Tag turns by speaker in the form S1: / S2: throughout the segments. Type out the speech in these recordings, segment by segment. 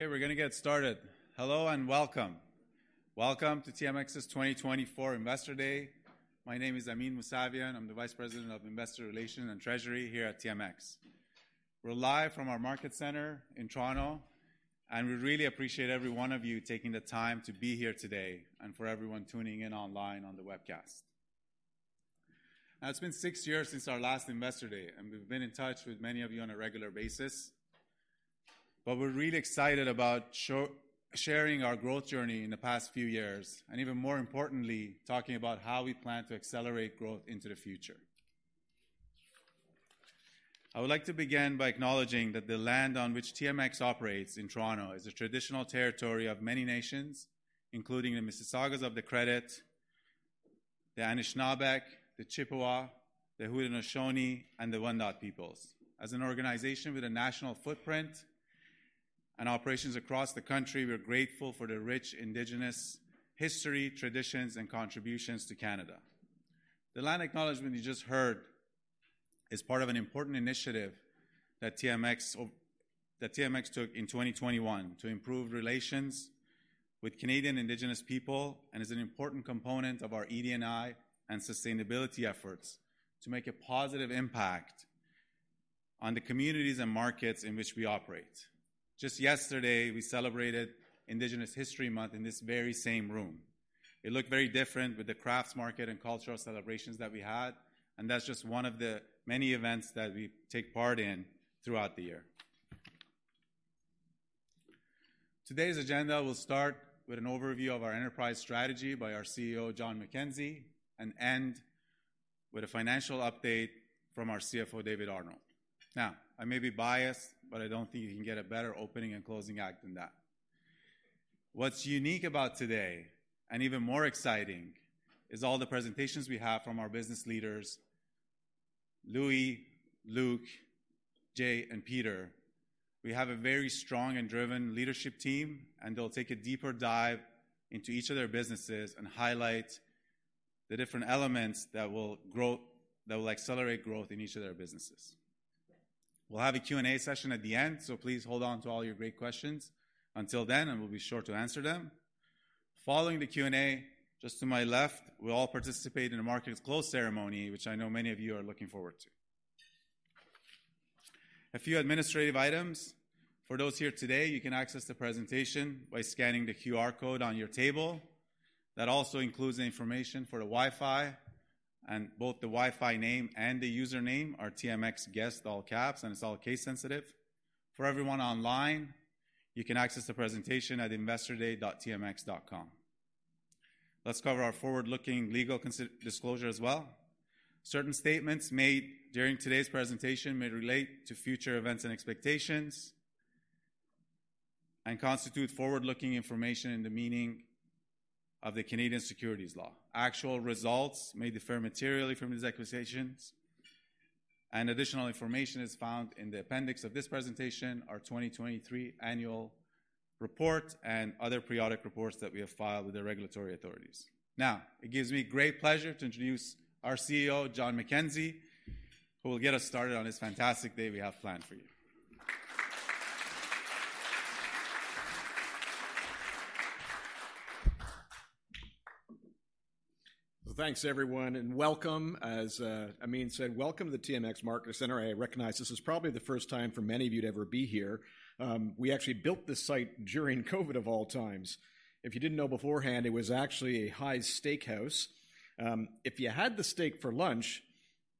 S1: Okay, we're gonna get started. Hello, and welcome. Welcome to TMX's 2024 Investor Day. My name is Amin Mousavian, I'm the Vice President of Investor Relations and Treasury here at TMX. We're live from our market center in Toronto, and we really appreciate every one of you taking the time to be here today, and for everyone tuning in online on the webcast. Now, it's been six years since our last Investor Day, and we've been in touch with many of you on a regular basis. But we're really excited about sharing our growth journey in the past few years, and even more importantly, talking about how we plan to accelerate growth into the future. I would like to begin by acknowledging that the land on which TMX operates in Toronto is a traditional territory of many nations, including the Mississaugas of the Credit, the Anishinaabeq, the Chippewa, the Haudenosaunee, and the Wendat peoples. As an organization with a national footprint and operations across the country, we're grateful for the rich Indigenous history, traditions, and contributions to Canada. The land acknowledgement you just heard is part of an important initiative that TMX took in 2021 to improve relations with Canadian Indigenous people, and is an important component of our ED&I and sustainability efforts to make a positive impact on the communities and markets in which we operate. Just yesterday, we celebrated Indigenous History Month in this very same room. It looked very different with the crafts market and cultural celebrations that we had, and that's just one of the many events that we take part in throughout the year. Today's agenda will start with an overview of our enterprise strategy by our CEO, John McKenzie, and end with a financial update from our CFO, David Arnold. Now, I may be biased, but I don't think you can get a better opening and closing act than that. What's unique about today, and even more exciting, is all the presentations we have from our business leaders, Loui, Luc, Jay, and Peter. We have a very strong and driven leadership team, and they'll take a deeper dive into each of their businesses and highlight the different elements that will accelerate growth in each of their businesses. We'll have a Q&A session at the end, so please hold on to all your great questions until then, and we'll be sure to answer them. Following the Q&A, just to my left, we'll all participate in a markets close ceremony, which I know many of you are looking forward to. A few administrative items. For those here today, you can access the presentation by scanning the QR code on your table. That also includes the information for the Wi-Fi, and both the Wi-Fi name and the username are TMXGUEST, all caps, and it's all case sensitive. For everyone online, you can access the presentation at investorday.tmx.com. Let's cover our forward-looking legal considerations disclosure as well. Certain statements made during today's presentation may relate to future events and expectations, and constitute forward-looking information in the meaning of the Canadian Securities law. Actual results may differ materially from these assumptions, and additional information is found in the appendix of this presentation, our 2023 annual report, and other periodic reports that we have filed with the regulatory authorities. Now, it gives me great pleasure to introduce our CEO, John McKenzie, who will get us started on this fantastic day we have planned for you.
S2: Well, thanks, everyone, and welcome. As Amin said, welcome to the TMX Market Centre. I recognize this is probably the first time for many of you to ever be here. We actually built this site during COVID of all times. If you didn't know beforehand, it was actually Hy's Steakhouse. If you had the steak for lunch,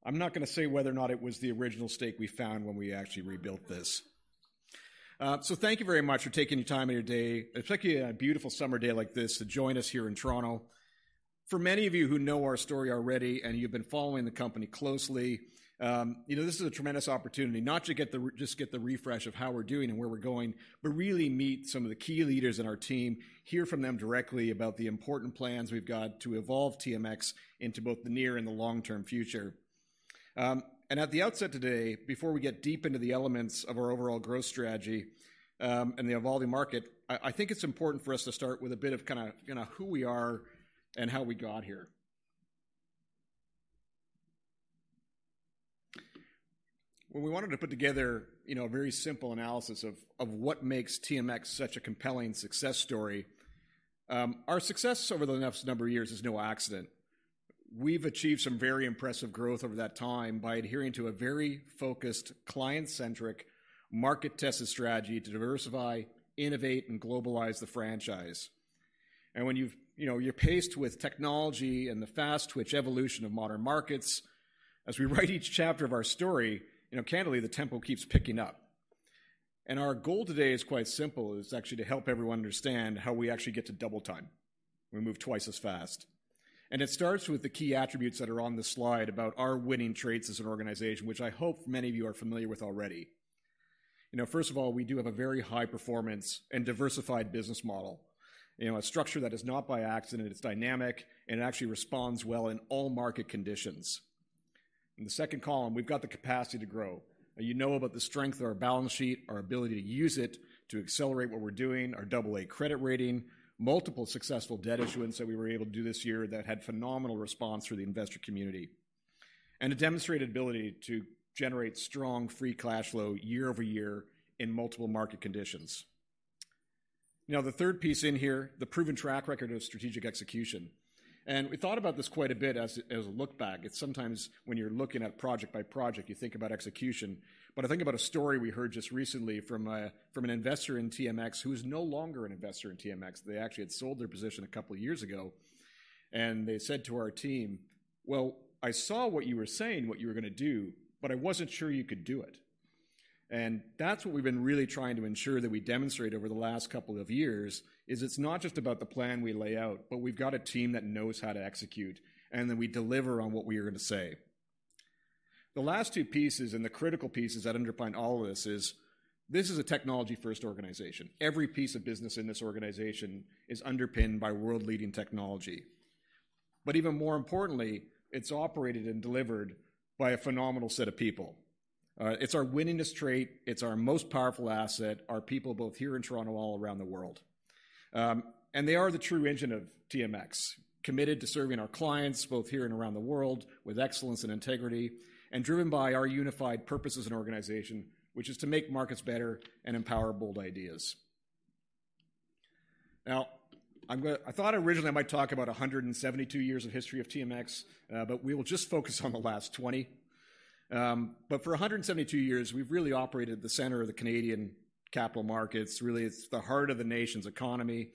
S2: I'm not gonna say whether or not it was the original steak we found when we actually rebuilt this. So thank you very much for taking the time out of your day, especially on a beautiful summer day like this, to join us here in Toronto. For many of you who know our story already, and you've been following the company closely, you know, this is a tremendous opportunity, not just get the refresh of how we're doing and where we're going, but really meet some of the key leaders in our team, hear from them directly about the important plans we've got to evolve TMX into both the near and the long-term future. And at the outset today, before we get deep into the elements of our overall growth strategy, and the evolving market, I think it's important for us to start with a bit of kinda, you know, who we are and how we got here. Well, we wanted to put together, you know, a very simple analysis of, of what makes TMX such a compelling success story. Our success over the last number of years is no accident. We've achieved some very impressive growth over that time by adhering to a very focused, client-centric, market-tested strategy to diversify, innovate, and globalize the franchise. When you've, you know, you're paced with technology and the fast-twitch evolution of modern markets, as we write each chapter of our story, you know, candidly, the tempo keeps picking up. Our goal today is quite simple, is actually to help everyone understand how we actually get to double time. We move twice as fast. It starts with the key attributes that are on this slide about our winning traits as an organization, which I hope many of you are familiar with already. You know, first of all, we do have a very high performance and diversified business model. You know, a structure that is not by accident, it's dynamic, and it actually responds well in all market conditions. In the second column, we've got the capacity to grow. You know about the strength of our balance sheet, our ability to use it to accelerate what we're doing, our AA credit rating, multiple successful debt issuance that we were able to do this year that had phenomenal response through the investor community and a demonstrated ability to generate strong free cash flow year-over-year in multiple market conditions. Now, the third piece in here, the proven track record of strategic execution. We thought about this quite a bit as a look back. It's sometimes when you're looking at project by project, you think about execution. But I think about a story we heard just recently from an investor in TMX, who is no longer an investor in TMX. They actually had sold their position a couple of years ago, and they said to our team, "Well, I saw what you were saying, what you were gonna do, but I wasn't sure you could do it." And that's what we've been really trying to ensure that we demonstrate over the last couple of years, is it's not just about the plan we lay out, but we've got a team that knows how to execute, and then we deliver on what we are gonna say. The last two pieces, and the critical pieces that underpin all of this is, this is a technology-first organization. Every piece of business in this organization is underpinned by world-leading technology. But even more importantly, it's operated and delivered by a phenomenal set of people. It's our winningest trait, it's our most powerful asset, our people, both here in Toronto and all around the world. And they are the true engine of TMX, committed to serving our clients, both here and around the world, with excellence and integrity, and driven by our unified purpose as an organization, which is to make markets better and empower bold ideas. Now, I thought originally I might talk about 172 years of history of TMX, but we will just focus on the last 20. But for 172 years, we've really operated at the center of the Canadian capital markets. Really, it's the heart of the nation's economy,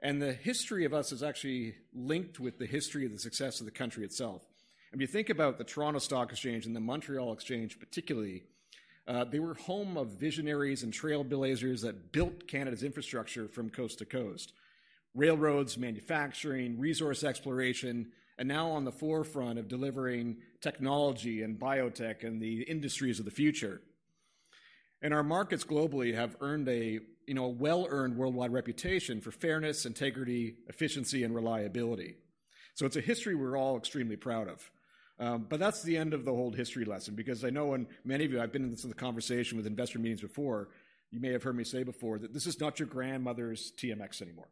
S2: and the history of us is actually linked with the history of the success of the country itself. If you think about the Toronto Stock Exchange and the Montréal Exchange, particularly, they were home of visionaries and trailblazers that built Canada's infrastructure from coast to coast. Railroads, manufacturing, resource exploration, and now on the forefront of delivering technology and biotech and the industries of the future. And our markets globally have earned a, you know, well-earned worldwide reputation for fairness, integrity, efficiency, and reliability. So it's a history we're all extremely proud of. But that's the end of the old history lesson, because I know, and many of you, I've been in this conversation with investor meetings before, you may have heard me say before that this is not your grandmother's TMX anymore.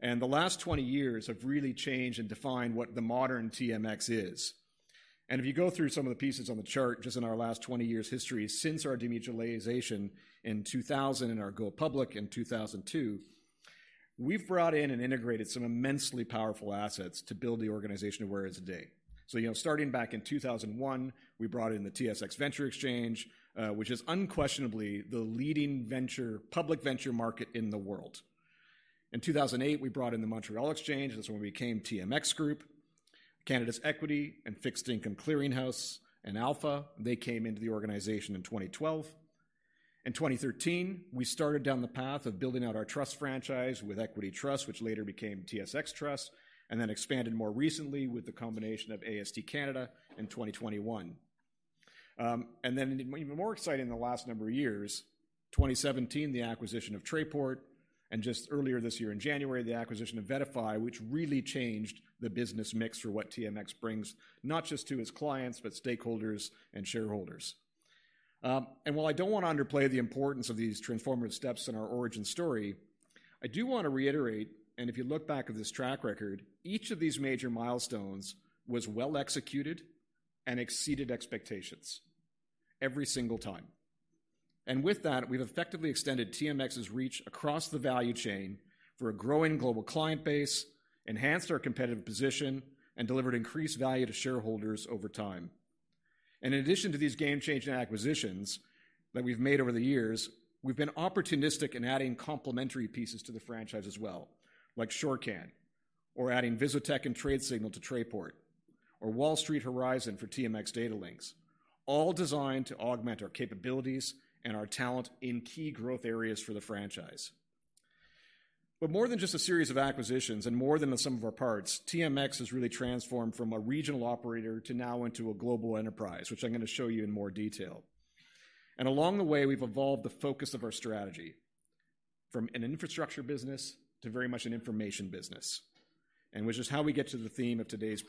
S2: The last 20 years have really changed and defined what the modern TMX is. If you go through some of the pieces on the chart, just in our last 20 years' history, since our demutualization in 2000 and our go public in 2002, we've brought in and integrated some immensely powerful assets to build the organization to where it is today. So, you know, starting back in 2001, we brought in the TSX Venture Exchange, which is unquestionably the leading venture public venture market in the world. In 2008, we brought in the Montréal Exchange, that's when we became TMX Group. Canada's equity and fixed income clearinghouse, and Alpha, they came into the organization in 2012. In 2013, we started down the path of building out our trust franchise with Equity Trust, which later became TSX Trust, and then expanded more recently with the combination of AST Canada in 2021. And then even more exciting in the last number of years, 2017, the acquisition of Trayport, and just earlier this year in January, the acquisition of VettaFi, which really changed the business mix for what TMX brings, not just to its clients, but stakeholders and shareholders. And while I don't want to underplay the importance of these transformative steps in our origin story, I do want to reiterate, and if you look back at this track record, each of these major milestones was well-executed and exceeded expectations every single time. And with that, we've effectively extended TMX's reach across the value chain for a growing global client base, enhanced our competitive position, and delivered increased value to shareholders over time. And in addition to these game-changing acquisitions that we've made over the years, we've been opportunistic in adding complementary pieces to the franchise as well, like Shorcan, or adding VisoTech and Tradesignal to Trayport, or Wall Street Horizon for TMX Datalinx, all designed to augment our capabilities and our talent in key growth areas for the franchise. But more than just a series of acquisitions and more than the sum of our parts, TMX has really transformed from a regional operator to now into a global enterprise, which I'm gonna show you in more detail. Along the way, we've evolved the focus of our strategy from an infrastructure business to very much an information business, which is how we get to the theme of today's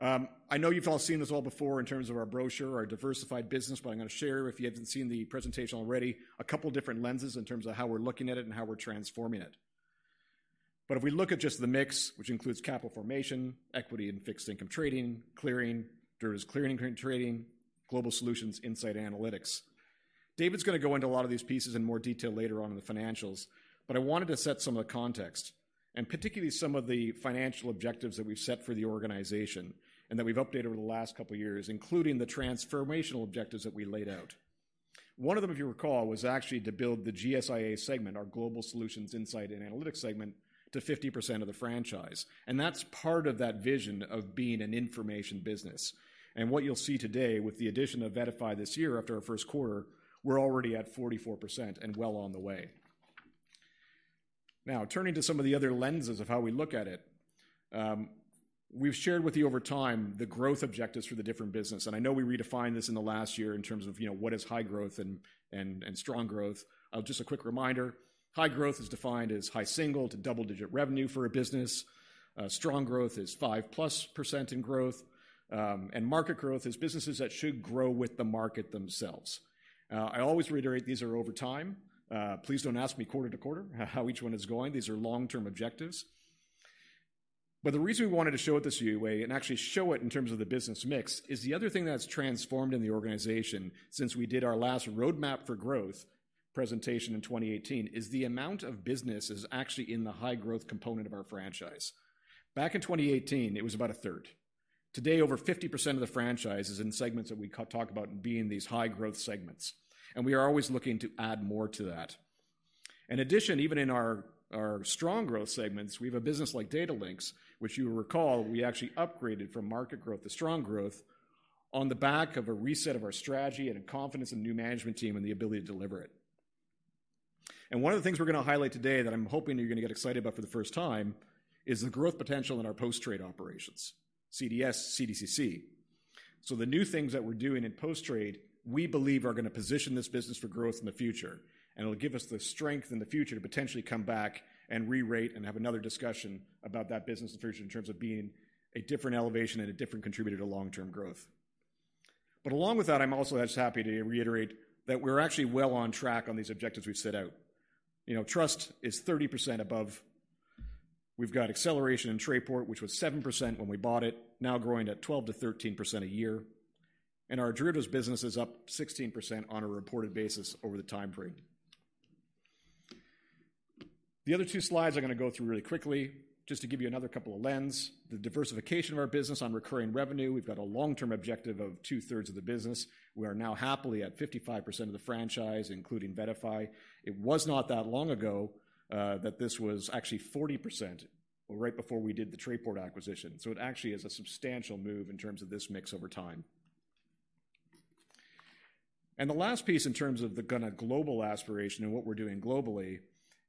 S2: presentation. I know you've all seen this all before in terms of our brochure, our diversified business, but I'm gonna share, if you haven't seen the presentation already, a couple different lenses in terms of how we're looking at it and how we're transforming it. If we look at just the mix, which includes capital formation, equity and fixed income trading, clearing, derivatives clearing and trading, global solutions, insight analytics. David's gonna go into a lot of these pieces in more detail later on in the financials, but I wanted to set some of the context, and particularly some of the financial objectives that we've set for the organization and that we've updated over the last couple of years, including the transformational objectives that we laid out. One of them, if you recall, was actually to build the GSIA segment, our Global Solutions, Insight, and Analytics segment, to 50% of the franchise, and that's part of that vision of being an information business. And what you'll see today, with the addition of VettaFi this year after our first quarter, we're already at 44% and well on the way. Now, turning to some of the other lenses of how we look at it, we've shared with you over time the growth objectives for the different business, and I know we redefined this in the last year in terms of, you know, what is high growth and, and, and strong growth. Just a quick reminder, high growth is defined as high single- to double-digit revenue for a business. Strong growth is 5%+ in growth, and market growth is businesses that should grow with the market themselves. I always reiterate, these are over time. Please don't ask me quarter to quarter how each one is going. These are long-term objectives. But the reason we wanted to show it this way, and actually show it in terms of the business mix, is the other thing that's transformed in the organization since we did our last roadmap for growth presentation in 2018, is the amount of business is actually in the high growth component of our franchise. Back in 2018, it was about a third. Today, over 50% of the franchise is in segments that we talk about being these high growth segments, and we are always looking to add more to that. In addition, even in our, our strong growth segments, we have a business like Datalinx, which you will recall, we actually upgraded from market growth to strong growth on the back of a reset of our strategy and a confidence in the new management team and the ability to deliver it. One of the things we're gonna highlight today that I'm hoping you're gonna get excited about for the first time, is the growth potential in our post-trade operations, CDS, CDCC. So the new things that we're doing in post-trade, we believe are gonna position this business for growth in the future, and it'll give us the strength in the future to potentially come back and re-rate and have another discussion about that business in the future in terms of being a different elevation and a different contributor to long-term growth. But along with that, I'm also just happy to reiterate that we're actually well on track on these objectives we've set out. You know, Trust is 30% above. We've got acceleration in Trayport, which was 7% when we bought it, now growing at 12%-13% a year. Our derivatives business is up 16% on a reported basis over the time frame. The other two slides I'm gonna go through really quickly, just to give you another couple of lenses. The diversification of our business on recurring revenue, we've got a long-term objective of two thirds of the business. We are now happily at 55% of the franchise, including VettaFi. It was not that long ago, that this was actually 40%, right before we did the Trayport acquisition, so it actually is a substantial move in terms of this mix over time. The last piece, in terms of the kind of global aspiration and what we're doing globally,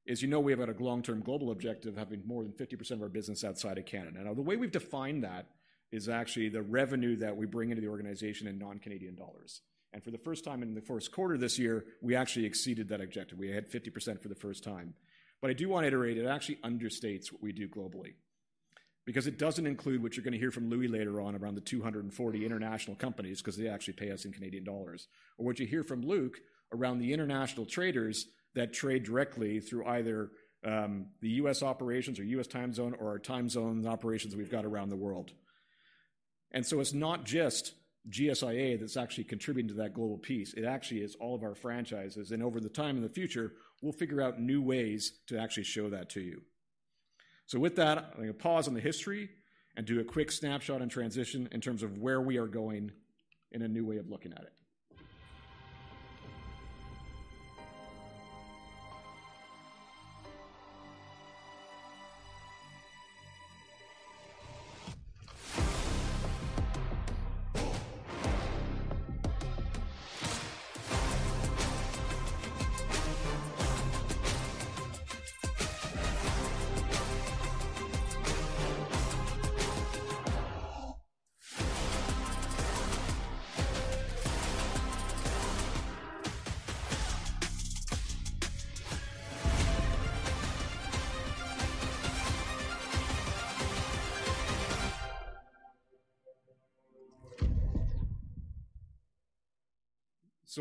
S2: is you know we have had a long-term global objective, having more than 50% of our business outside of Canada. Now, the way we've defined that is actually the revenue that we bring into the organization in non-Canadian dollars. For the first time in the first quarter this year, we actually exceeded that objective. We had 50% for the first time. But I do want to iterate, it actually understates what we do globally, because it doesn't include what you're gonna hear from Loui later on around the 240 international companies, 'cause they actually pay us in Canadian dollars. Or what you hear from Luc around the international traders that trade directly through either, the U.S. operations or U.S. time zone or our time zone operations we've got around the world. And so it's not just GSIA that's actually contributing to that global piece, it actually is all of our franchises, and over the time in the future, we'll figure out new ways to actually show that to you. So with that, I'm gonna pause on the history and do a quick snapshot and transition in terms of where we are going in a new way of looking at it.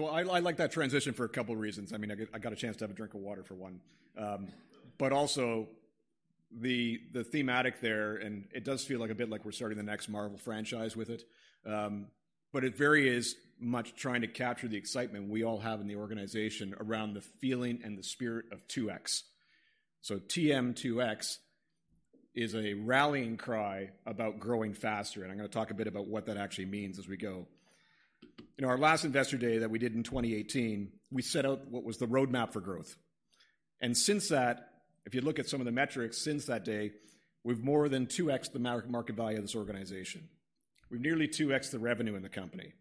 S2: So I like that transition for a couple reasons. I mean, I got a chance to have a drink of water, for one. But also the thematic there, and it does feel like a bit like we're starting the next Marvel franchise with it, but it very is much trying to capture the excitement we all have in the organization around the feeling and the spirit of 2X. So TM2X is a rallying cry about growing faster, and I'm gonna talk a bit about what that actually means as we go. In our last Investor Day that we did in 2018, we set out what was the roadmap for growth. Since that, if you look at some of the metrics since that day, we've more than 2x'd the market value of this organization. We've nearly 2x'd the revenue in the company.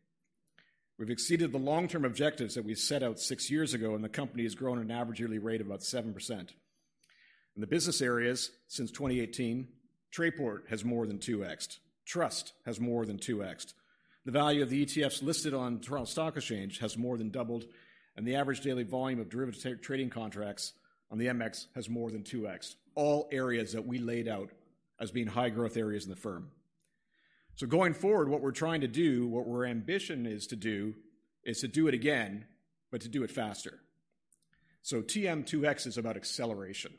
S2: We've exceeded the long-term objectives that we set out six years ago, and the company has grown at an average yearly rate of about 7%. In the business areas, since 2018, Trayport has more than 2x'd. Trust has more than 2x'd. The value of the ETFs listed on Toronto Stock Exchange has more than doubled, and the average daily volume of derivative trading contracts on the MX has more than 2x. All areas that we laid out as being high-growth areas in the firm. So going forward, what we're trying to do, what our ambition is to do, is to do it again, but to do it faster. So TMX 2X is about acceleration.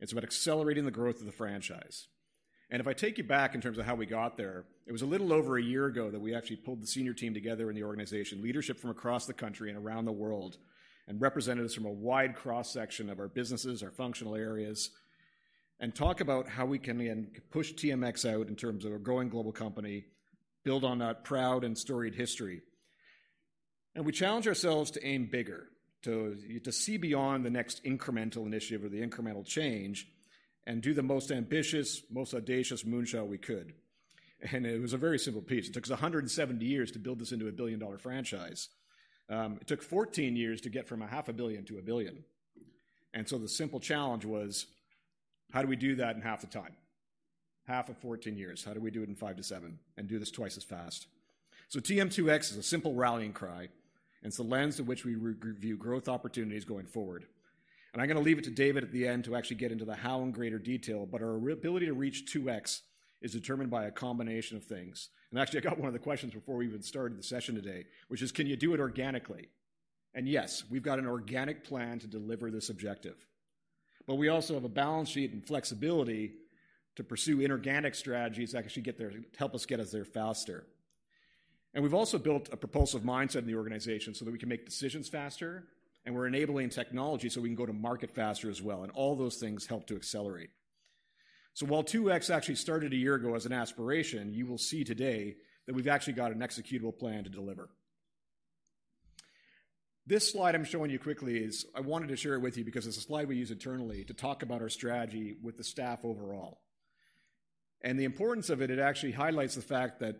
S2: It's about accelerating the growth of the franchise. If I take you back in terms of how we got there, it was a little over a year ago that we actually pulled the senior team together in the organization, leadership from across the country and around the world, and representatives from a wide cross-section of our businesses, our functional areas, and talk about how we can, again, push TMX out in terms of a growing global company, and build on that proud and storied history. We challenged ourselves to aim bigger, to see beyond the next incremental initiative or the incremental change, and do the most ambitious, most audacious moonshot we could. It was a very simple piece. It took us 170 years to build this into a billion-dollar franchise. It took 14 years to get from 500 million to 1 billion. The simple challenge was, how do we do that in half the time? Half of 14 years. How do we do it in 5-7, and do this twice as fast? TM2X is a simple rallying cry, and it's the lens through which we review growth opportunities going forward. I'm gonna leave it to David at the end to actually get into the how in greater detail, but our ability to reach 2x is determined by a combination of things. Actually, I got one of the questions before we even started the session today, which is: Can you do it organically? And yes, we've got an organic plan to deliver this objective. But we also have a balance sheet and flexibility to pursue inorganic strategies that can actually get there, help us get us there faster. We've also built a propulsive mindset in the organization so that we can make decisions faster, and we're enabling technology so we can go to market faster as well, and all those things help to accelerate. While 2X actually started a year ago as an aspiration, you will see today that we've actually got an executable plan to deliver. This slide I'm showing you quickly is one I wanted to share with you because it's a slide we use internally to talk about our strategy with the staff overall. The importance of it actually highlights the fact that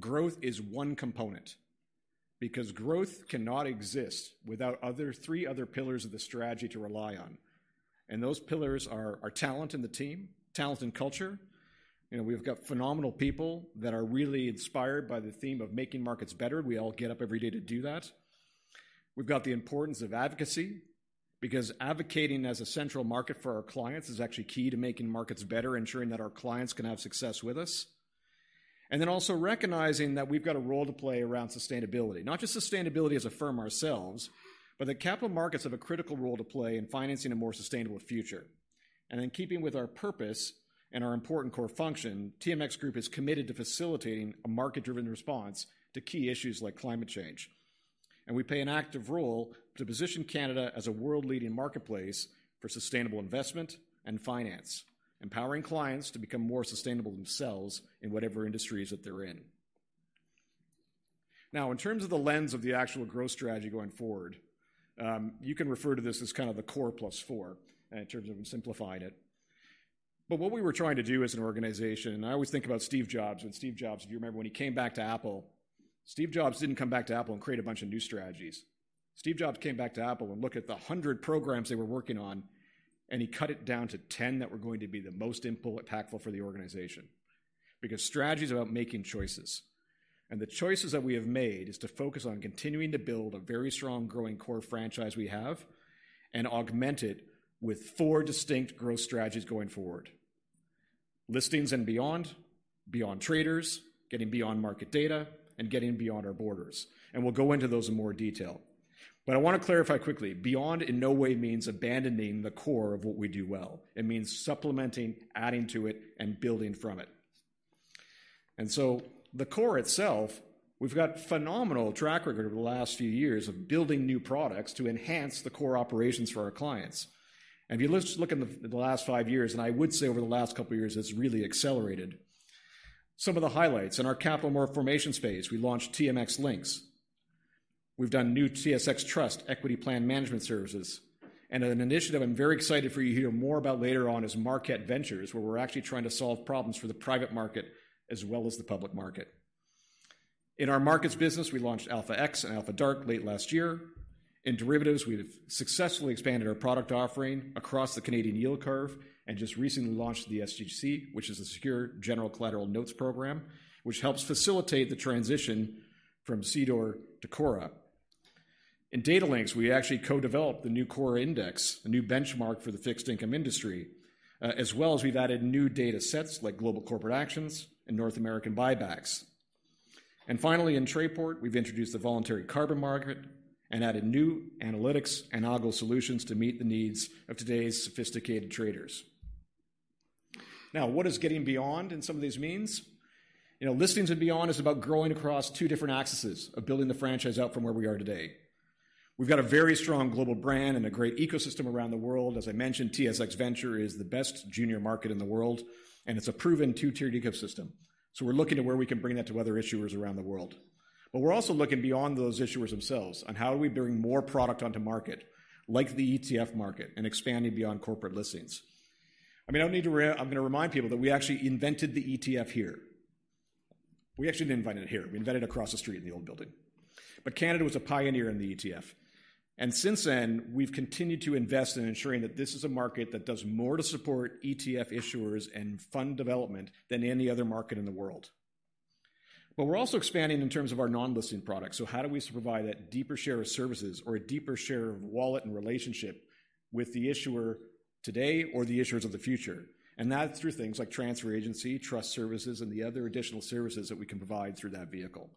S2: growth is one component, because growth cannot exist without three other pillars of the strategy to rely on. Those pillars are talent in the team, talent and culture. You know, we've got phenomenal people that are really inspired by the theme of making markets better. We all get up every day to do that. We've got the importance of advocacy, because advocating as a central market for our clients is actually key to making markets better, ensuring that our clients can have success with us. And then also recognizing that we've got a role to play around sustainability. Not just sustainability as a firm ourselves, but that capital markets have a critical role to play in financing a more sustainable future. And in keeping with our purpose and our important core function, TMX Group is committed to facilitating a market-driven response to key issues like climate change. And we play an active role to position Canada as a world-leading marketplace for sustainable investment and finance, empowering clients to become more sustainable themselves in whatever industries that they're in. Now, in terms of the lens of the actual growth strategy going forward, you can refer to this as kind of the core plus four, in terms of simplifying it. But what we were trying to do as an organization, and I always think about Steve Jobs. And Steve Jobs, if you remember, when he came back to Apple, Steve Jobs didn't come back to Apple and create a bunch of new strategies. Steve Jobs came back to Apple and looked at the 100 programs they were working on, and he cut it down to 10 that were going to be the most impactful for the organization. Because strategy is about making choices, and the choices that we have made is to focus on continuing to build a very strong, growing core franchise we have, and augment it with four distinct growth strategies going forward: listings and beyond, beyond traders, getting beyond market data, and getting beyond our borders. We'll go into those in more detail. But I want to clarify quickly, beyond in no way means abandoning the core of what we do well. It means supplementing, adding to it, and building from it. So the core itself, we've got phenomenal track record over the last few years of building new products to enhance the core operations for our clients. If you just look in the last five years, and I would say over the last couple of years, it's really accelerated. Some of the highlights, in our capital formation space, we launched TMX LINX. We've done new TSX Trust equity plan management services, and an initiative I'm very excited for you to hear more about later on is Markette Ventures, where we're actually trying to solve problems for the private market as well as the public market. In our markets business, we launched Alpha-X and Alpha DRK late last year. In derivatives, we've successfully expanded our product offering across the Canadian yield curve and just recently launched the SGC, which is a Secured General Collateral notes program, which helps facilitate the transition from CDOR to CORRA. In Datalinx, we actually co-developed the new CORRA index, a new benchmark for the fixed income industry, as well as we've added new data sets like global corporate actions and North American buybacks. And finally, in Trayport, we've introduced the voluntary carbon market and added new analytics and algo solutions to meet the needs of today's sophisticated traders. Now, what does getting beyond in some of these means? You know, listings and beyond is about growing across two different axes of building the franchise out from where we are today. We've got a very strong global brand and a great ecosystem around the world. As I mentioned, TSX Venture is the best junior market in the world, and it's a proven two-tiered ecosystem. So we're looking at where we can bring that to other issuers around the world. But we're also looking beyond those issuers themselves on how do we bring more product onto market, like the ETF market, and expanding beyond corporate listings. I mean, I don't need to re--. I'm gonna remind people that we actually invented the ETF here. We actually didn't invent it here. We invented it across the street in the old building. But Canada was a pioneer in the ETF, and since then, we've continued to invest in ensuring that this is a market that does more to support ETF issuers and fund development than any other market in the world. But we're also expanding in terms of our non-listing products. So how do we provide a deeper share of services or a deeper share of wallet and relationship with the issuer today or the issuers of the future? And that's through things like transfer agency, trust services, and the other additional services that we can provide through that vehicle.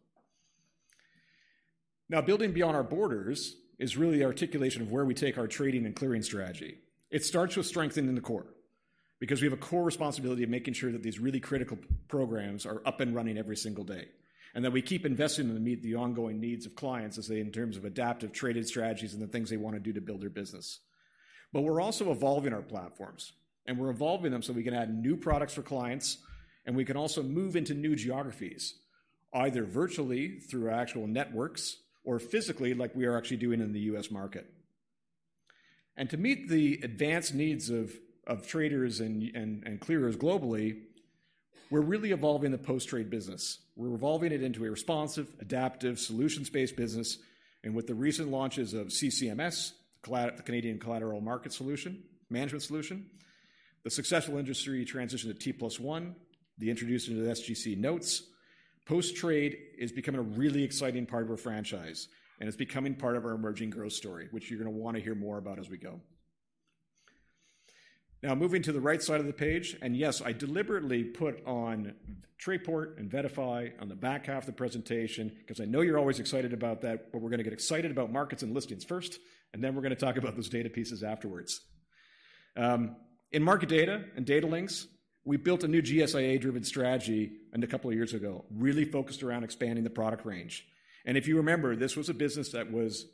S2: Now, building beyond our borders is really the articulation of where we take our trading and clearing strategy. It starts with strengthening the core, because we have a core responsibility of making sure that these really critical programs are up and running every single day, and that we keep investing to meet the ongoing needs of clients, as they in terms of adaptive trading strategies and the things they wanna do to build their business. But we're also evolving our platforms, and we're evolving them so we can add new products for clients, and we can also move into new geographies, either virtually through our actual networks or physically, like we are actually doing in the U.S. market. To meet the advanced needs of traders and clearers globally, we're really evolving the post-trade business. We're evolving it into a responsive, adaptive, solutions-based business, and with the recent launches of CCMS, the Canadian Collateral Management Service, the successful industry transition to T+1, the introduction to the SGC Notes, post-trade is becoming a really exciting part of our franchise, and it's becoming part of our emerging growth story, which you're gonna wanna hear more about as we go. Now, moving to the right side of the page, and yes, I deliberately put Trayport and VettaFi on the back half of the presentation, 'cause I know you're always excited about that, but we're gonna get excited about markets and listings first, and then we're gonna talk about those data pieces afterwards. In market data and data links, we built a new GSIA-driven strategy, and a couple of years ago, really focused around expanding the product range. And if you remember, this was a business that was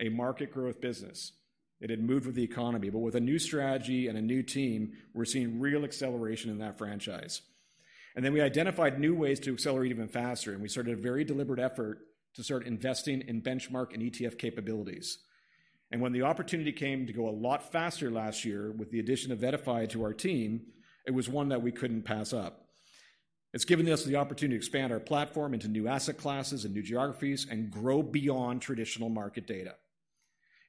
S2: a market growth business. It had moved with the economy, but with a new strategy and a new team, we're seeing real acceleration in that franchise. And then we identified new ways to accelerate even faster, and we started a very deliberate effort to start investing in benchmark and ETF capabilities. And when the opportunity came to go a lot faster last year with the addition of VettaFi to our team, it was one that we couldn't pass up. It's given us the opportunity to expand our platform into new asset classes and new geographies, and grow beyond traditional market data.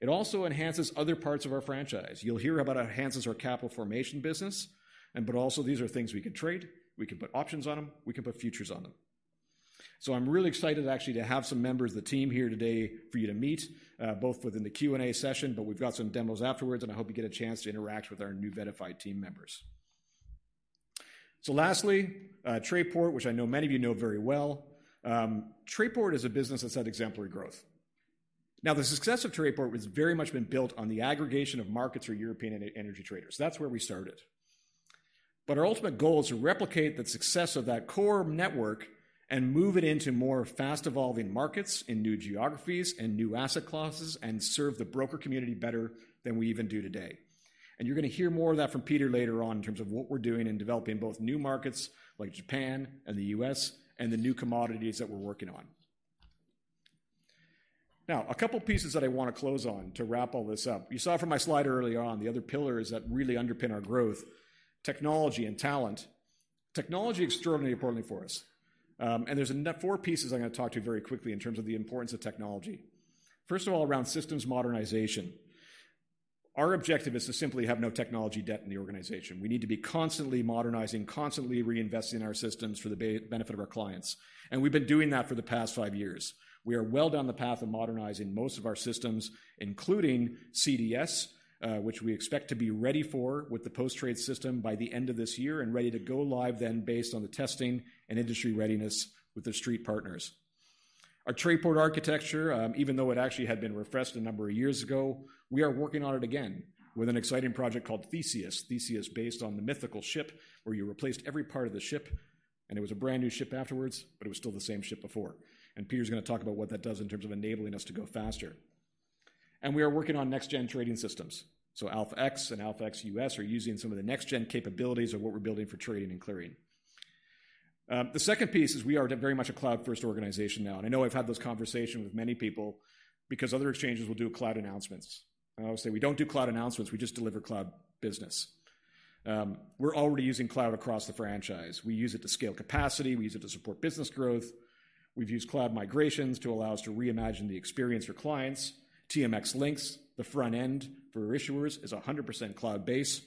S2: It also enhances other parts of our franchise. You'll hear about how it enhances our capital formation business, and but also, these are things we can trade, we can put options on them, we can put futures on them. So I'm really excited actually, to have some members of the team here today for you to meet, both within the Q&A session, but we've got some demos afterwards, and I hope you get a chance to interact with our new VettaFi team members. So lastly, Trayport, which I know many of you know very well. Trayport is a business that's had exemplary growth. Now, the success of Trayport has very much been built on the aggregation of markets for European and energy traders. That's where we started. But our ultimate goal is to replicate the success of that core network and move it into more fast-evolving markets, in new geographies, and new asset classes, and serve the broker community better than we even do today. You're gonna hear more of that from Peter later on in terms of what we're doing in developing both new markets, like Japan and the U.S., and the new commodities that we're working on. Now, a couple pieces that I want to close on to wrap all this up. You saw from my slide earlier on, the other pillars that really underpin our growth: technology and talent. Technology, extraordinarily importantly for us, and there's four pieces I'm gonna talk to you very quickly in terms of the importance of technology. First of all, around systems modernization. Our objective is to simply have no technology debt in the organization. We need to be constantly modernizing, constantly reinvesting in our systems for the benefit of our clients, and we've been doing that for the past five years. We are well down the path of modernizing most of our systems, including CDS, which we expect to be ready for with the post-trade system by the end of this year, and ready to go live then, based on the testing and industry readiness with the street partners. Our Trayport architecture, even though it actually had been refreshed a number of years ago, we are working on it again with an exciting project called Theseus. Theseus, based on the mythical ship, where you replaced every part of the ship, and it was a brand-new ship afterwards, but it was still the same ship before. Peter's gonna talk about what that does in terms of enabling us to go faster. We are working on next-gen trading systems, so Alpha-X and Alpha-X US are using some of the next-gen capabilities of what we're building for trading and clearing. The second piece is we are very much a cloud-first organization now, and I know I've had this conversation with many people because other exchanges will do cloud announcements. I always say, "We don't do cloud announcements. We just deliver cloud business." We're already using cloud across the franchise. We use it to scale capacity, we use it to support business growth. We've used cloud migrations to allow us to reimagine the experience for clients. TMX LINX, the front end for our issuers, is 100% cloud-based.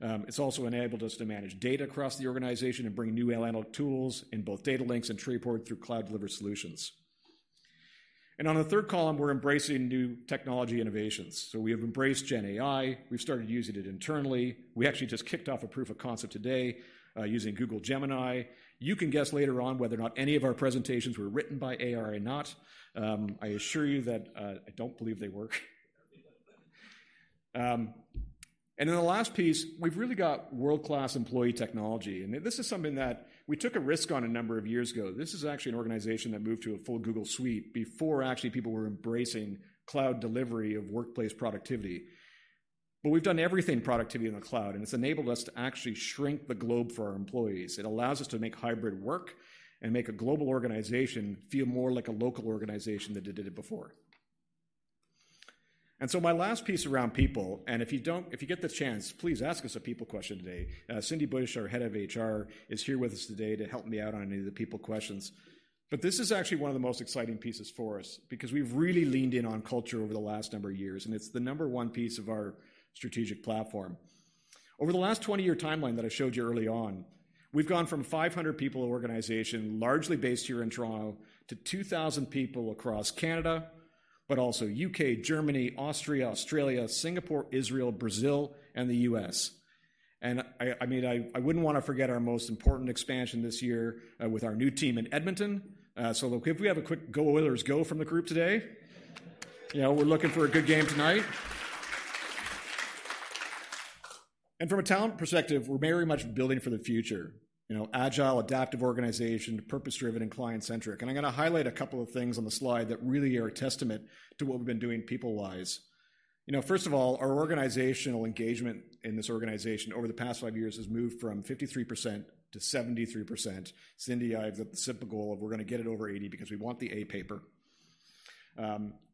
S2: It's also enabled us to manage data across the organization and bring new analytic tools in both Datalinx and Trayport through cloud-delivered solutions. On the third column, we're embracing new technology innovations. We have embraced GenAI. We've started using it internally. We actually just kicked off a proof of concept today, using Google Gemini. You can guess later on whether or not any of our presentations were written by AI or not. I assure you that, I don't believe they were. And then the last piece, we've really got world-class employee technology, and this is something that we took a risk on a number of years ago. This is actually an organization that moved to a full Google Suite before actually people were embracing cloud delivery of workplace productivity. But we've done everything productivity in the cloud, and it's enabled us to actually shrink the globe for our employees. It allows us to make hybrid work and make a global organization feel more like a local organization than it did before. My last piece around people, and if you don't, if you get the chance, please ask us a people question today. Cindy Bush, our head of HR, is here with us today to help me out on any of the people questions. But this is actually one of the most exciting pieces for us because we've really leaned in on culture over the last number of years, and it's the number one piece of our strategic platform. Over the last 20-year timeline that I showed you early on, we've gone from 500-people organization, largely based here in Toronto, to 2,000 people across Canada, but also U.K., Germany, Austria, Australia, Singapore, Israel, Brazil, and the U.S. And I mean, I wouldn't want to forget our most important expansion this year, with our new team in Edmonton. So if we have a quick "Go Oilers, go" from the group today. You know, we're looking for a good game tonight. And from a talent perspective, we're very much building for the future. You know, agile, adaptive organization, purpose-driven and client-centric. And I'm gonna highlight a couple of things on the slide that really are a testament to what we've been doing people-wise. You know, first of all, our organizational engagement in this organization over the past five years has moved from 53% to 73%. Cindy, I have the simple goal of we're gonna get it over 80 because we want the A paper.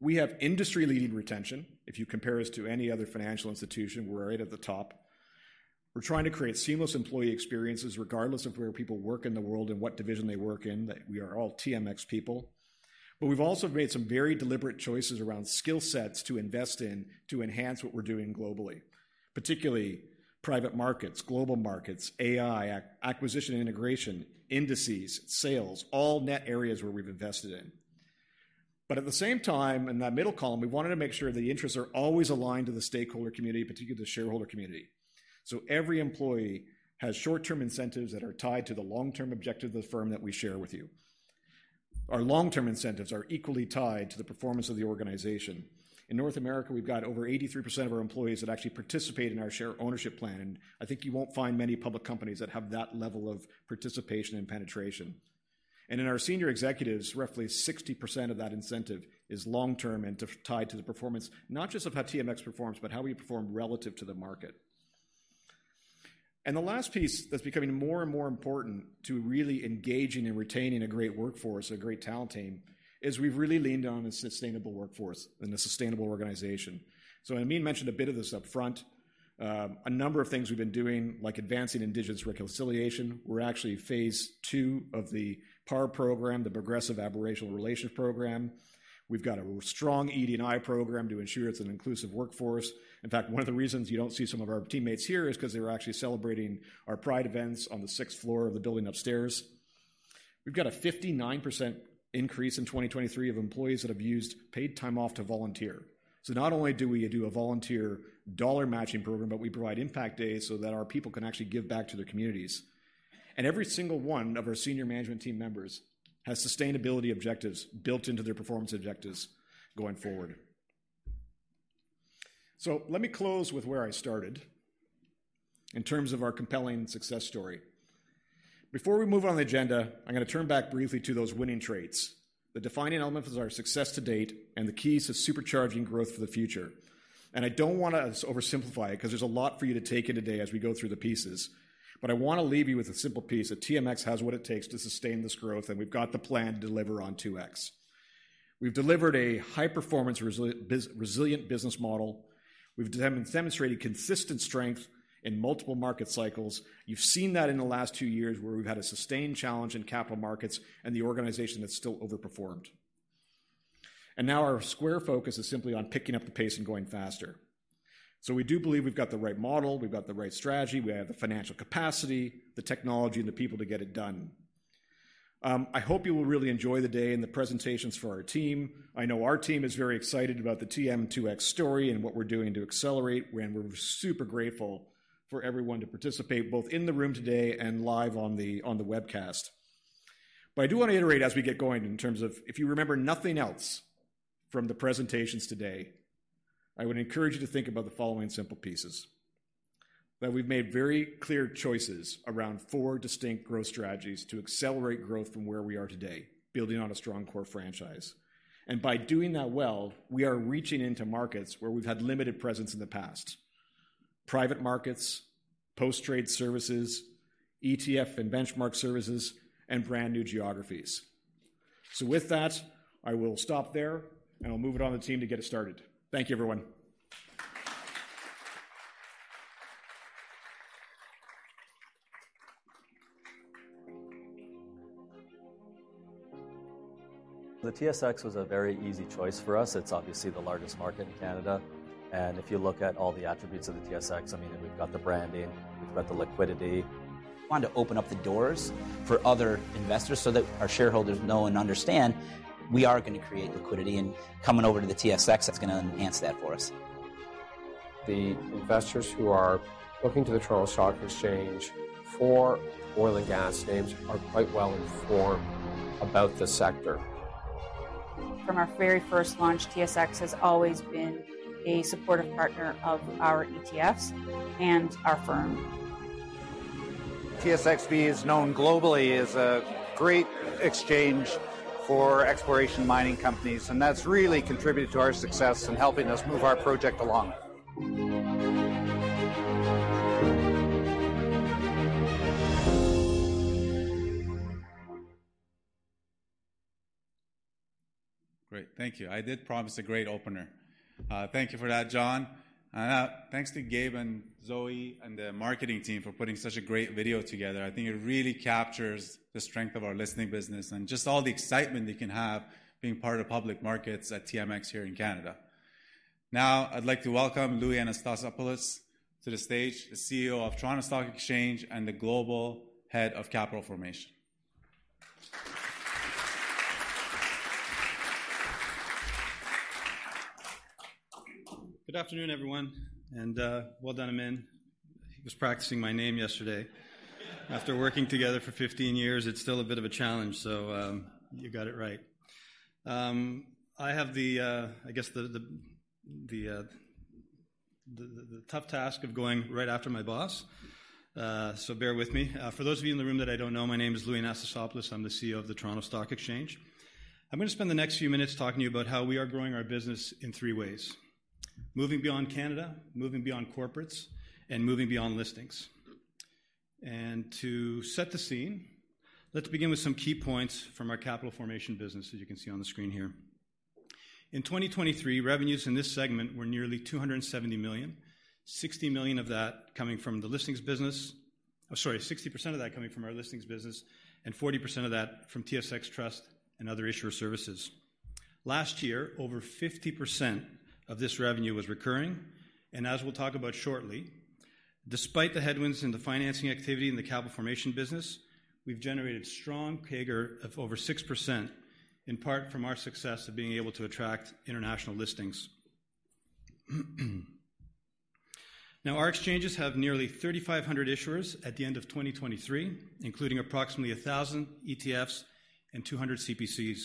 S2: We have industry-leading retention. If you compare us to any other financial institution, we're right at the top. We're trying to create seamless employee experiences, regardless of where people work in the world and what division they work in, that we are all TMX people. But we've also made some very deliberate choices around skill sets to invest in, to enhance what we're doing globally, particularly private markets, global markets, AI, acquisition and integration, indices, sales, all new areas where we've invested in. But at the same time, in that middle column, we wanted to make sure the interests are always aligned to the stakeholder community, particularly the shareholder community. So every employee has short-term incentives that are tied to the long-term objective of the firm that we share with you. Our long-term incentives are equally tied to the performance of the organization. In North America, we've got over 83% of our employees that actually participate in our share ownership plan, and I think you won't find many public companies that have that level of participation and penetration. In our senior executives, roughly 60% of that incentive is long-term and tied to the performance, not just of how TMX performs, but how we perform relative to the market. The last piece that's becoming more and more important to really engaging and retaining a great workforce, a great talent team, is we've really leaned on a sustainable workforce and a sustainable organization. So Amin mentioned a bit of this upfront. A number of things we've been doing, like advancing Indigenous reconciliation. We're actually phase II of the PAR program, the Progressive Aboriginal Relations program. We've got a strong ED&I program to ensure it's an inclusive workforce. In fact, one of the reasons you don't see some of our teammates here is 'cause they were actually celebrating our Pride events on the sixth floor of the building upstairs. We've got a 59% increase in 2023 of employees that have used paid time off to volunteer. So not only do we do a volunteer dollar matching program, but we provide impact days so that our people can actually give back to their communities. And every single one of our senior management team members has sustainability objectives built into their performance objectives going forward. So let me close with where I started in terms of our compelling success story. Before we move on the agenda, I'm gonna turn back briefly to those winning traits, the defining elements of our success to date, and the keys to supercharging growth for the future. I don't wanna oversimplify it, 'cause there's a lot for you to take in today as we go through the pieces, but I wanna leave you with a simple piece, that TMX has what it takes to sustain this growth, and we've got the plan to deliver on 2X. We've delivered a high-performance resilient business model. We've demonstrated consistent strength in multiple market cycles. You've seen that in the last two years, where we've had a sustained challenge in capital markets and the organization that's still overperformed. Now our singular focus is simply on picking up the pace and going faster. We do believe we've got the right model, we've got the right strategy, we have the financial capacity, the technology, and the people to get it done. I hope you will really enjoy the day and the presentations for our team. I know our team is very excited a`bout the TM2X story and what we're doing to accelerate, and we're super grateful for everyone to participate, both in the room today and live on the webcast. But I do wanna iterate as we get going in terms of, if you remember nothing else from the presentations today, I would encourage you to think about the following simple pieces: That we've made very clear choices around four distinct growth strategies to accelerate growth from where we are today, building on a strong core franchise. And by doing that well, we are reaching into markets where we've had limited presence in the past: private markets, post-trade services, ETF and benchmark services, and brand-new geographies. So with that, I will stop there, and I'll move it on the team to get it started. Thank you, everyone.
S3: The TSX was a very easy choice for us. It's obviously the largest market in Canada, and if you look at all the attributes of the TSX, I mean, we've got the branding, we've got the liquidity.
S4: Want to open up the doors for other investors so that our shareholders know and understand we are gonna create liquidity, and coming over to the TSX, that's gonna enhance that for us.
S5: The investors who are looking to the Toronto Stock Exchange for oil and gas names are quite well informed about the sector.
S6: From our very first launch, TSX has always been a supportive partner of our ETFs and our firm.
S7: TSXV is known globally as a great exchange for exploration mining companies, and that's really contributed to our success in helping us move our project along.
S1: Great, thank you. I did promise a great opener. Thank you for that, John. Thanks to Gabe and Zoe and the marketing team for putting such a great video together. I think it really captures the strength of our listing business and just all the excitement you can have being part of public markets at TMX here in Canada. Now, I'd like to welcome Loui Anastasopoulos to the stage, the CEO of Toronto Stock Exchange and the Global Head of Capital Formation.
S8: Good afternoon, everyone, and well done, Amin. He was practicing my name yesterday. After working together for 15 years, it's still a bit of a challenge, so you got it right. I have, I guess, the tough task of going right after my boss, so bear with me. For those of you in the room that I don't know, my name is Loui Anastasopoulos. I'm the CEO of the Toronto Stock Exchange. I'm gonna spend the next few minutes talking to you about how we are growing our business in three ways: moving beyond Canada, moving beyond corporates, and moving beyond listings. To set the scene, let's begin with some key points from our Capital Formation business, as you can see on the screen here. In 2023, revenues in this segment were nearly 270 million, 60 million of that coming from the listings business—oh, sorry, 60% of that coming from our listings business, and 40% of that from TSX Trust and other issuer services. Last year, over 50% of this revenue was recurring, and as we'll talk about shortly. Despite the headwinds in the financing activity in the Capital Formation business, we've generated strong CAGR of over 6%, in part from our success of being able to attract international listings. Now, our exchanges have nearly 3,500 issuers at the end of 2023, including approximately 1,000 ETFs and 200 CPCs.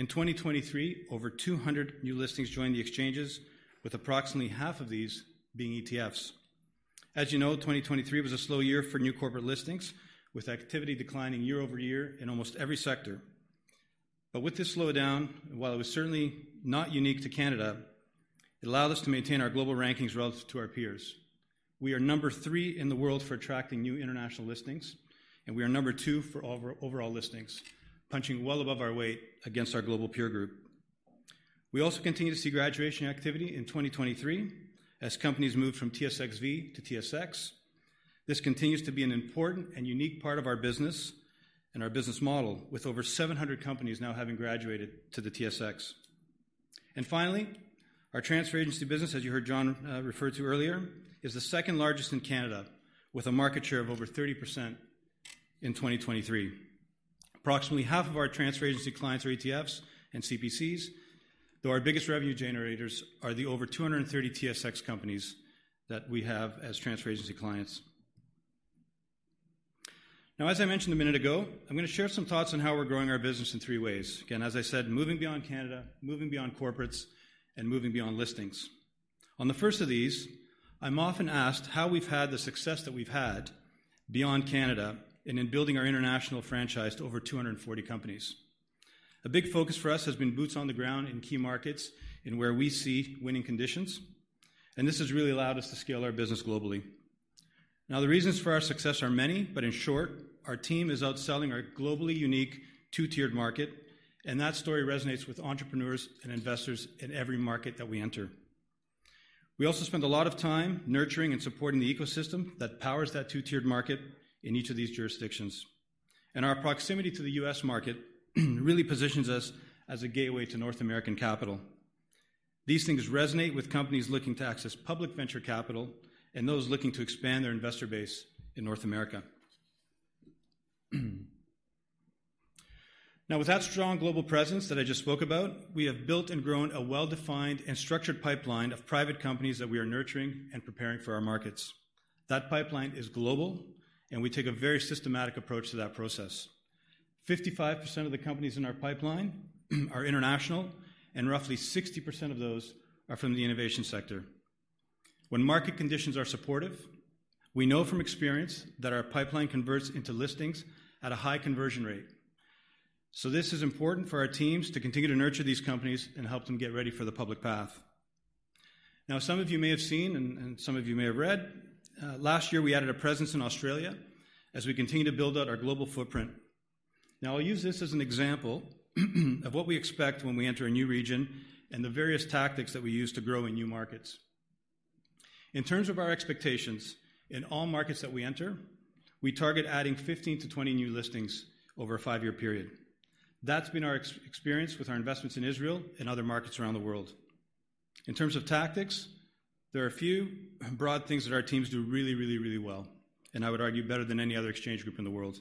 S8: In 2023, over 200 new listings joined the exchanges, with approximately half of these being ETFs. As you know, 2023 was a slow year for new corporate listings, with activity declining year-over-year in almost every sector. But with this slowdown, while it was certainly not unique to Canada, it allowed us to maintain our global rankings relative to our peers. We are number three in the world for attracting new international listings, and we are number two for overall listings, punching well above our weight against our global peer group. We also continue to see graduation activity in 2023 as companies move from TSXV to TSX. This continues to be an important and unique part of our business and our business model, with over 700 companies now having graduated to the TSX. Finally, our transfer agency business, as you heard John refer to earlier, is the second largest in Canada, with a market share of over 30% in 2023. Approximately half of our transfer agency clients are ETFs and CPCs, though our biggest revenue generators are the over 230 TSX companies that we have as transfer agency clients. Now, as I mentioned a minute ago, I'm gonna share some thoughts on how we're growing our business in three ways. Again, as I said, moving beyond Canada, moving beyond corporates, and moving beyond listings. On the first of these, I'm often asked how we've had the success that we've had beyond Canada and in building our international franchise to over 240 companies. A big focus for us has been boots on the ground in key markets and where we see winning conditions, and this has really allowed us to scale our business globally. Now, the reasons for our success are many, but in short, our team is out selling our globally unique two-tiered market, and that story resonates with entrepreneurs and investors in every market that we enter. We also spend a lot of time nurturing and supporting the ecosystem that powers that two-tiered market in each of these jurisdictions. Our proximity to the U.S. market really positions us as a gateway to North American capital. These things resonate with companies looking to access public venture capital and those looking to expand their investor base in North America. Now, with that strong global presence that I just spoke about, we have built and grown a well-defined and structured pipeline of private companies that we are nurturing and preparing for our markets. That pipeline is global, and we take a very systematic approach to that process. 55% of the companies in our pipeline are international, and roughly 60% of those are from the innovation sector. When market conditions are supportive, we know from experience that our pipeline converts into listings at a high conversion rate. So this is important for our teams to continue to nurture these companies and help them get ready for the public path. Now, some of you may have seen, and some of you may have read, last year, we added a presence in Australia as we continue to build out our global footprint. Now, I'll use this as an example, of what we expect when we enter a new region and the various tactics that we use to grow in new markets. In terms of our expectations, in all markets that we enter, we target adding 15-20 new listings over a five-year period. That's been our experience with our investments in Israel and other markets around the world. In terms of tactics, there are a few broad things that our teams do really, really, really well, and I would argue better than any other exchange group in the world.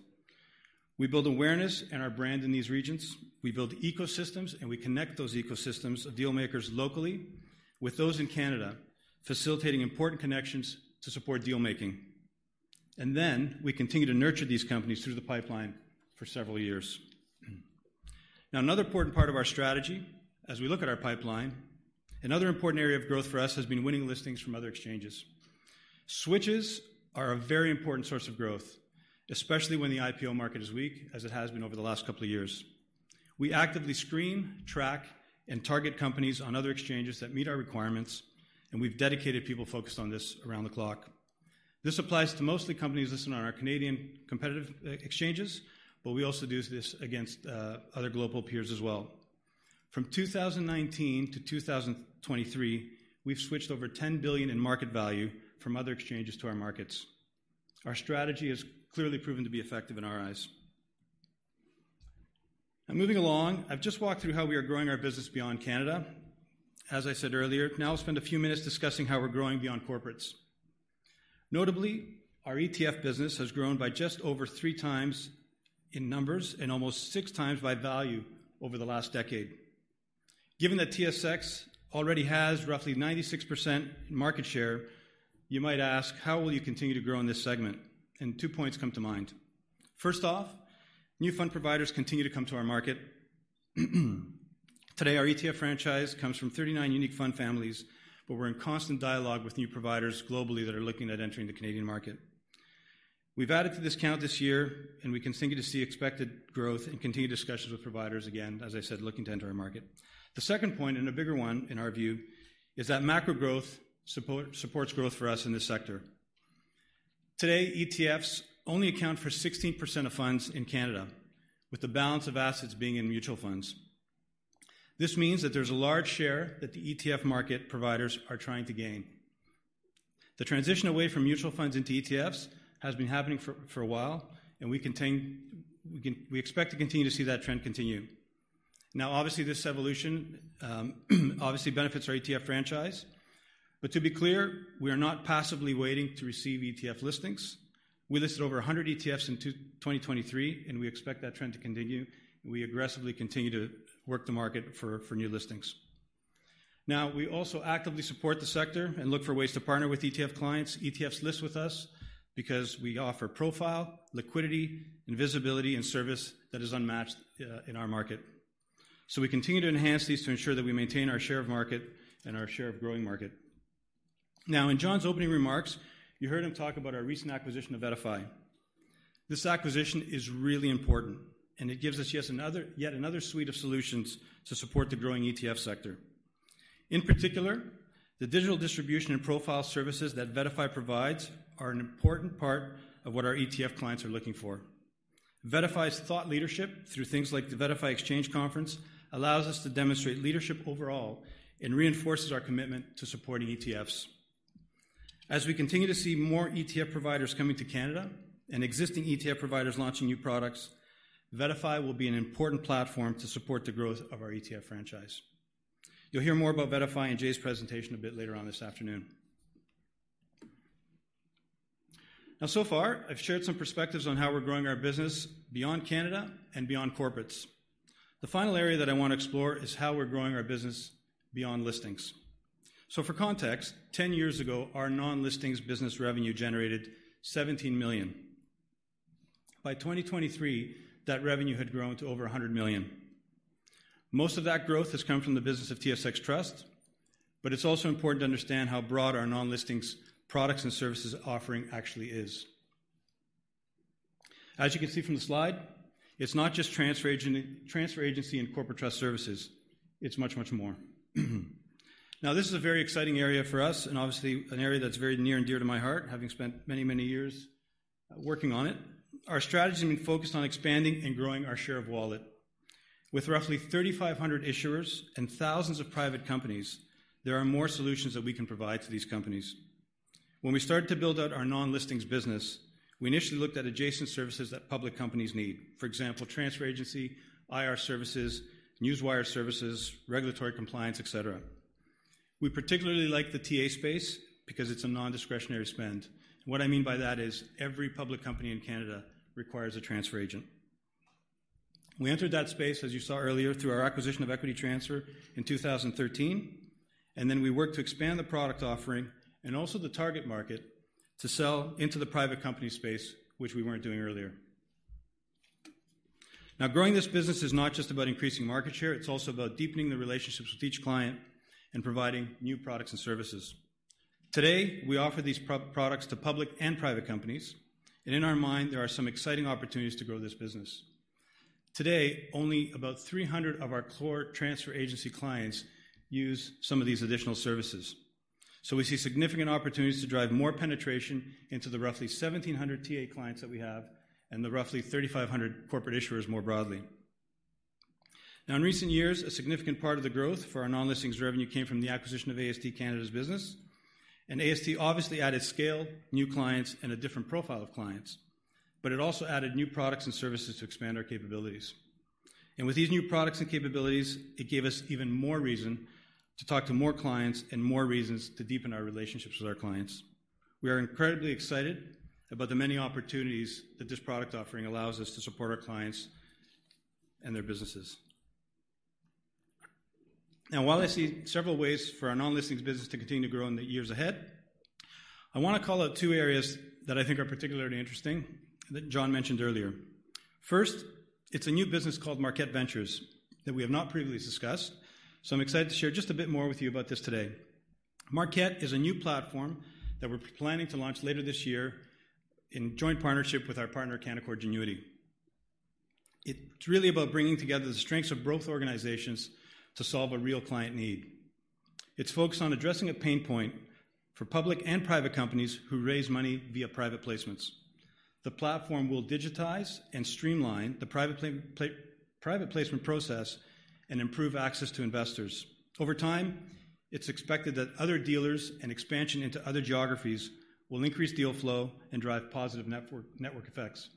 S8: We build awareness and our brand in these regions. We build ecosystems, and we connect those ecosystems of deal makers locally with those in Canada, facilitating important connections to support deal making. And then we continue to nurture these companies through the pipeline for several years. Now, another important part of our strategy, as we look at our pipeline, another important area of growth for us has been winning listings from other exchanges. Switches are a very important source of growth, especially when the IPO market is weak, as it has been over the last couple of years. We actively screen, track, and target companies on other exchanges that meet our requirements, and we've dedicated people focused on this around the clock. This applies to mostly companies listed on our Canadian competitive exchanges, but we also do this against other global peers as well. From 2019 to 2023, we've switched over 10 billion in market value from other exchanges to our markets. Our strategy has clearly proven to be effective in our eyes. Moving along, I've just walked through how we are growing our business beyond Canada. As I said earlier, now I'll spend a few minutes discussing how we're growing beyond corporates. Notably, our ETF business has grown by just over 3x in numbers and almost 6x by value over the last decade. Given that TSX already has roughly 96% market share, you might ask: How will you continue to grow in this segment? Two points come to mind. First off, new fund providers continue to come to our market. Today, our ETF franchise comes from 39 unique fund families, but we're in constant dialogue with new providers globally that are looking at entering the Canadian market. We've added to this count this year, and we continue to see expected growth and continued discussions with providers, again, as I said, looking to enter our market. The second point, and a bigger one in our view, is that macro growth supports growth for us in this sector. Today, ETFs only account for 16% of funds in Canada, with the balance of assets being in mutual funds. This means that there's a large share that the ETF market providers are trying to gain. The transition away from mutual funds into ETFs has been happening for a while, and we expect to continue to see that trend continue. Now, obviously, this evolution obviously benefits our ETF franchise. But to be clear, we are not passively waiting to receive ETF listings. We listed over 100 ETFs in 2023, and we expect that trend to continue, and we aggressively continue to work the market for new listings. Now, we also actively support the sector and look for ways to partner with ETF clients. ETFs list with us because we offer profile, liquidity, and visibility and service that is unmatched in our market. So we continue to enhance these to ensure that we maintain our share of market and our share of growing market. Now, in John's opening remarks, you heard him talk about our recent acquisition of VettaFi. This acquisition is really important, and it gives us yet another, yet another suite of solutions to support the growing ETF sector. In particular, the digital distribution and profile services that VettaFi provides are an important part of what our ETF clients are looking for. VettaFi's thought leadership, through things like the VettaFi Exchange Conference, allows us to demonstrate leadership overall and reinforces our commitment to supporting ETFs. As we continue to see more ETF providers coming to Canada and existing ETF providers launching new products, VettaFi will be an important platform to support the growth of our ETF franchise. You'll hear more about VettaFi in Jay's presentation a bit later on this afternoon. Now, so far, I've shared some perspectives on how we're growing our business beyond Canada and beyond corporates. The final area that I want to explore is how we're growing our business beyond listings. So for context, 10 years ago, our non-listings business revenue generated 17 million. By 2023, that revenue had grown to over 100 million. Most of that growth has come from the business of TSX Trust, but it's also important to understand how broad our non-listings products and services offering actually is. As you can see from the slide, it's not just transfer agent, transfer agency and corporate trust services, it's much, much more. Now, this is a very exciting area for us, and obviously an area that's very near and dear to my heart, having spent many, many years working on it. Our strategy has been focused on expanding and growing our share of wallet. With roughly 3,500 issuers and thousands of private companies, there are more solutions that we can provide to these companies. When we started to build out our non-listings business, we initially looked at adjacent services that public companies need. For example, transfer agency, IR services, newswire services, regulatory compliance, et cetera. We particularly like the TA space because it's a non-discretionary spend. What I mean by that is every public company in Canada requires a transfer agent. We entered that space, as you saw earlier, through our acquisition of Equity Transfer in 2013, and then we worked to expand the product offering and also the target market to sell into the private company space, which we weren't doing earlier. Now, growing this business is not just about increasing market share; it's also about deepening the relationships with each client and providing new products and services. Today, we offer these products to public and private companies, and in our mind, there are some exciting opportunities to grow this business. Today, only about 300 of our core transfer agency clients use some of these additional services. So we see significant opportunities to drive more penetration into the roughly 1,700 TA clients that we have and the roughly 3,500 corporate issuers more broadly. Now, in recent years, a significant part of the growth for our non-listings revenue came from the acquisition of AST Canada's business, and AST obviously added scale, new clients, and a different profile of clients, but it also added new products and services to expand our capabilities. With these new products and capabilities, it gave us even more reason to talk to more clients and more reasons to deepen our relationships with our clients. We are incredibly excited about the many opportunities that this product offering allows us to support our clients and their businesses. Now, while I see several ways for our non-listings business to continue to grow in the years ahead, I wanna call out two areas that I think are particularly interesting that John mentioned earlier. First, it's a new business called Markette Ventures that we have not previously discussed, so I'm excited to share just a bit more with you about this today. Markette is a new platform that we're planning to launch later this year in joint partnership with our partner, Canaccord Genuity. It's really about bringing together the strengths of both organizations to solve a real client need. It's focused on addressing a pain point for public and private companies who raise money via private placements. The platform will digitize and streamline the private placement process and improve access to investors. Over time, it's expected that other dealers and expansion into other geographies will increase deal flow and drive positive network effects.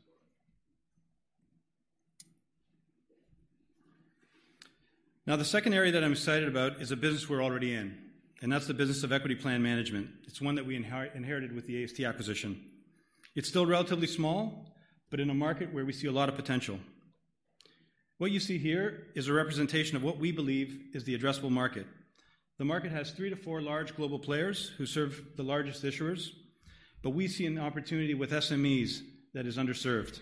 S8: Now, the second area that I'm excited about is a business we're already in, and that's the business of equity plan management. It's one that we inherited with the AST acquisition. It's still relatively small, but in a market where we see a lot of potential. What you see here is a representation of what we believe is the addressable market. The market has three to four large global players who serve the largest issuers, but we see an opportunity with SMEs that is underserved.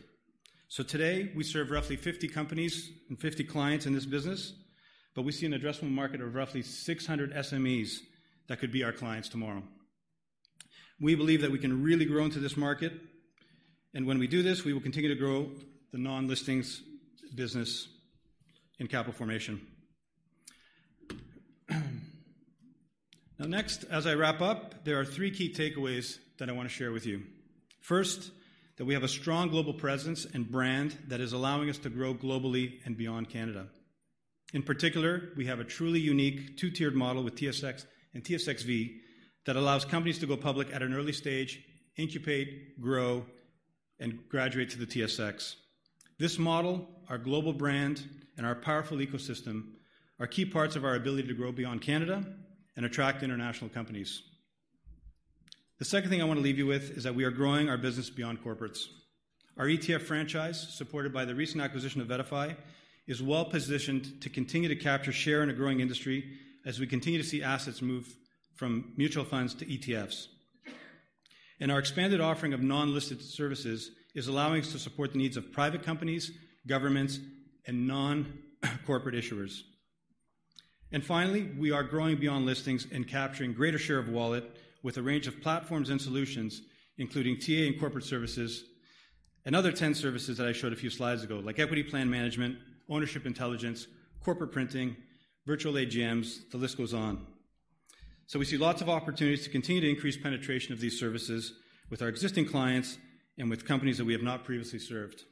S8: So today, we serve roughly 50 companies and 50 clients in this business, but we see an addressable market of roughly 600 SMEs that could be our clients tomorrow. We believe that we can really grow into this market, and when we do this, we will continue to grow the non-listings business in capital formation. Now, next, as I wrap up, there are three key takeaways that I want to share with you. First, that we have a strong global presence and brand that is allowing us to grow globally and beyond Canada. In particular, we have a truly unique two-tiered model with TSX and TSXV that allows companies to go public at an early stage, incubate, grow and graduate to the TSX. This model, our global brand, and our powerful ecosystem are key parts of our ability to grow beyond Canada and attract international companies. The second thing I want to leave you with is that we are growing our business beyond corporates. Our ETF franchise, supported by the recent acquisition of VettaFi, is well-positioned to continue to capture share in a growing industry as we continue to see assets move from mutual funds to ETFs. Our expanded offering of non-corporate services is allowing us to support the needs of private companies, governments, and non-corporate issuers. Finally, we are growing beyond listings and capturing greater share of wallet with a range of platforms and solutions, including TA and corporate services, and other 10 services that I showed a few slides ago, like equity plan management, ownership intelligence, corporate printing, virtual AGMs, the list goes on. We see lots of opportunities to continue to increase penetration of these services with our existing clients and with companies that we have not previously served.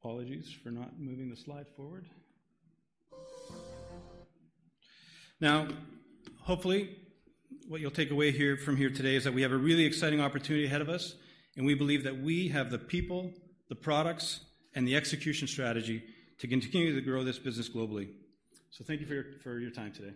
S8: Apologies for not moving the slide forward. Now, hopefully, what you'll take away here, from here today is that we have a really exciting opportunity ahead of us, and we believe that we have the people, the products, and the execution strategy to continue to grow this business globally. So thank you for your, for your time today.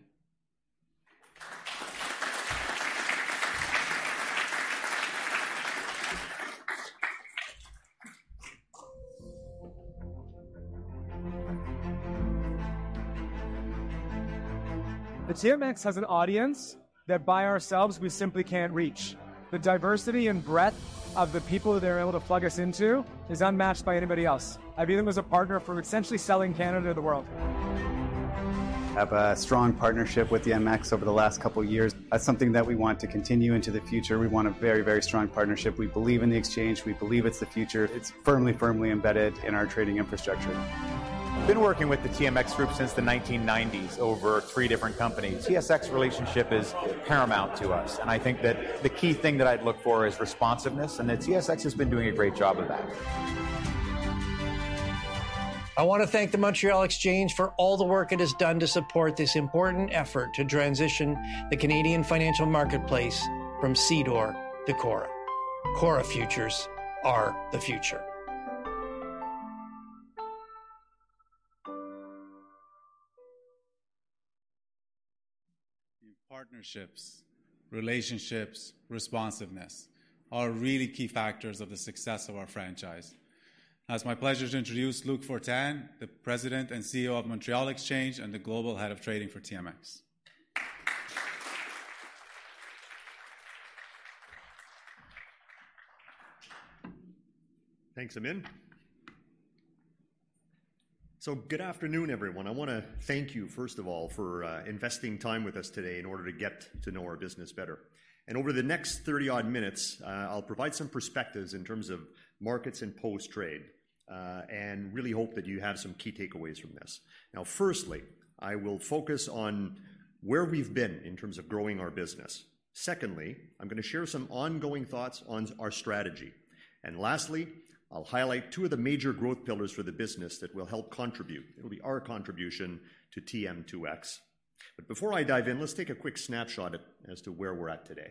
S9: The TMX has an audience that by ourselves, we simply can't reach. The diversity and breadth of the people that they're able to plug us into is unmatched by anybody else. I view them as a partner for essentially selling Canada to the world.
S10: Have a strong partnership with TMX over the last couple of years. That's something that we want to continue into the future. We want a very, very strong partnership. We believe in the exchange. We believe it's the future. It's firmly, firmly embedded in our trading infrastructure.
S11: I've been working with the TMX Group since the 1990s, over three different companies. TSX relationship is paramount to us, and I think that the key thing that I'd look for is responsiveness, and the TSX has been doing a great job of that.
S12: I want to thank the Montréal Exchange for all the work it has done to support this important effort to transition the Canadian financial marketplace from CDOR to CORRA. CORRA Futures are the future.
S1: Partnerships, relationships, responsiveness are really key factors of the success of our franchise. Now, it's my pleasure to introduce Luc Fortin, the President and CEO of Montréal Exchange and the Global Head of Trading for TMX.
S13: Thanks, Amin. So good afternoon, everyone. I wanna thank you, first of all, for investing time with us today in order to get to know our business better. And over the next 30-odd minutes, I'll provide some perspectives in terms of markets and post-trade, and really hope that you have some key takeaways from this. Now, firstly, I will focus on where we've been in terms of growing our business. Secondly, I'm gonna share some ongoing thoughts on our strategy. And lastly, I'll highlight two of the major growth pillars for the business that will help contribute. It'll be our contribution to TM2X. But before I dive in, let's take a quick snapshot as to where we're at today.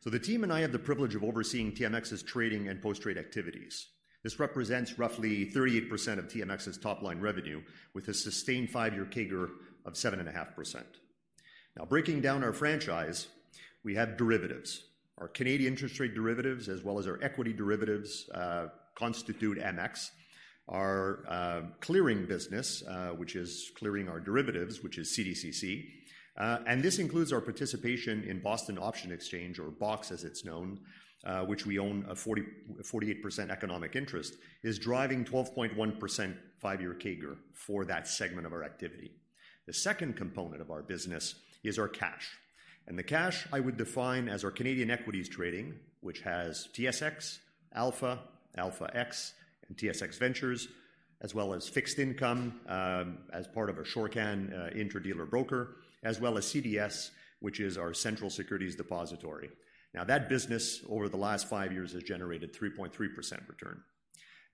S13: So the team and I have the privilege of overseeing TMX's trading and post-trade activities. This represents roughly 38% of TMX's top-line revenue, with a sustained five-year CAGR of 7.5%. Now, breaking down our franchise, we have derivatives. Our Canadian interest rate derivatives, as well as our equity derivatives, constitute MX. Our clearing business, which is clearing our derivatives, which is CDCC. And this includes our participation in Boston Options Exchange, or BOX, as it's known, which we own a 48% economic interest, is driving 12.1% five-year CAGR for that segment of our activity. The second component of our business is our CASH, and the CASH I would define as our Canadian equities trading, which has TSX, Alpha, Alpha X, and TSX Venture, as well as fixed income, as part of our Shorcan interdealer broker, as well as CDS, which is our central securities depository. Now, that business, over the last five years, has generated 3.3% return.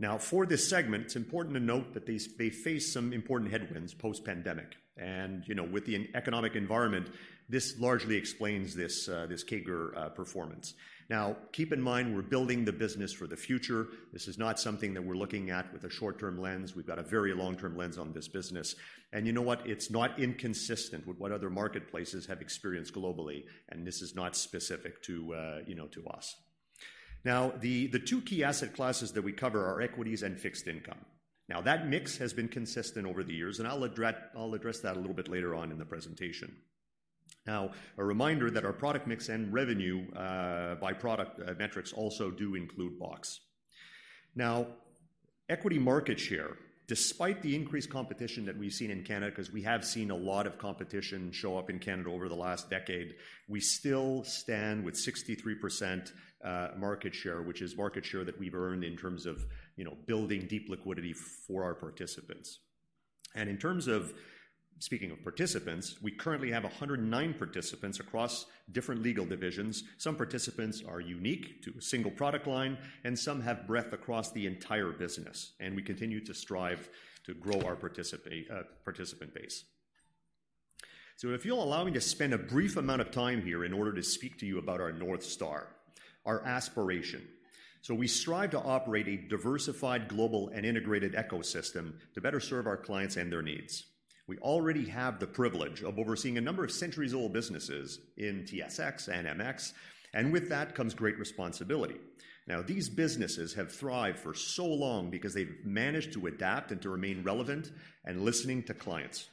S13: Now, for this segment, it's important to note that these—they face some important headwinds post-pandemic. And, you know, with the economic environment, this largely explains this, this CAGR performance. Now, keep in mind, we're building the business for the future. This is not something that we're looking at with a short-term lens. We've got a very long-term lens on this business. And you know what? It's not inconsistent with what other marketplaces have experienced globally, and this is not specific to, you know, to us. Now, the, the two key asset classes that we cover are equities and fixed income. Now, that mix has been consistent over the years, and I'll address that a little bit later on in the presentation. Now, a reminder that our product mix and revenue by product metrics also do include BOX. Now, equity market share, despite the increased competition that we've seen in Canada, 'cause we have seen a lot of competition show up in Canada over the last decade, we still stand with 63% market share, which is market share that we've earned in terms of, you know, building deep liquidity for our participants. And in terms of... Speaking of participants, we currently have 109 participants across different legal divisions. Some participants are unique to a single product line, and some have breadth across the entire business, and we continue to strive to grow our participant base. So if you'll allow me to spend a brief amount of time here in order to speak to you about our North Star, our aspiration. So we strive to operate a diversified, global, and integrated ecosystem to better serve our clients and their needs. We already have the privilege of overseeing a number of centuries-old businesses in TSX and MX, and with that comes great responsibility. Now, these businesses have thrived for so long because they've managed to adapt and to remain relevant and listening to clients.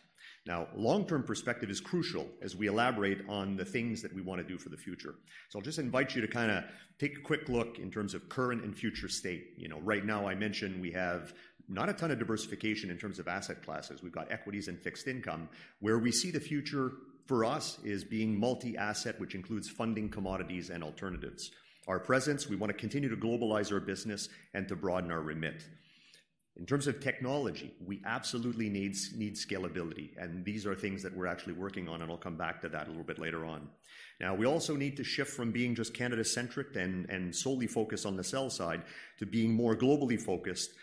S13: Now, long-term perspective is crucial as we elaborate on the things that we wanna do for the future. So I'll just invite you to kinda take a quick look in terms of current and future state. You know, right now, I mentioned we have not a ton of diversification in terms of asset classes. We've got equities and fixed income. Where we see the future for us is being multi-asset, which includes funding, commodities, and alternatives. Our presence, we wanna continue to globalize our business and to broaden our remit. In terms of technology, we absolutely need scalability, and these are things that we're actually working on, and I'll come back to that a little bit later on. Now, we also need to shift from being just Canada-centric and solely focused on the sell side, to being more globally focused,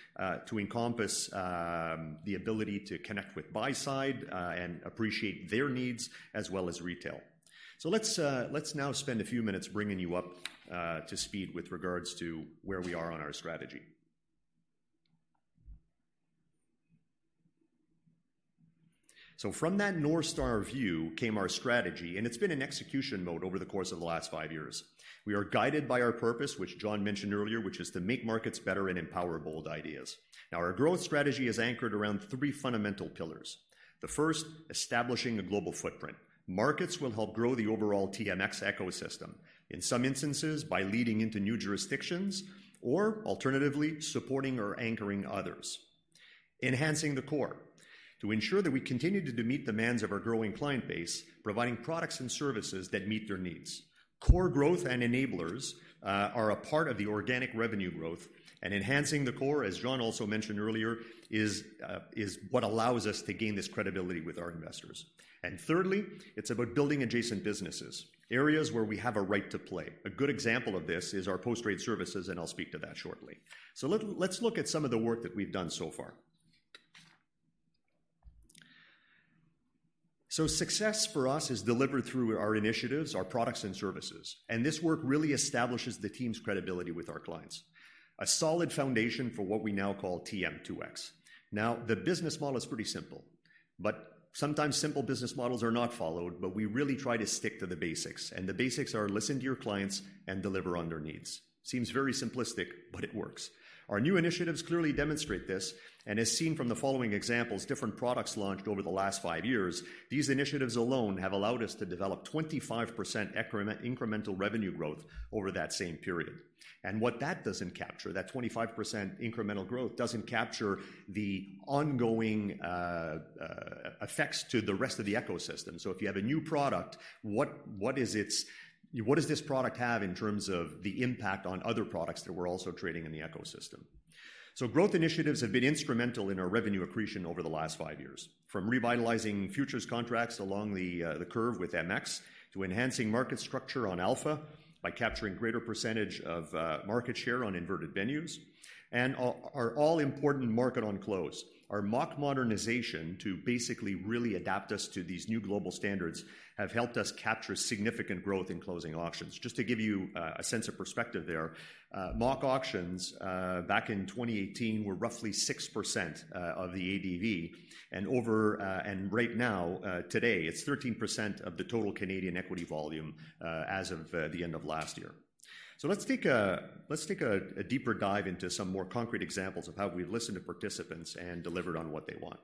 S13: to encompass the ability to connect with buy side, and appreciate their needs, as well as retail. So let's now spend a few minutes bringing you up to speed with regards to where we are on our strategy. So from that North Star view came our strategy, and it's been in execution mode over the course of the last five years. We are guided by our purpose, which John mentioned earlier, which is to make markets better and empower bold ideas. Now, our growth strategy is anchored around three fundamental pillars. The first, establishing a global footprint. Markets will help grow the overall TMX ecosystem, in some instances, by leading into new jurisdictions or alternatively, supporting or anchoring others. Enhancing the core. To ensure that we continue to meet the demands of our growing client base, providing products and services that meet their needs. Core growth and enablers are a part of the organic revenue growth, and enhancing the core, as John also mentioned earlier, is what allows us to gain this credibility with our investors. And thirdly, it's about building adjacent businesses, areas where we have a right to play. A good example of this is our post-trade services, and I'll speak to that shortly. Let's look at some of the work that we've done so far. Success for us is delivered through our initiatives, our products, and services, and this work really establishes the team's credibility with our clients, a solid foundation for what we now call TM2X. Now, the business model is pretty simple, but sometimes simple business models are not followed, but we really try to stick to the basics, and the basics are: listen to your clients and deliver on their needs. Seems very simplistic, but it works. Our new initiatives clearly demonstrate this, and as seen from the following examples, different products launched over the last five years, these initiatives alone have allowed us to develop 25% incremental revenue growth over that same period. And what that doesn't capture, that 25% incremental growth, doesn't capture the ongoing effects to the rest of the ecosystem. So if you have a new product, what does this product have in terms of the impact on other products that we're also trading in the ecosystem? So growth initiatives have been instrumental in our revenue accretion over the last five years, from revitalizing futures contracts along the curve with MX, to enhancing market structure on Alpha by capturing greater percentage of market share on alternative venues, and our all-important market on close. Our MOC modernization to basically really adapt us to these new global standards have helped us capture significant growth in closing auctions. Just to give you a sense of perspective there, MOC auctions back in 2018 were roughly 6% of the ADV, and right now today, it's 13% of the total Canadian equity volume as of the end of last year. So let's take a deeper dive into some more concrete examples of how we've listened to participants and delivered on what they want.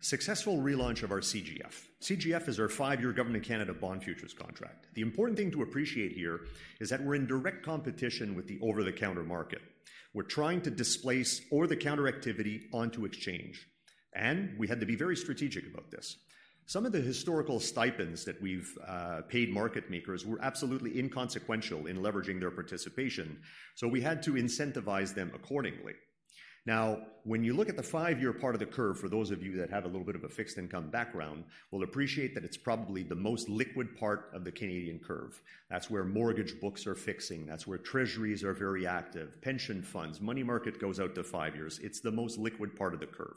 S13: Successful relaunch of our CGF. CGF is our five-year Government of Canada bond futures contract. The important thing to appreciate here is that we're in direct competition with the over-the-counter market. We're trying to displace over-the-counter activity onto exchange, and we had to be very strategic about this. Some of the historical stipends that we've paid market makers were absolutely inconsequential in leveraging their participation, so we had to incentivize them accordingly. Now, when you look at the five-year part of the curve, for those of you that have a little bit of a fixed income background, will appreciate that it's probably the most liquid part of the Canadian curve. That's where mortgage books are fixing, that's where treasuries are very active, pension funds, money market goes out to five years. It's the most liquid part of the curve.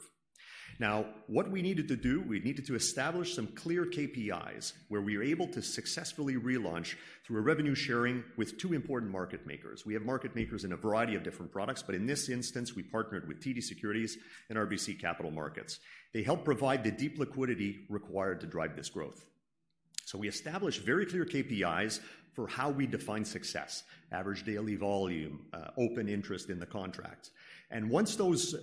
S13: Now, what we needed to do, we needed to establish some clear KPIs, where we were able to successfully relaunch through a revenue sharing with two important market makers. We have market makers in a variety of different products, but in this instance, we partnered with TD Securities and RBC Capital Markets. They helped provide the deep liquidity required to drive this growth. So we established very clear KPIs for how we define success, average daily volume, open interest in the contract. And once those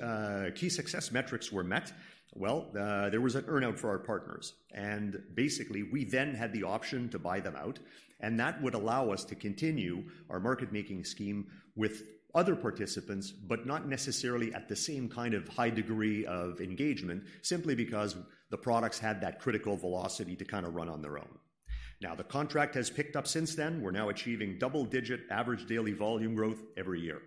S13: key success metrics were met, well, there was an earn-out for our partners. And basically, we then had the option to buy them out, and that would allow us to continue our market-making scheme with other participants, but not necessarily at the same kind of high degree of engagement, simply because the products had that critical velocity to kind of run on their own. Now, the contract has picked up since then. We're now achieving double-digit average daily volume growth every year.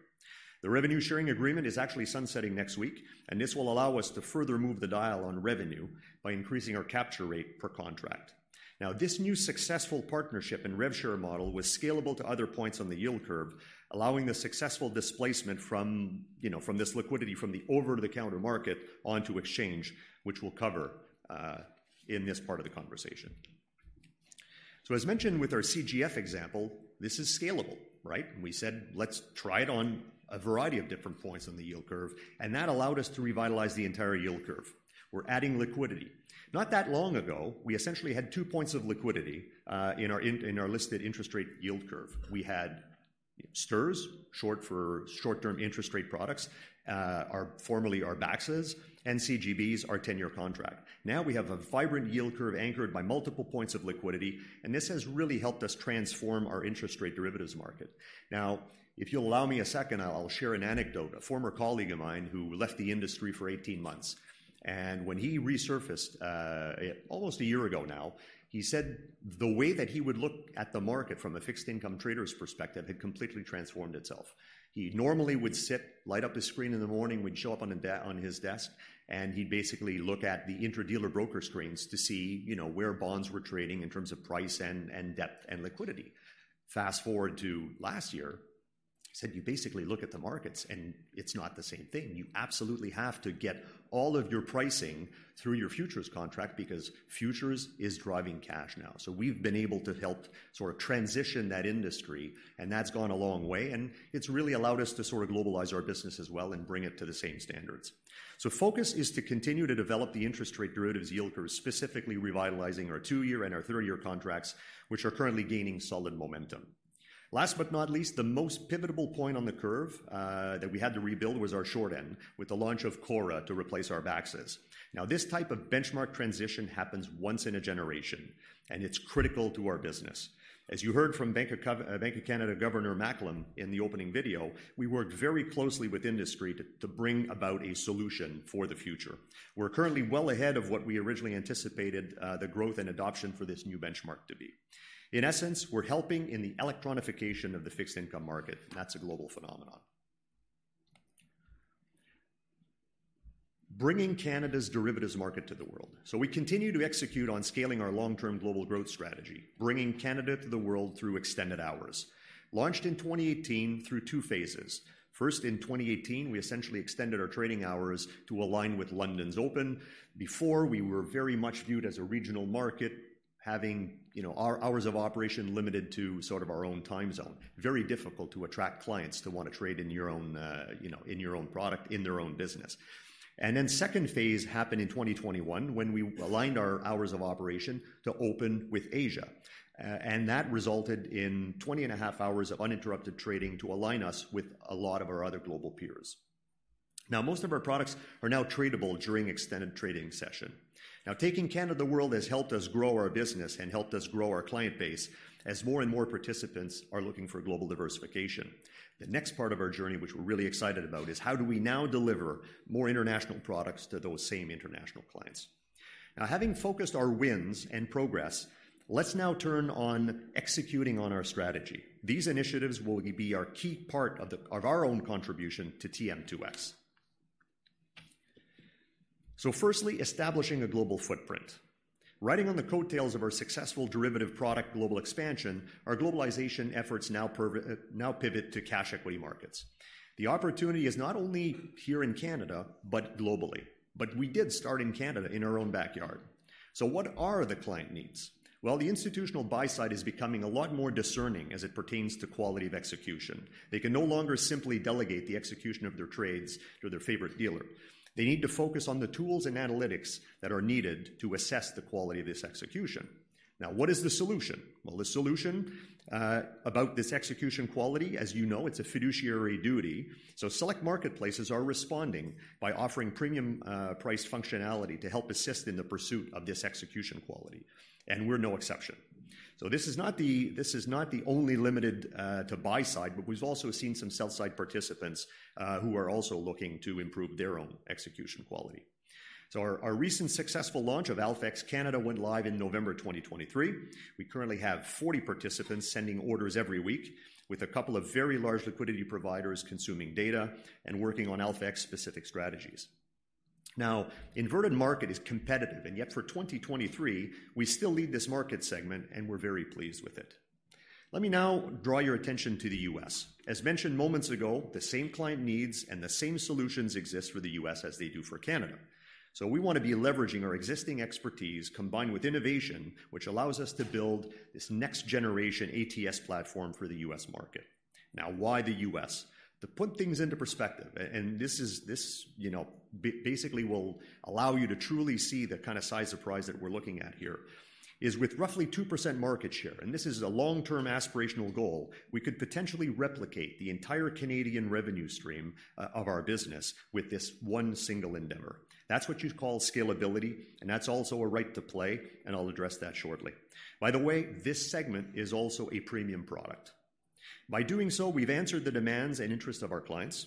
S13: The revenue-sharing agreement is actually sunsetting next week, and this will allow us to further move the dial on revenue by increasing our capture rate per contract. Now, this new successful partnership and rev share model was scalable to other points on the yield curve, allowing the successful displacement from, you know, from this liquidity from the over-the-counter market onto exchange, which we'll cover in this part of the conversation. So as mentioned with our CGF example, this is scalable, right? And we said, let's try it on a variety of different points on the yield curve, and that allowed us to revitalize the entire yield curve. We're adding liquidity. Not that long ago, we essentially had two points of liquidity in our listed interest rate yield curve. We had STIRS, short for short-term interest rate products, our formerly BAXs, and CGBs, our 10-year contract. Now we have a vibrant yield curve anchored by multiple points of liquidity, and this has really helped us transform our interest rate derivatives market. Now, if you'll allow me a second, I'll, I'll share an anecdote. A former colleague of mine who left the industry for 18 months, and when he resurfaced, almost a year ago now, he said the way that he would look at the market from a fixed income trader's perspective had completely transformed itself. He normally would sit, light up his screen in the morning, would show up on a de-- on his desk, and he'd basically look at the interdealer broker screens to see, you know, where bonds were trading in terms of price and, and depth, and liquidity. Fast-forward to last year, he said, "You basically look at the markets, and it's not the same thing. You absolutely have to get all of your pricing through your futures contract because futures is driving cash now." So we've been able to help sort of transition that industry, and that's gone a long way, and it's really allowed us to sort of globalize our business as well and bring it to the same standards. So focus is to continue to develop the interest rate derivatives yield curve, specifically revitalizing our 2-year and our 30-year contracts, which are currently gaining solid momentum. Last but not least, the most pivotable point on the curve, that we had to rebuild was our short end, with the launch of CORRA to replace our BAXs. Now, this type of benchmark transition happens once in a generation, and it's critical to our business. As you heard from Bank of Canada Governor Macklem in the opening video, we worked very closely with industry to, to bring about a solution for the future. We're currently well ahead of what we originally anticipated, the growth and adoption for this new benchmark to be. In essence, we're helping in the electronification of the fixed income market, and that's a global phenomenon. Bringing Canada's derivatives market to the world. So we continue to execute on scaling our long-term global growth strategy, bringing Canada to the world through extended hours. Launched in 2018 through two phases. First, in 2018, we essentially extended our trading hours to align with London's open. Before, we were very much viewed as a regional market, having, you know, our hours of operation limited to sort of our own time zone. Very difficult to attract clients to want to trade in your own, you know, in your own product, in their own business. And then second phase happened in 2021, when we aligned our hours of operation to open with Asia. And that resulted in 20.5 hours of uninterrupted trading to align us with a lot of our other global peers. Now, most of our products are now tradable during extended trading session. Now, taking Canada to the world has helped us grow our business and helped us grow our client base as more and more participants are looking for global diversification. The next part of our journey, which we're really excited about, is how do we now deliver more international products to those same international clients? Now, having focused our wins and progress, let's now turn on executing on our strategy. These initiatives will be our key part of our own contribution to TM2X. So firstly, establishing a global footprint. Riding on the coattails of our successful derivative product global expansion, our globalization efforts now pivot to cash equity markets. The opportunity is not only here in Canada, but globally. But we did start in Canada, in our own backyard. So what are the client needs? Well, the institutional buy side is becoming a lot more discerning as it pertains to quality of execution. They can no longer simply delegate the execution of their trades to their favorite dealer. They need to focus on the tools and analytics that are needed to assess the quality of this execution. Now, what is the solution? Well, the solution about this execution quality, as you know, it's a fiduciary duty, so select marketplaces are responding by offering premium price functionality to help assist in the pursuit of this execution quality, and we're no exception. So this is not the—this is not the only limited to buy side, but we've also seen some sell side participants who are also looking to improve their own execution quality. So our recent successful launch of Alpha-X Canada went live in November 2023. We currently have 40 participants sending orders every week, with a couple of very large liquidity providers consuming data and working on Alpha-X-specific strategies. Now, our market is competitive, and yet for 2023, we still lead this market segment, and we're very pleased with it. Let me now draw your attention to the U.S. As mentioned moments ago, the same client needs and the same solutions exist for the U.S. as they do for Canada. So we want to be leveraging our existing expertise, combined with innovation, which allows us to build this next-generation ATS platform for the U.S. market. Now, why the U.S.? To put things into perspective, and this is basically will allow you to truly see the kind of size surprise that we're looking at here, is with roughly 2% market share, and this is a long-term aspirational goal, we could potentially replicate the entire Canadian revenue stream of our business with this one single endeavor. That's what you'd call scalability, and that's also a right to play, and I'll address that shortly. By the way, this segment is also a premium product. By doing so, we've answered the demands and interests of our clients.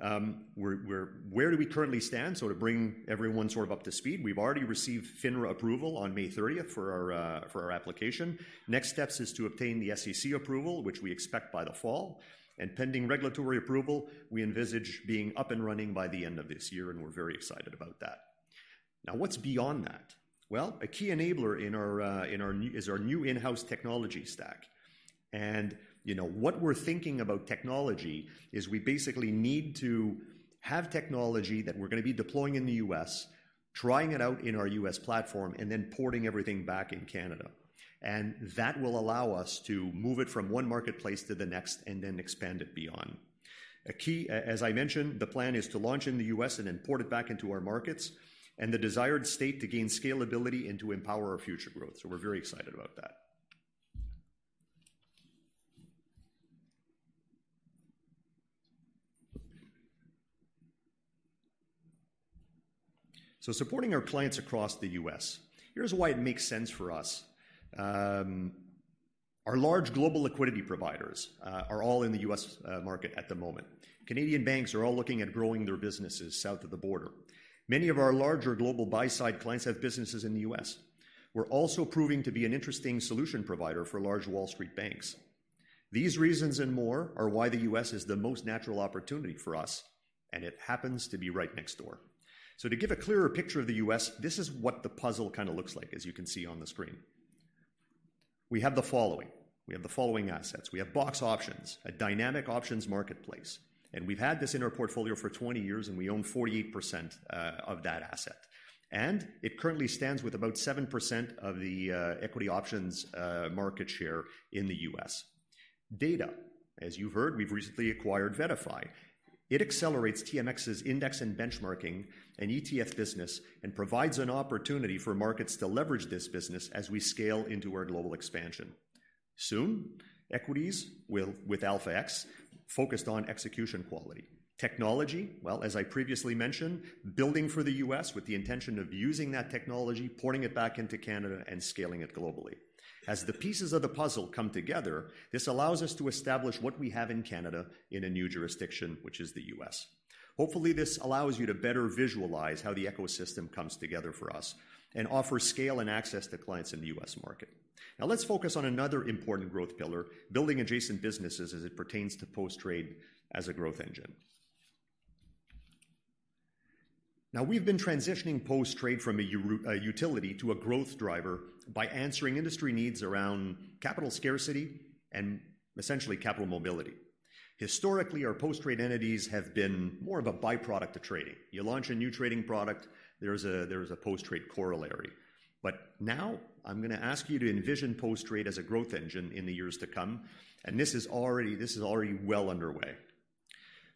S13: We're – where do we currently stand? So to bring everyone sort of up to speed, we've already received FINRA approval on May 30 for our application. Next steps is to obtain the SEC approval, which we expect by the fall, and pending regulatory approval, we envisage being up and running by the end of this year, and we're very excited about that. Now, what's beyond that? Well, a key enabler in our new is our new in-house technology stack. And, you know, what we're thinking about technology is we basically need to have technology that we're gonna be deploying in the U.S.- trying it out in our U.S. platform and then porting everything back in Canada. And that will allow us to move it from one marketplace to the next, and then expand it beyond. A key, as I mentioned, the plan is to launch in the U.S. and then port it back into our markets, and the desired state to gain scalability and to empower our future growth. We're very excited about that. Supporting our clients across the U.S., here's why it makes sense for us. Our large global liquidity providers are all in the U.S. market at the moment. Canadian banks are all looking at growing their businesses south of the border. Many of our larger global buy-side clients have businesses in the U.S. We're also proving to be an interesting solution provider for large Wall Street banks. These reasons and more are why the U.S. is the most natural opportunity for us, and it happens to be right next door. So to give a clearer picture of the U.S., this is what the puzzle kind of looks like, as you can see on the screen. We have the following. We have the following assets: We have BOX Options, a dynamic options marketplace, and we've had this in our portfolio for 20 years, and we own 48% of that asset. And it currently stands with about 7% of the equity options market share in the U.S. Data. As you've heard, we've recently acquired VettaFi. It accelerates TMX's index and benchmarking and ETF business, and provides an opportunity for markets to leverage this business as we scale into our global expansion. Soon, equities will, with Alpha-X, focused on execution quality. Technology, well, as I previously mentioned, building for the U.S. with the intention of using that technology, porting it back into Canada, and scaling it globally. As the pieces of the puzzle come together, this allows us to establish what we have in Canada in a new jurisdiction, which is the U.S. Hopefully, this allows you to better visualize how the ecosystem comes together for us and offer scale and access to clients in the U.S. market. Now, let's focus on another important growth pillar, building adjacent businesses as it pertains to post-trade as a growth engine. Now, we've been transitioning post-trade from a utility to a growth driver by answering industry needs around capital scarcity and essentially capital mobility. Historically, our post-trade entities have been more of a byproduct of trading. You launch a new trading product, there's a post-trade corollary. But now, I'm gonna ask you to envision post-trade as a growth engine in the years to come, and this is already, this is already well underway.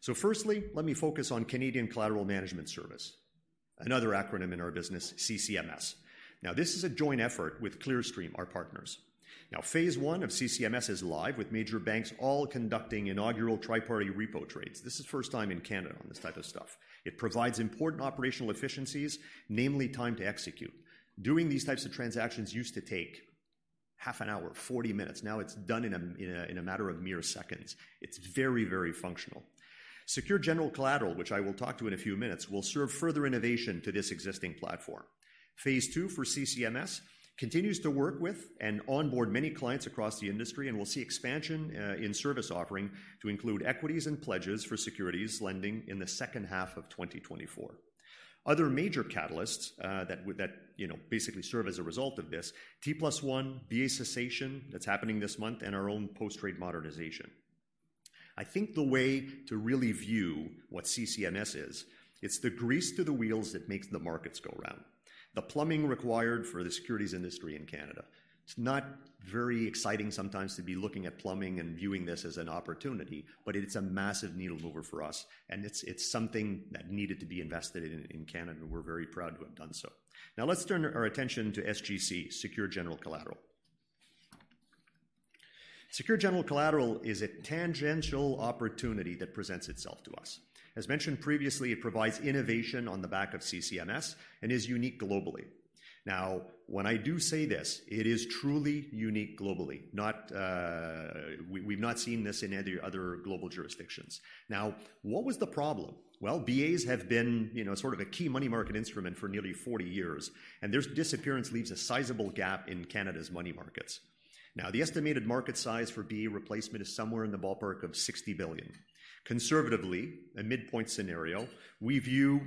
S13: So firstly, let me focus on Canadian Collateral Management Service, another acronym in our business, CCMS. Now, this is a joint effort with Clearstream, our partners. Now, phase one of CCMS is live, with major banks all conducting inaugural tri-party repo trades. This is first time in Canada on this type of stuff. It provides important operational efficiencies, namely time to execute. Doing these types of transactions used to take half an hour, forty minutes. Now it's done in a matter of mere seconds. It's very, very functional. Secure General Collateral, which I will talk to in a few minutes, will serve further innovation to this existing platform. Phase two for CCMS continues to work with and onboard many clients across the industry, and we'll see expansion in service offering to include equities and pledges for securities lending in the second half of 2024. Other major catalysts that you know basically serve as a result of this: T+1, BA cessation, that's happening this month, and our own post-trade modernization. I think the way to really view what CCMS is, it's the grease to the wheels that makes the markets go round, the plumbing required for the securities industry in Canada. It's not very exciting sometimes to be looking at plumbing and viewing this as an opportunity, but it's a massive needle mover for us, and it's something that needed to be invested in in Canada. We're very proud to have done so. Now, let's turn our attention to SGC, Secure General Collateral. Secure General Collateral is a tangential opportunity that presents itself to us. As mentioned previously, it provides innovation on the back of CCMS and is unique globally. Now, when I do say this, it is truly unique globally, not. We've not seen this in any other global jurisdictions. Now, what was the problem? Well, BAs have been, you know, sort of a key money market instrument for nearly 40 years, and their disappearance leaves a sizable gap in Canada's money markets. Now, the estimated market size for BA replacement is somewhere in the ballpark of 60 billion. Conservatively, a midpoint scenario, we view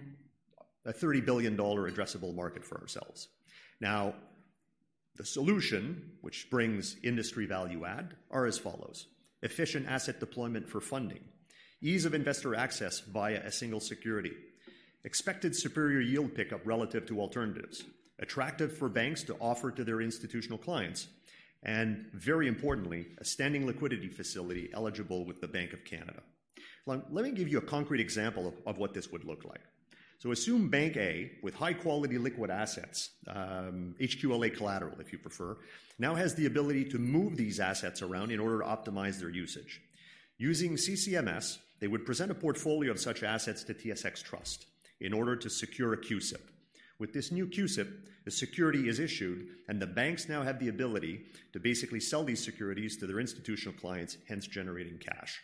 S13: a 30 billion dollar addressable market for ourselves. Now, the solution, which brings industry value add, are as follows: efficient asset deployment for funding, ease of investor access via a single security, expected superior yield pickup relative to alternatives, attractive for banks to offer to their institutional clients, and very importantly, a standing liquidity facility eligible with the Bank of Canada. Let me give you a concrete example of what this would look like. So assume Bank A, with high-quality liquid assets, HQLA collateral, if you prefer, now has the ability to move these assets around in order to optimize their usage. Using CCMS, they would present a portfolio of such assets to TSX Trust in order to secure a CUSIP. With this new CUSIP, the security is issued, and the banks now have the ability to basically sell these securities to their institutional clients, hence generating cash.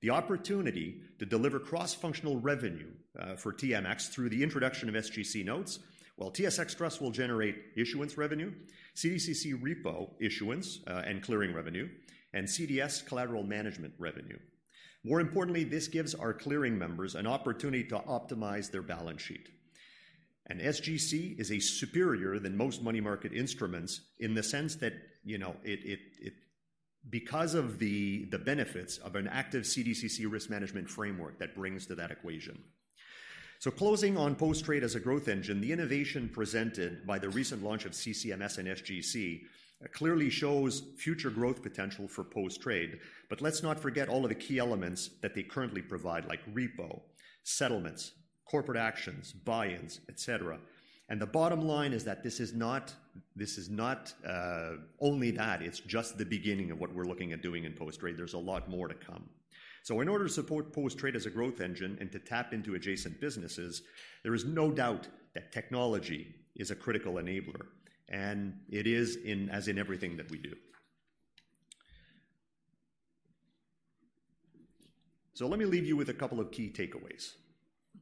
S13: The opportunity to deliver cross-functional revenue for TMX through the introduction of SGC notes. Well, TSX Trust will generate issuance revenue, CDCC repo issuance, and clearing revenue, and CDS collateral management revenue. More importantly, this gives our clearing members an opportunity to optimize their balance sheet. And SGC is a superior than most money market instruments in the sense that, you know, because of the benefits of an active CDCC risk management framework that brings to that equation. So closing on post-trade as a growth engine, the innovation presented by the recent launch of CCMS and SGC clearly shows future growth potential for post-trade. But let's not forget all of the key elements that they currently provide, like repo, settlements, corporate actions, buy-ins, et cetera. The bottom line is that this is not only that, it's just the beginning of what we're looking at doing in post-trade. There's a lot more to come. So in order to support post-trade as a growth engine and to tap into adjacent businesses, there is no doubt that technology is a critical enabler, and it is, as in everything that we do. So let me leave you with a couple of key takeaways.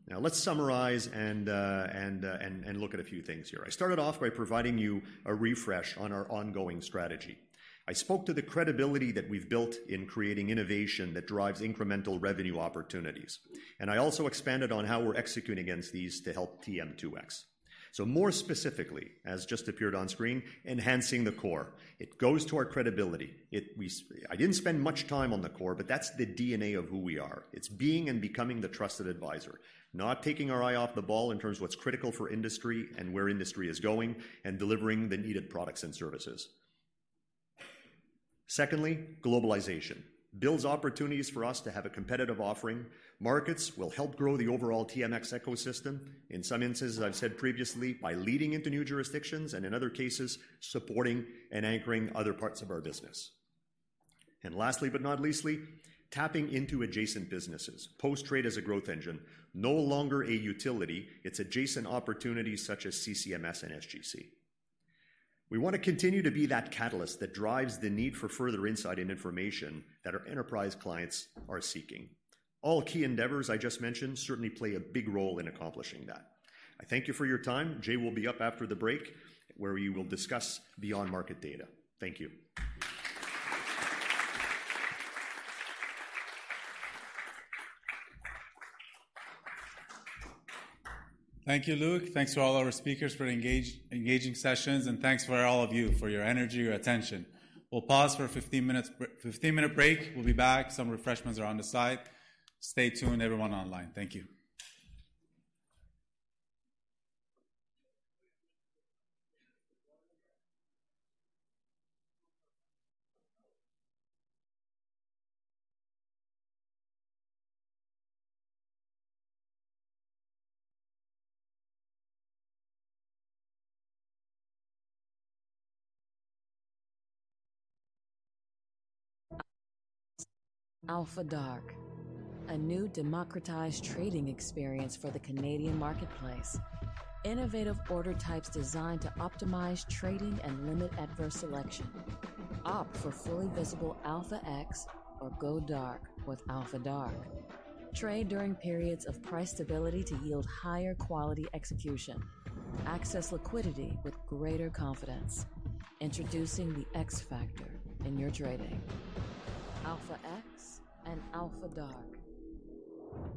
S13: Now, let's summarize and look at a few things here. I started off by providing you a refresh on our ongoing strategy. I spoke to the credibility that we've built in creating innovation that drives incremental revenue opportunities, and I also expanded on how we're executing against these to help TM2X. So more specifically, as just appeared on screen, enhancing the core. It goes to our credibility. I didn't spend much time on the core, but that's the DNA of who we are. It's being and becoming the trusted advisor, not taking our eye off the ball in terms of what's critical for industry and where industry is going, and delivering the needed products and services. Secondly, globalization. Builds opportunities for us to have a competitive offering. Markets will help grow the overall TMX ecosystem, in some instances, I've said previously, by leading into new jurisdictions and in other cases, supporting and anchoring other parts of our business. And lastly, but not leastly, tapping into adjacent businesses. Post-trade as a growth engine, no longer a utility, it's adjacent opportunities such as CCMS and SGC. We want to continue to be that catalyst that drives the need for further insight and information that our enterprise clients are seeking. All key endeavors I just mentioned certainly play a big role in accomplishing that. I thank you for your time. Jay will be up after the break, where we will discuss beyond market data. Thank you.
S1: Thank you, Luc. Thanks to all our speakers for engaging sessions, and thanks to all of you for your energy, your attention. We'll pause for a 15-minute break. We'll be back. Some refreshments are on the side. Stay tuned, everyone online. Thank you.
S14: Alpha DRK, a new democratized trading experience for the Canadian marketplace. Innovative order types designed to optimize trading and limit adverse selection. Opt for fully visible Alpha-X or go dark with Alpha DRK. Trade during periods of price stability to yield higher quality execution. Access liquidity with greater confidence. Introducing the X factor in your trading: Alpha-X and Alpha DRK.
S2: What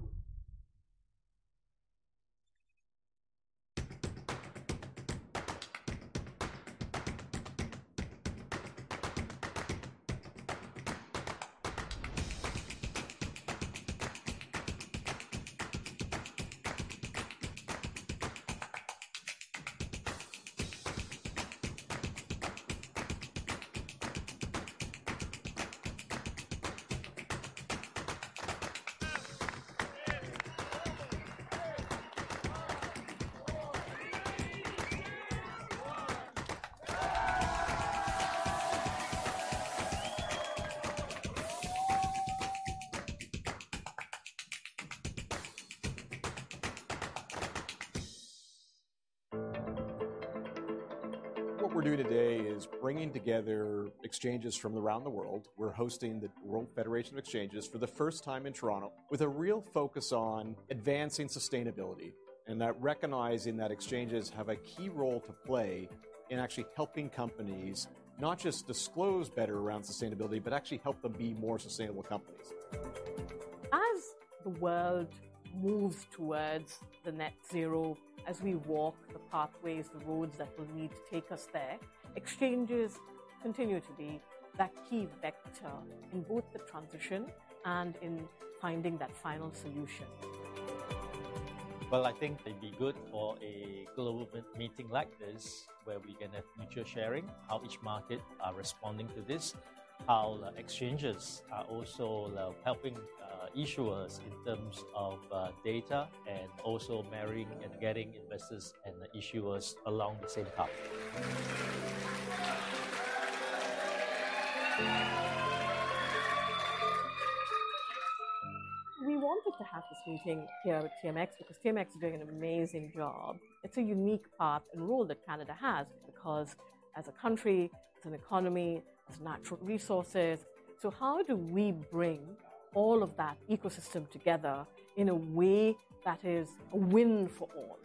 S2: we're doing today is bringing together exchanges from around the world. We're hosting the World Federation of Exchanges for the first time in Toronto with a real focus on advancing sustainability, and, recognizing that exchanges have a key role to play in actually helping companies not just disclose better around sustainability, but actually help them be more sustainable companies.
S15: As the world moves towards the net zero, as we walk the pathways, the roads that will need to take us there, exchanges continue to be that key vector in both the transition and in finding that final solution.
S16: Well, I think it'd be good for a global meeting like this, where we can have future sharing, how each market are responding to this, how the exchanges are also helping issuers in terms of data and also marrying and getting investors and the issuers along the same path.
S17: We wanted to have this meeting here with TMX, because TMX is doing an amazing job. It's a unique path and role that Canada has, because as a country, it's an economy, it's natural resources. So how do we bring all of that ecosystem together in a way that is a win for all?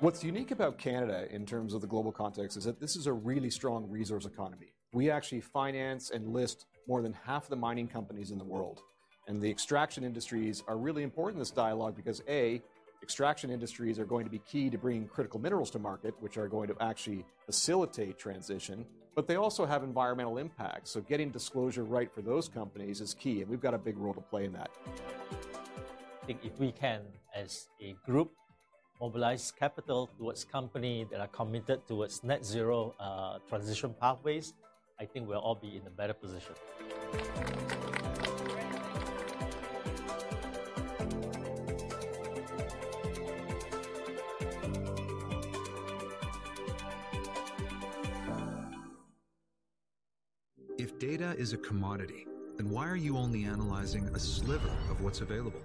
S18: What's unique about Canada in terms of the global context, is that this is a really strong resource economy. We actually finance and list more than half the mining companies in the world, and the extraction industries are really important in this dialogue because, A, extraction industries are going to be key to bringing critical minerals to market, which are going to actually facilitate transition, but they also have environmental impacts. So getting disclosure right for those companies is key, and we've got a big role to play in that.
S19: I think if we can, as a group, mobilize capital towards company that are committed towards net zero, transition pathways, I think we'll all be in a better position.
S20: If data is a commodity, then why are you only analyzing a sliver of what's available?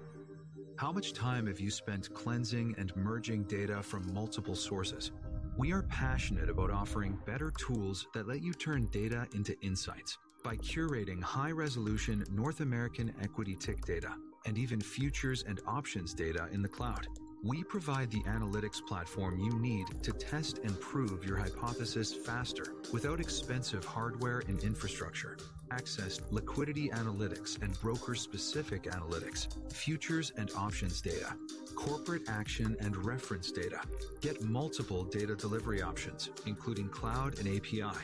S20: How much time have you spent cleansing and merging data from multiple sources? We are passionate about offering better tools that let you turn data into insights by curating high-resolution North American equity tick data, and even futures and options data in the cloud. We provide the analytics platform you need to test and prove your hypothesis faster without expensive hardware and infrastructure. Access liquidity analytics and broker-specific analytics, futures and options data, corporate action and reference data. Get multiple data delivery options, including cloud and API.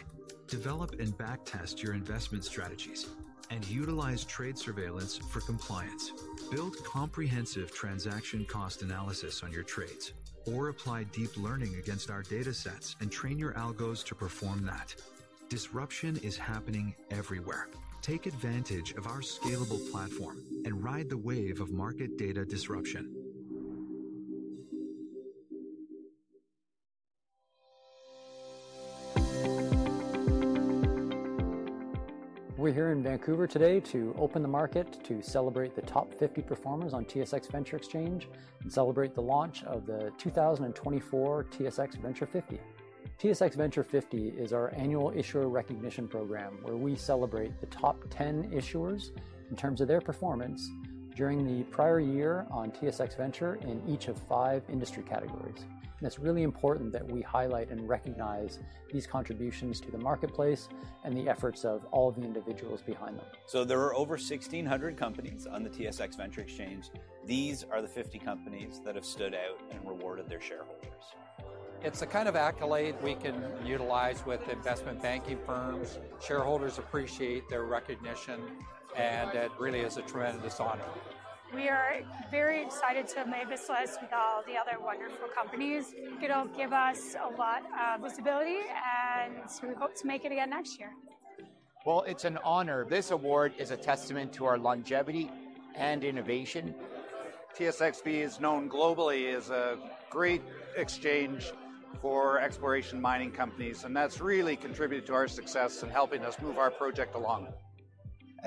S20: Develop and back test your investment strategies and utilize trade surveillance for compliance. Build comprehensive transaction cost analysis on your trades, or apply deep learning against our data sets and train your algos to perform that. Disruption is happening everywhere. Take advantage of our scalable platform and ride the wave of market data disruption.
S21: We're here in Vancouver today to open the market to celebrate the top 50 performers on TSX Venture Exchange and celebrate the launch of the 2024 TSX Venture 50. TSX Venture 50 is our annual issuer recognition program, where we celebrate the top 10 issuers in terms of their performance during the prior year on TSX Venture in each of five industry categories. It's really important that we highlight and recognize these contributions to the marketplace and the efforts of all the individuals behind them.
S22: There are over 1,600 companies on the TSX Venture Exchange. These are the 50 companies that have stood out and rewarded their shareholders.
S23: It's the kind of accolade we can utilize with investment banking firms. Shareholders appreciate their recognition, and it really is a tremendous honor.
S24: We are very excited to have made this list with all the other wonderful companies. It'll give us a lot, visibility, and we hope to make it again next year.
S25: Well, it's an honor. This award is a testament to our longevity and innovation.
S26: TSXV is known globally as a great exchange for exploration mining companies, and that's really contributed to our success in helping us move our project along.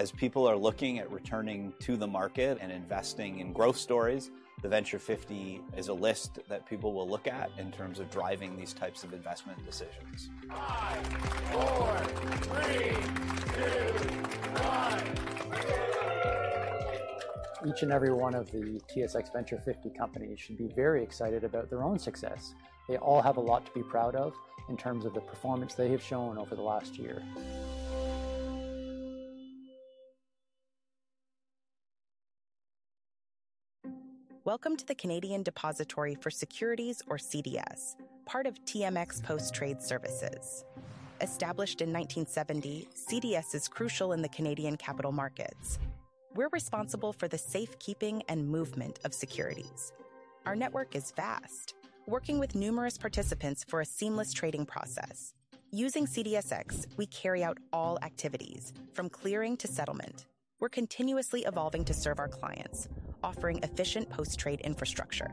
S27: As people are looking at returning to the market and investing in growth stories, the Venture 50 is a list that people will look at in terms of driving these types of investment decisions.
S28: 5, 4, 3, 2, 1!
S29: Each and every one of the TSX Venture 50 companies should be very excited about their own success. They all have a lot to be proud of in terms of the performance they have shown over the last year.
S30: Welcome to the Canadian Depository for Securities, or CDS, part of TMX Post Trade Services. Established in 1970, CDS is crucial in the Canadian capital markets. We're responsible for the safekeeping and movement of securities. Our network is vast, working with numerous participants for a seamless trading process. Using CDSX, we carry out all activities, from clearing to settlement. We're continuously evolving to serve our clients, offering efficient post-trade infrastructure.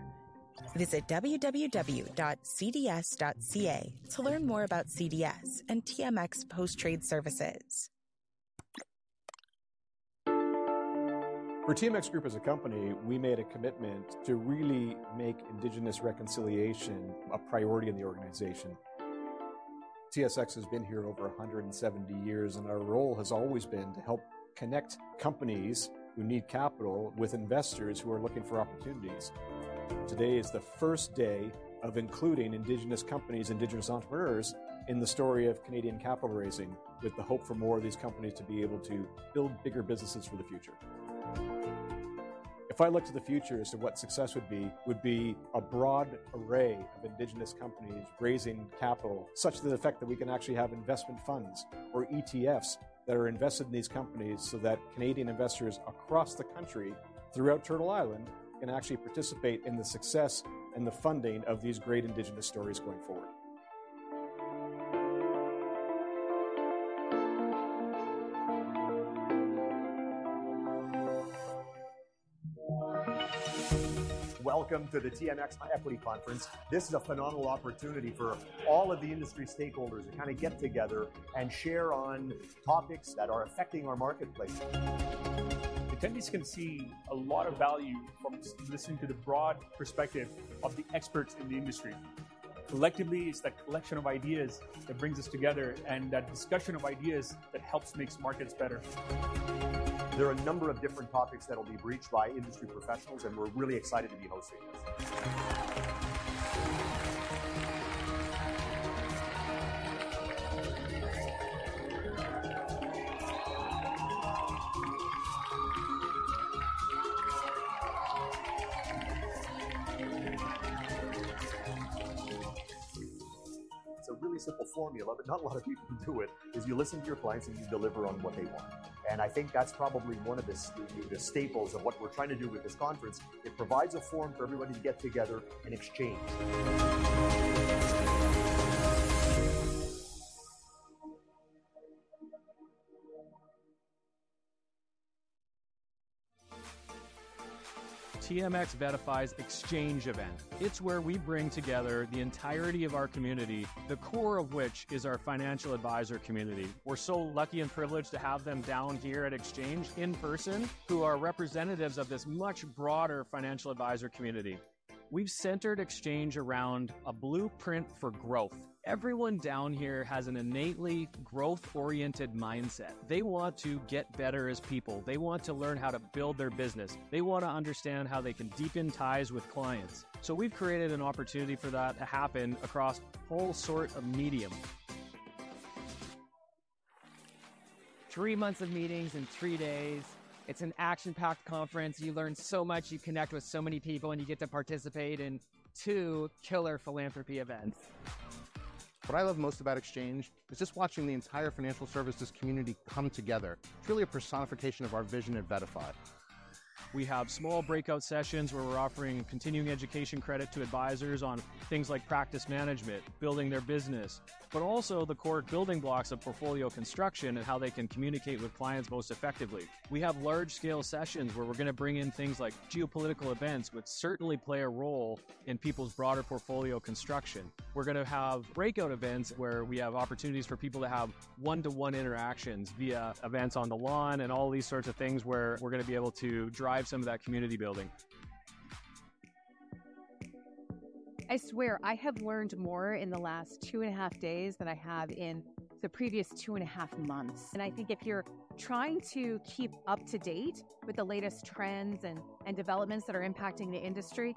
S30: Visit www.cds.ca to learn more about CDS and TMX Post Trade Services.
S2: For TMX Group as a company, we made a commitment to really make Indigenous reconciliation a priority in the organization. TSX has been here over 170 years, and our role has always been to help connect companies who need capital with investors who are looking for opportunities. Today is the first day of including Indigenous companies and Indigenous entrepreneurs in the story of Canadian capital raising, with the hope for more of these companies to be able to build bigger businesses for the future. If I look to the future as to what success would be, would be a broad array of Indigenous companies raising capital, such to the effect that we can actually have investment funds or ETFs that are invested in these companies, so that Canadian investors across the country, throughout Turtle Island, can actually participate in the success and the funding of these great Indigenous stories going forward.
S31: Welcome to the TMX Equity Conference. This is a phenomenal opportunity for all of the industry stakeholders to kind of get together and share on topics that are affecting our marketplace.
S32: Attendees can see a lot of value from listening to the broad perspective of the experts in the industry. Collectively, it's that collection of ideas that brings us together and that discussion of ideas that helps make markets better.
S31: There are a number of different topics that will be broached by industry professionals, and we're really excited to be hosting this.
S33: It's a really simple formula, but not a lot of people do it, is you listen to your clients, and you deliver on what they want. And I think that's probably one of the staples of what we're trying to do with this conference. It provides a forum for everybody to get together and exchange.
S34: TMX VettaFi's Exchange event. It's where we bring together the entirety of our community, the core of which is our financial advisor community. We're so lucky and privileged to have them down here at Exchange in person, who are representatives of this much broader financial advisor community. We've centered Exchange around a blueprint for growth. Everyone down here has an innately growth-oriented mindset. They want to get better as people. They want to learn how to build their business. They want to understand how they can deepen ties with clients. So we've created an opportunity for that to happen across all sort of medium.
S35: Three months of meetings in three days. It's an action-packed conference. You learn so much, you connect with so many people, and you get to participate in two killer philanthropy events.
S36: What I love most about Exchange is just watching the entire financial services community come together. It's really a personification of our vision at VettaFi.
S37: We have small breakout sessions, where we're offering continuing education credit to advisors on things like practice management, building their business, but also the core building blocks of portfolio construction and how they can communicate with clients most effectively. We have large-scale sessions, where we're going to bring in things like geopolitical events, which certainly play a role in people's broader portfolio construction. We're going to have breakout events, where we have opportunities for people to have one-to-one interactions via events on the lawn and all these sorts of things, where we're going to be able to drive some of that community building.
S38: I swear I have learned more in the last two and a half days than I have in the previous two and a half months. I think if you're trying to keep up to date with the latest trends and developments that are impacting the industry,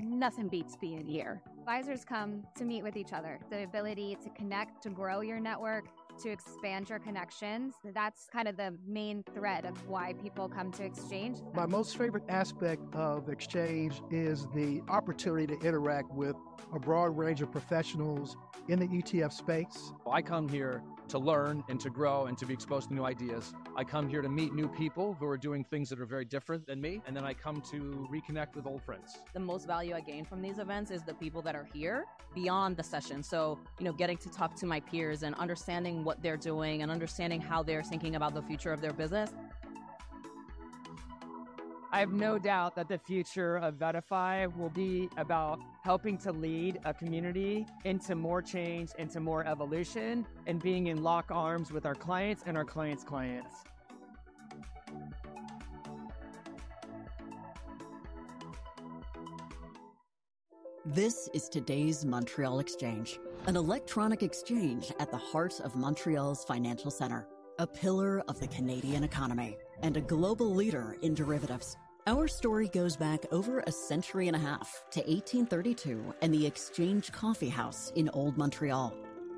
S38: nothing beats being here.
S39: Advisors come to meet with each other. The ability to connect, to grow your network, to expand your connections, that's kind of the main thread of why people come to Exchange.
S40: My most favorite aspect of Exchange is the opportunity to interact with a broad range of professionals in the ETF space.
S41: I come here to learn and to grow and to be exposed to new ideas. I come here to meet new people who are doing things that are very different than me, and then I come to reconnect with old friends.
S42: The most value I gain from these events is the people that are here beyond the session. So, you know, getting to talk to my peers and understanding what they're doing and understanding how they're thinking about the future of their business.
S43: I have no doubt that the future of VettaFi will be about helping to lead a community into more change, into more evolution, and being in lock arms with our clients and our clients' clients.
S44: This is today's Montréal Exchange, an electronic exchange at the heart of Montréal's financial center, a pillar of the Canadian economy, and a global leader in derivatives. Our story goes back over a century and a half to 1832 and the Exchange Coffee House in Old Montréal.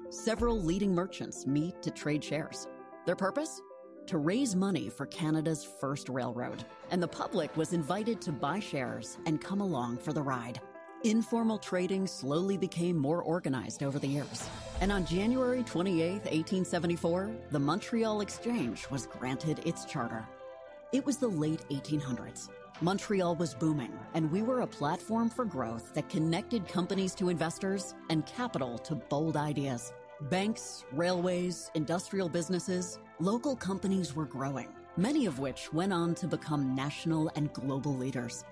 S44: Several leading merchants meet to trade shares. Their purpose? To raise money for Canada's first railroad, and the public was invited to buy shares and come along for the ride. Informal trading slowly became more organized over the years, and on January 28, 1874, the Montréal Exchange was granted its charter. It was the late 1800s. Montréal was booming, and we were a platform for growth that connected companies to investors and capital to bold ideas. Banks, railways, industrial businesses, local companies were growing, many of which went on to become national and global leaders.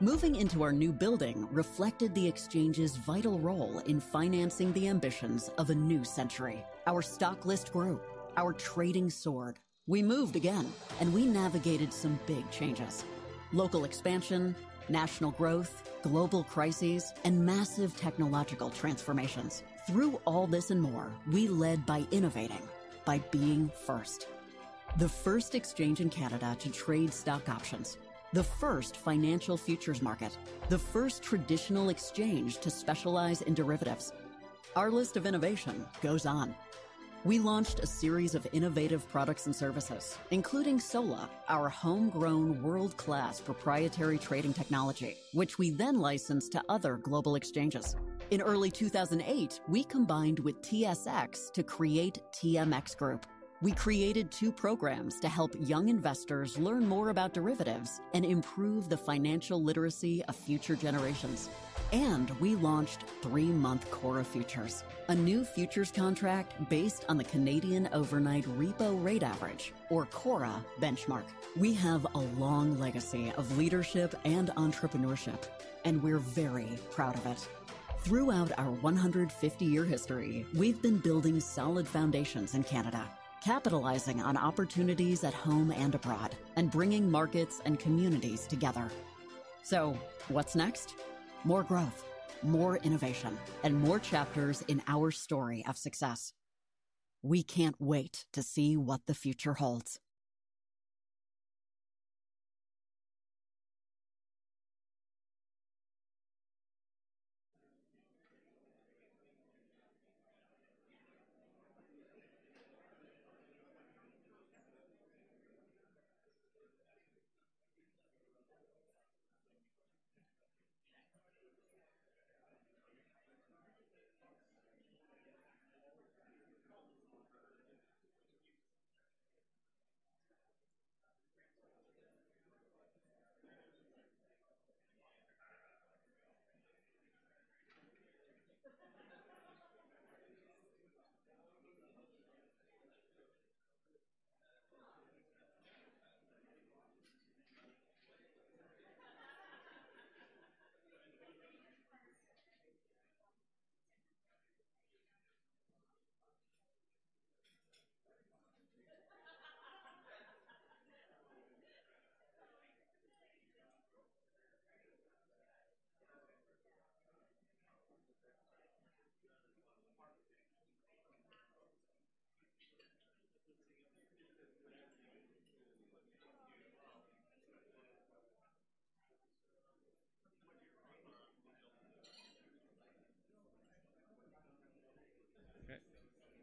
S44: Moving into our new building reflected the exchange's vital role in financing the ambitions of a new century. Our stock list grew, our trading soared. We moved again, and we navigated some big changes: local expansion, national growth, global crises, and massive technological transformations. Through all this and more, we led by innovating, by being first. The first exchange in Canada to trade stock options, the first financial futures market, the first traditional exchange to specialize in derivatives. Our list of innovation goes on. We launched a series of innovative products and services, including SOLA, our homegrown, world-class, proprietary trading technology, which we then licensed to other global exchanges. In early 2008, we combined with TSX to create TMX Group. We created two programs to help young investors learn more about derivatives and improve the financial literacy of future generations. We launched three-month CORRA Futures, a new futures contract based on the Canadian Overnight Repo Rate Average, or CORRA, benchmark. We have a long legacy of leadership and entrepreneurship, and we're very proud of it. Throughout our 150-year history, we've been building solid foundations in Canada, capitalizing on opportunities at home and abroad, and bringing markets and communities together. So what's next? More growth, more innovation, and more chapters in our story of success. We can't wait to see what the future holds.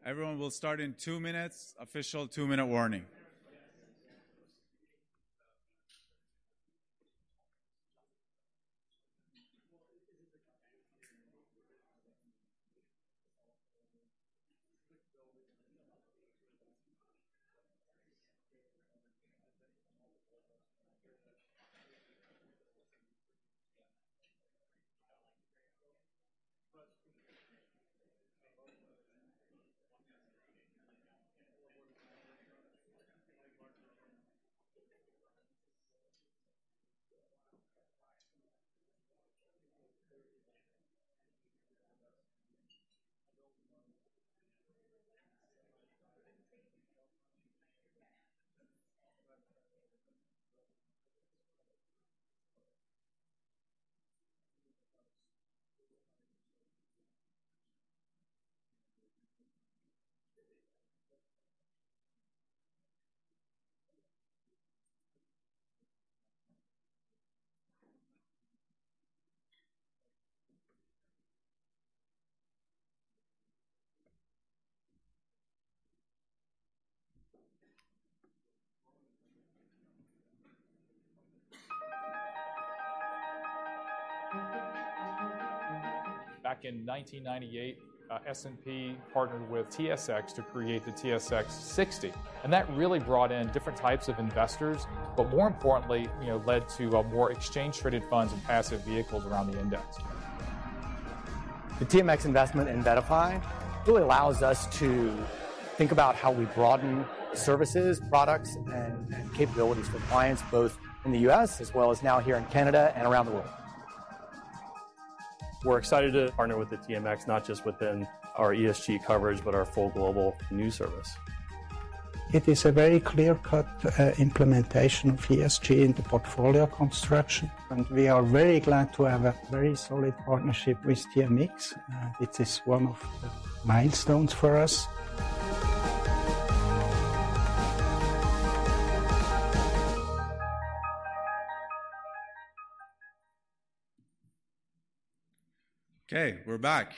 S1: Okay. Everyone, we'll start in two minutes. Official two-minute warning.
S45: Back in 1998, S&P partnered with TSX to create the S&P/TSX 60, and that really brought in different types of investors, but more importantly, you know, led to more exchange-traded funds and passive vehicles around the index.
S46: The TMX investment in VettaFi really allows us to think about how we broaden services, products, and capabilities for clients, both in the U.S. as well as now here in Canada and around the world.
S47: We're excited to partner with the TMX, not just within our ESG coverage, but our full global news service.
S48: It is a very clear-cut implementation of ESG into portfolio construction, and we are very glad to have a very solid partnership with TMX. It is one of the milestones for us.
S1: Okay, we're back.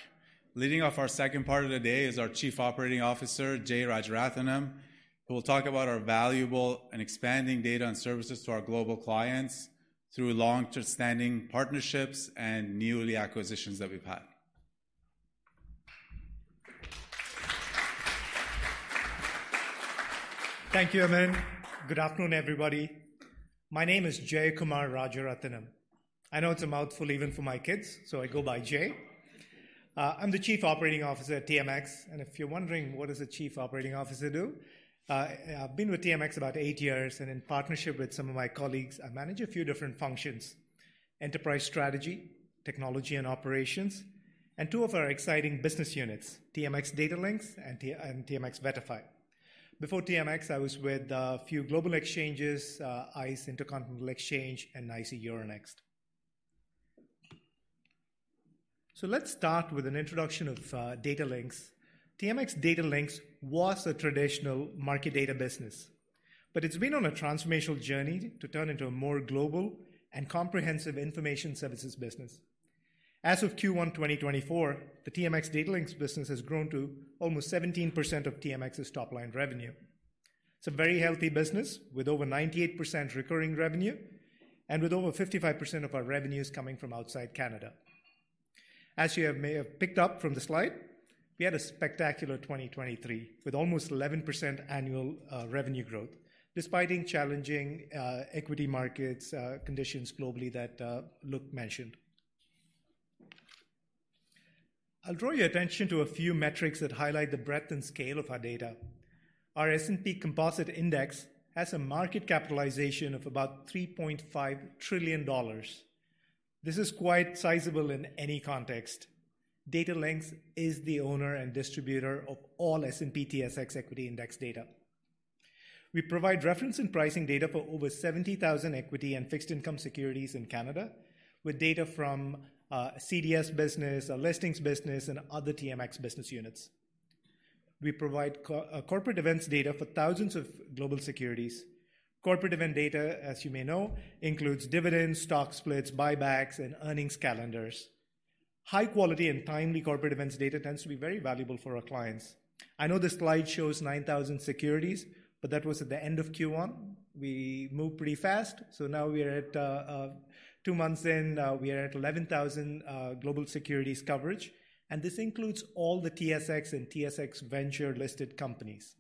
S1: Leading off our second part of the day is our Chief Operating Officer, Jay Rajarathinam, who will talk about our valuable and expanding data and services to our global clients through long-term standing partnerships and newly acquisitions that we've had.
S49: Thank you, Amin. Good afternoon, everybody. My name is Jayakumar Rajarathinam. I know it's a mouthful even for my kids, so I go by Jay. I'm the Chief Operating Officer at TMX, and if you're wondering, what does a Chief Operating Officer do? I've been with TMX about eight years, and in partnership with some of my colleagues, I manage a few different functions: enterprise strategy, technology and operations, and two of our exciting business units, TMX Datalinx and TMX VettaFi. Before TMX, I was with a few global exchanges, ICE, Intercontinental Exchange, and ICE Euronext. So let's start with an introduction of Datalinx. TMX Datalinx was a traditional market data business, but it's been on a transformational journey to turn into a more global and comprehensive information services business. As of Q1 2024, the TMX Datalinx business has grown to almost 17% of TMX's top-line revenue. It's a very healthy business, with over 98% recurring revenue and with over 55% of our revenues coming from outside Canada. As you may have picked up from the slide, we had a spectacular 2023, with almost 11% annual revenue growth, despite in challenging equity markets conditions globally that Luc mentioned. I'll draw your attention to a few metrics that highlight the breadth and scale of our data. Our S&P/TSX Composite Index has a market capitalization of about 3.5 trillion dollars. This is quite sizable in any context. Datalinx is the owner and distributor of all S&P/TSX equity index data. We provide reference and pricing data for over 70,000 equity and fixed income securities in Canada, with data from CDS business, our listings business, and other TMX business units. We provide corporate events data for thousands of global securities. Corporate event data, as you may know, includes dividends, stock splits, buybacks, and earnings calendars. High quality and timely corporate events data tends to be very valuable for our clients. I know this slide shows 9,000 securities, but that was at the end of Q1. We moved pretty fast, so now we are at two months in, we are at 11,000 global securities coverage, and this includes all the TSX and TSX Venture listed companies.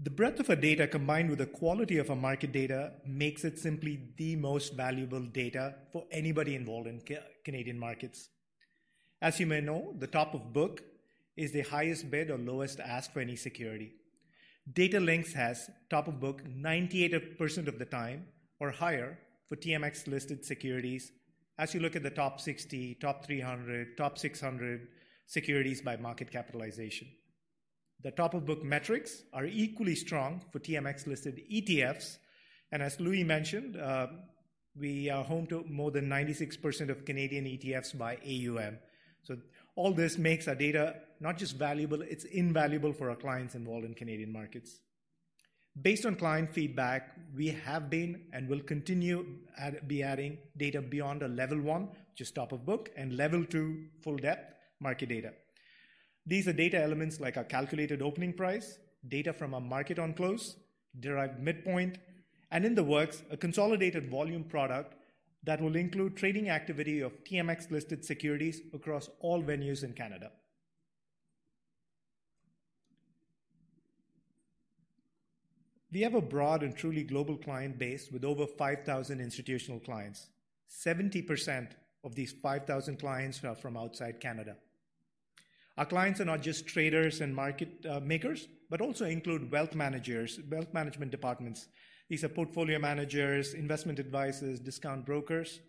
S49: The breadth of our data, combined with the quality of our market data, makes it simply the most valuable data for anybody involved in Canadian markets. As you may know, the top of book is the highest bid or lowest ask for any security. Datalinx has top of book 98% of the time or higher for TMX-listed securities as you look at the top 60, top 300, top 600 securities by market capitalization. The top of book metrics are equally strong for TMX-listed ETFs, and as Loui mentioned, we are home to more than 96% of Canadian ETFs by AUM. So all this makes our data not just valuable, it's invaluable for our clients involved in Canadian markets. Based on client feedback, we have been and will continue to be adding data beyond a level one, just top of book, and level two, full depth market data. These are data elements like our calculated opening price, data from our market on close, derived midpoint, and in the works, a consolidated volume product that will include trading activity of TMX-listed securities across all venues in Canada. We have a broad and truly global client base with over 5,000 institutional clients. 70% of these 5,000 clients are from outside Canada. Our clients are not just traders and market makers, but also include wealth managers, wealth management departments. These are portfolio managers, investment advisors, discount brokers,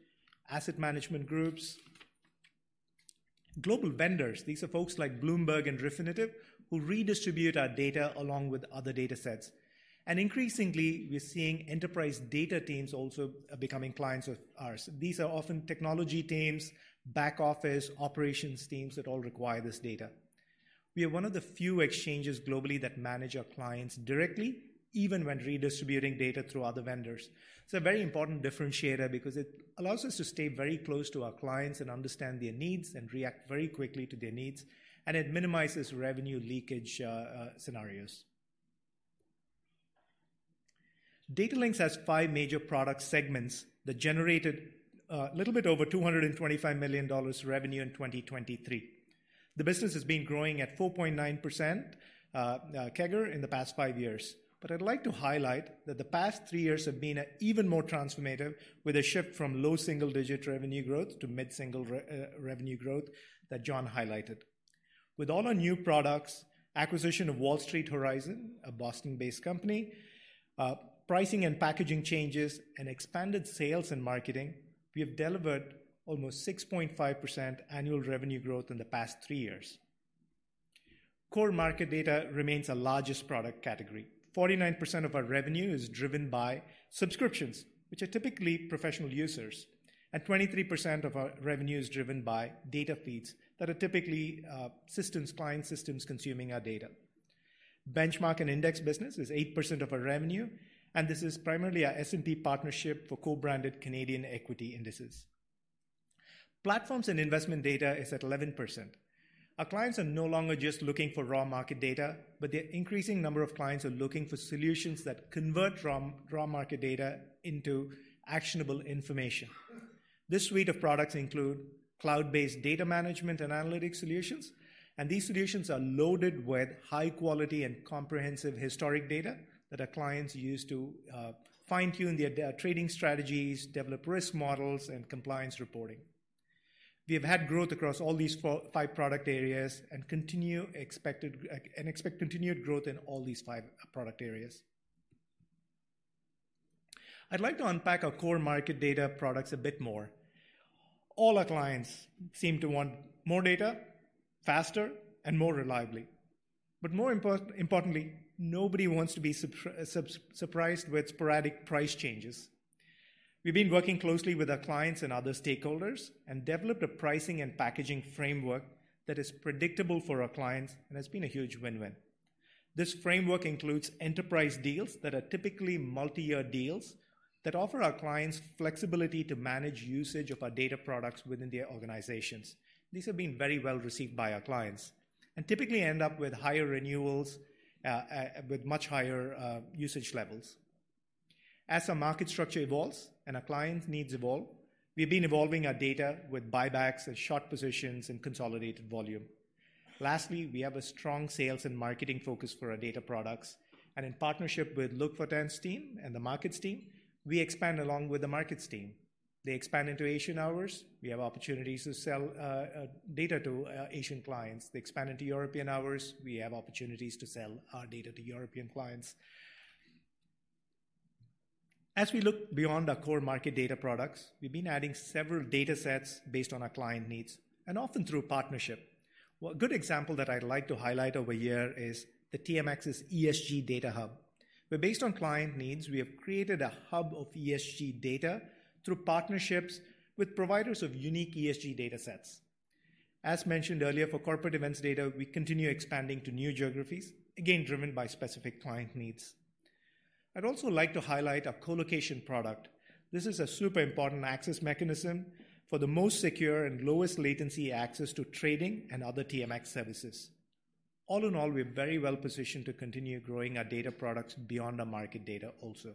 S49: asset management groups. Global vendors, these are folks like Bloomberg and Refinitiv, who redistribute our data along with other data sets. Increasingly, we're seeing enterprise data teams also becoming clients of ours. These are often technology teams, back office, operations teams that all require this data. We are one of the few exchanges globally that manage our clients directly, even when redistributing data through other vendors. It's a very important differentiator because it allows us to stay very close to our clients and understand their needs and react very quickly to their needs, and it minimizes revenue leakage scenarios. Datalinx has five major product segments that generated a little bit over 225 million dollars revenue in 2023. The business has been growing at 4.9% CAGR in the past five years. But I'd like to highlight that the past three years have been even more transformative, with a shift from low single-digit revenue growth to mid-single revenue growth that John highlighted. With all our new products, acquisition of Wall Street Horizon, a Boston-based company, pricing and packaging changes, and expanded sales and marketing, we have delivered almost 6.5% annual revenue growth in the past three years. Core market data remains our largest product category. 49% of our revenue is driven by subscriptions, which are typically professional users, and 23% of our revenue is driven by data feeds that are typically systems, client systems consuming our data. Benchmark and Index business is 8% of our revenue, and this is primarily our S&P partnership for co-branded Canadian equity indices. Platforms and investment data is at 11%. Our clients are no longer just looking for raw market data, but the increasing number of clients are looking for solutions that convert raw, raw market data into actionable information. This suite of products include cloud-based data management and analytic solutions, and these solutions are loaded with high quality and comprehensive historic data that our clients use to fine-tune their trading strategies, develop risk models, and compliance reporting. We have had growth across all these four-five product areas and expect continued growth in all these five product areas. I'd like to unpack our core market data products a bit more. All our clients seem to want more data, faster and more reliably. But more importantly, nobody wants to be surprised with sporadic price changes. We've been working closely with our clients and other stakeholders, and developed a pricing and packaging framework that is predictable for our clients, and it's been a huge win-win. This framework includes enterprise deals that are typically multi-year deals, that offer our clients flexibility to manage usage of our data products within their organizations. These have been very well received by our clients, and typically end up with higher renewals with much higher usage levels. As our market structure evolves and our clients' needs evolve, we've been evolving our data with buybacks and short positions and consolidated volume. Lastly, we have a strong sales and marketing focus for our data products, and in partnership with Luc Fortin and the markets team, we expand along with the markets team. They expand into Asian hours, we have opportunities to sell data to Asian clients. They expand into European hours; we have opportunities to sell our data to European clients. As we look beyond our core market data products, we've been adding several data sets based on our client needs, and often through partnership. One good example that I'd like to highlight over here is the TMX's ESG Data Hub, where based on client needs, we have created a hub of ESG data through partnerships with providers of unique ESG data sets. As mentioned earlier, for corporate events data, we continue expanding to new geographies, again, driven by specific client needs.... I'd also like to highlight our co-location product. This is a super important access mechanism for the most secure and lowest latency access to trading and other TMX services. All in all, we're very well positioned to continue growing our data products beyond our market data also.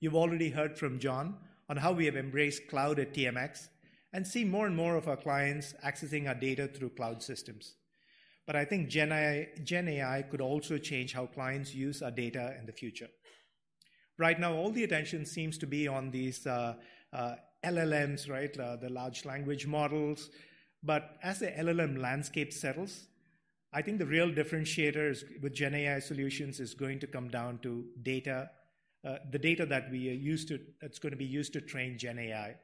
S49: You've already heard from John on how we have embraced cloud at TMX, and see more and more of our clients accessing our data through cloud systems. But I think GenAI could also change how clients use our data in the future. Right now, all the attention seems to be on these LLMs, right? The large language models. But as the LLM landscape settles, I think the real differentiators with GenAI solutions is going to come down to data. The data that we use to-- that's gonna be used to train GenAI.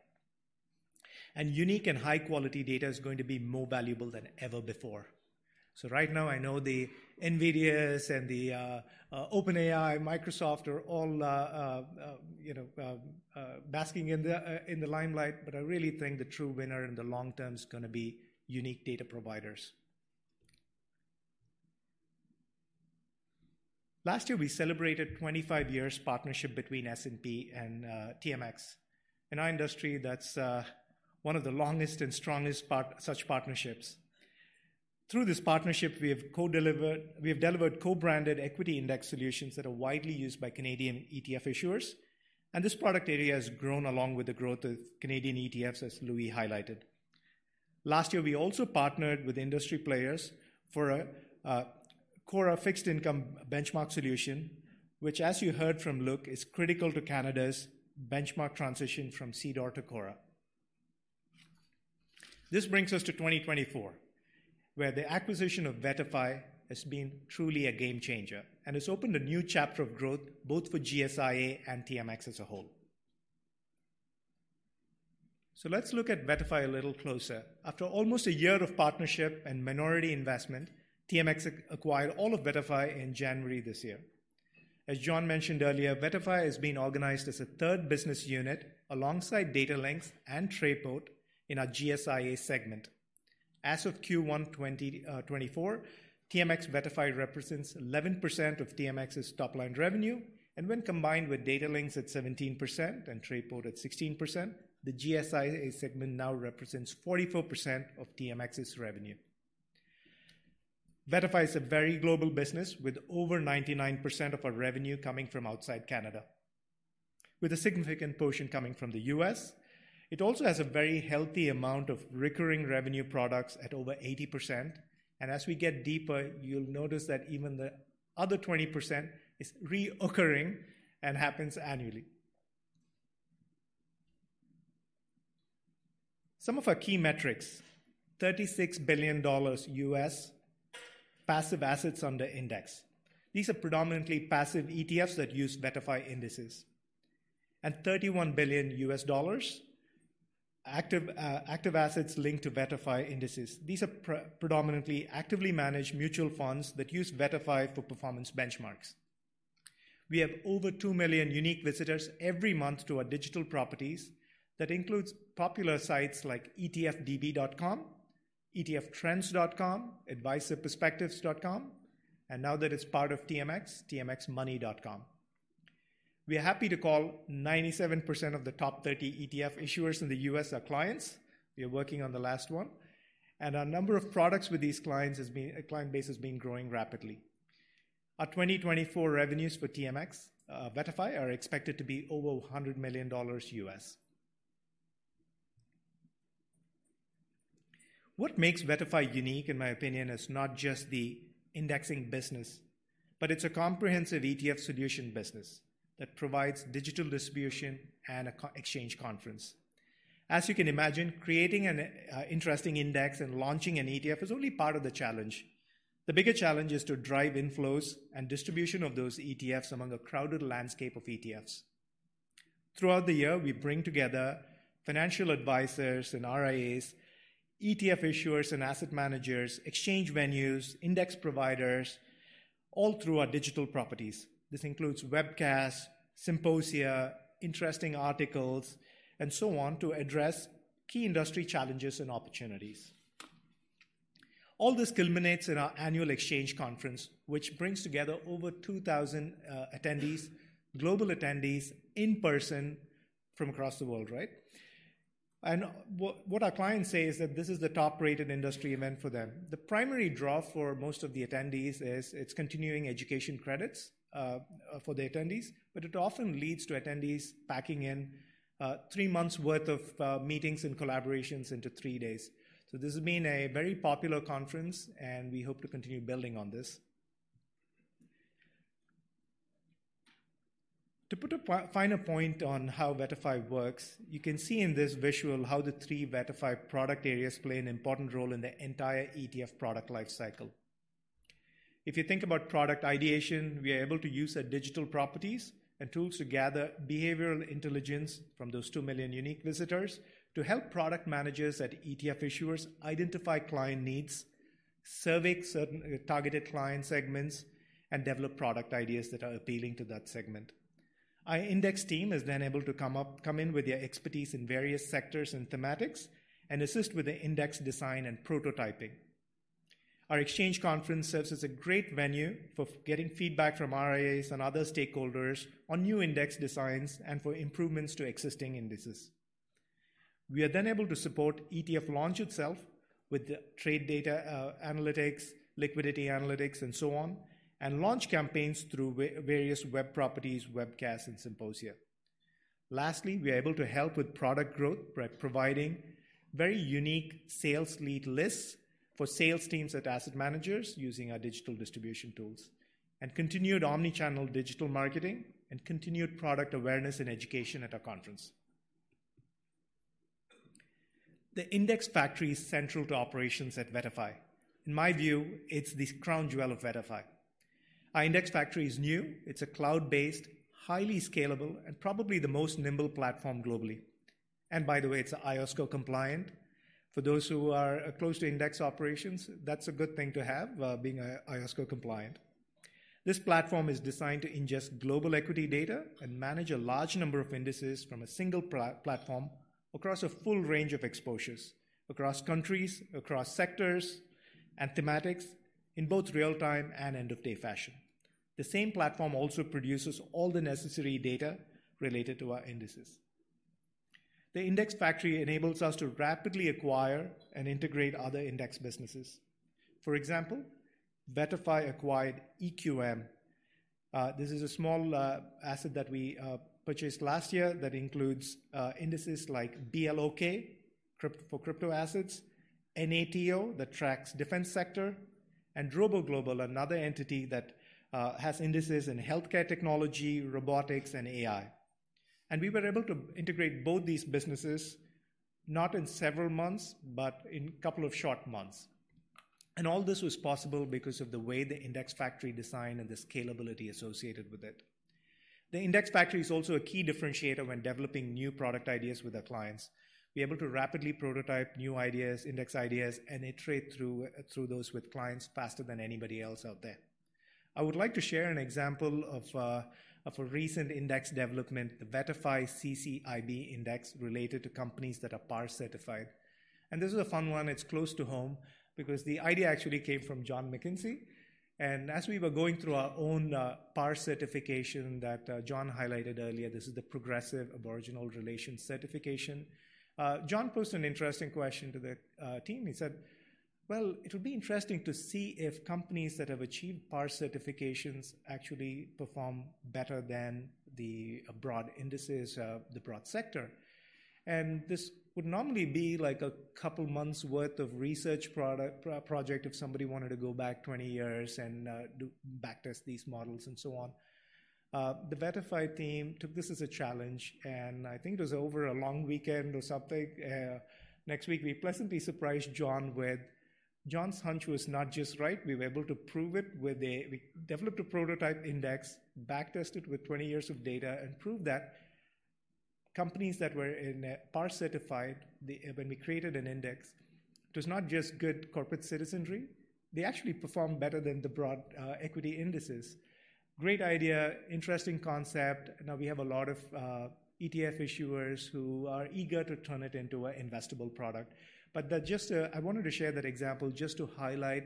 S49: And unique and high-quality data is going to be more valuable than ever before. So right now, I know the NVIDIA's and the OpenAI, Microsoft are all, you know, basking in the limelight, but I really think the true winner in the long term is gonna be unique data providers. Last year, we celebrated 25 years partnership between S&P and TMX. In our industry, that's one of the longest and strongest such partnerships. Through this partnership, we have delivered co-branded equity index solutions that are widely used by Canadian ETF issuers, and this product area has grown along with the growth of Canadian ETFs, as Loui highlighted. Last year, we also partnered with industry players for a CORRA fixed income benchmark solution, which, as you heard from Luc, is critical to Canada's benchmark transition from CDOR to CORRA. This brings us to 2024, where the acquisition of VettaFi has been truly a game changer and has opened a new chapter of growth both for GSIA and TMX as a whole. Let's look at VettaFi a little closer. After almost a year of partnership and minority investment, TMX acquired all of VettaFi in January this year. As John mentioned earlier, VettaFi has been organized as a third business unit alongside Datalinx and Trayport in our GSIA segment. As of Q1 2024, TMX VettaFi represents 11% of TMX's top-line revenue, and when combined with Datalinx at 17% and Trayport at 16%, the GSIA segment now represents 44% of TMX's revenue. VettaFi is a very global business, with over 99% of our revenue coming from outside Canada, with a significant portion coming from the U.S. It also has a very healthy amount of recurring revenue products at over 80%, and as we get deeper, you'll notice that even the other 20% is recurring and happens annually. Some of our key metrics: $36 billion passive assets under index. These are predominantly passive ETFs that use VettaFi indices. And $31 billion active assets linked to VettaFi indices. These are predominantly actively managed mutual funds that use VettaFi for performance benchmarks. We have over two million unique visitors every month to our digital properties. That includes popular sites like etfdb.com, etftrends.com, advisorperspectives.com, and now that it's part of TMX, tmxmoney.com. We are happy to call 97% of the top 30 ETF issuers in the U.S. our clients. We are working on the last one, and our number of products with these clients has been, our client base has been growing rapidly. Our 2024 revenues for TMX VettaFi are expected to be over $100 million. What makes VettaFi unique, in my opinion, is not just the indexing business, but it's a comprehensive ETF solution business that provides digital distribution and a co-exchange conference. As you can imagine, creating an interesting index and launching an ETF is only part of the challenge. The bigger challenge is to drive inflows and distribution of those ETFs among a crowded landscape of ETFs. Throughout the year, we bring together financial advisors and RIAs, ETF issuers and asset managers, exchange venues, index providers, all through our digital properties. This includes webcasts, symposia, interesting articles, and so on, to address key industry challenges and opportunities. All this culminates in our annual exchange conference, which brings together over 2,000 attendees, global attendees, in person from across the world, right? And what our clients say is that this is the top-rated industry event for them. The primary draw for most of the attendees is its continuing education credits for the attendees, but it often leads to attendees packing in three months' worth of meetings and collaborations into three days. So this has been a very popular conference, and we hope to continue building on this. To put a finer point on how VettaFi works, you can see in this visual how the three VettaFi product areas play an important role in the entire ETF product lifecycle. If you think about product ideation, we are able to use our digital properties and tools to gather behavioral intelligence from those 2 million unique visitors to help product managers at ETF issuers identify client needs, serving certain targeted client segments, and develop product ideas that are appealing to that segment. Our index team is then able to come in with their expertise in various sectors and thematics and assist with the index design and prototyping. Our Exchange Conference serves as a great venue for getting feedback from RIAs and other stakeholders on new index designs and for improvements to existing indices. We are then able to support ETF launch itself with the trade data, analytics, liquidity analytics, and so on, and launch campaigns through various web properties, webcasts, and symposia. Lastly, we are able to help with product growth by providing very unique sales lead lists for sales teams at asset managers using our digital distribution tools, and continued omni-channel digital marketing, and continued product awareness and education at our conference. The Index Factory is central to operations at VettaFi. In my view, it's the crown jewel of VettaFi. Our Index Factory is new. It's a cloud-based, highly scalable, and probably the most nimble platform globally. And by the way, it's IOSCO compliant. For those who are close to index operations, that's a good thing to have, being IOSCO compliant. This platform is designed to ingest global equity data and manage a large number of indices from a single platform across a full range of exposures, across countries, across sectors and thematics, in both real-time and end-of-day fashion. The same platform also produces all the necessary data related to our indices. The Index Factory enables us to rapidly acquire and integrate other index businesses. For example, VettaFi acquired EQM. This is a small asset that we purchased last year that includes indices like BLOK for crypto assets; NATO, that tracks defense sector; and RoboGlobal, another entity that has indices in healthcare technology, robotics, and AI. We were able to integrate both these businesses not in several months, but in couple of short months. All this was possible because of the way the Index Factory design and the scalability associated with it. The Index Factory is also a key differentiator when developing new product ideas with our clients. We're able to rapidly prototype new ideas, index ideas, and iterate through those with clients faster than anybody else out there. I would like to share an example of a recent index development, the VettaFi CCIB Index, related to companies that are PAR certified. This is a fun one. It's close to home because the idea actually came from John McKenzie. As we were going through our own PAR certification that John highlighted earlier, this is the Progressive Aboriginal Relations certification. John posed an interesting question to the team. He said, "Well, it would be interesting to see if companies that have achieved PAR certifications actually perform better than the broad indices of the broad sector." This would normally be like a couple months' worth of research project if somebody wanted to go back 20 years and do backtest these models, and so on. The VettaFi team took this as a challenge, and I think it was over a long weekend or something. Next week, we pleasantly surprised John with... John's hunch was not just right, we were able to prove it with a-- we developed a prototype index, backtested with 20 years of data, and proved that companies that were in PAR certified, the when we created an index, it was not just good corporate citizenry, they actually performed better than the broad equity indices. Great idea, interesting concept. Now, we have a lot of ETF issuers who are eager to turn it into an investable product. But that just... I wanted to share that example just to highlight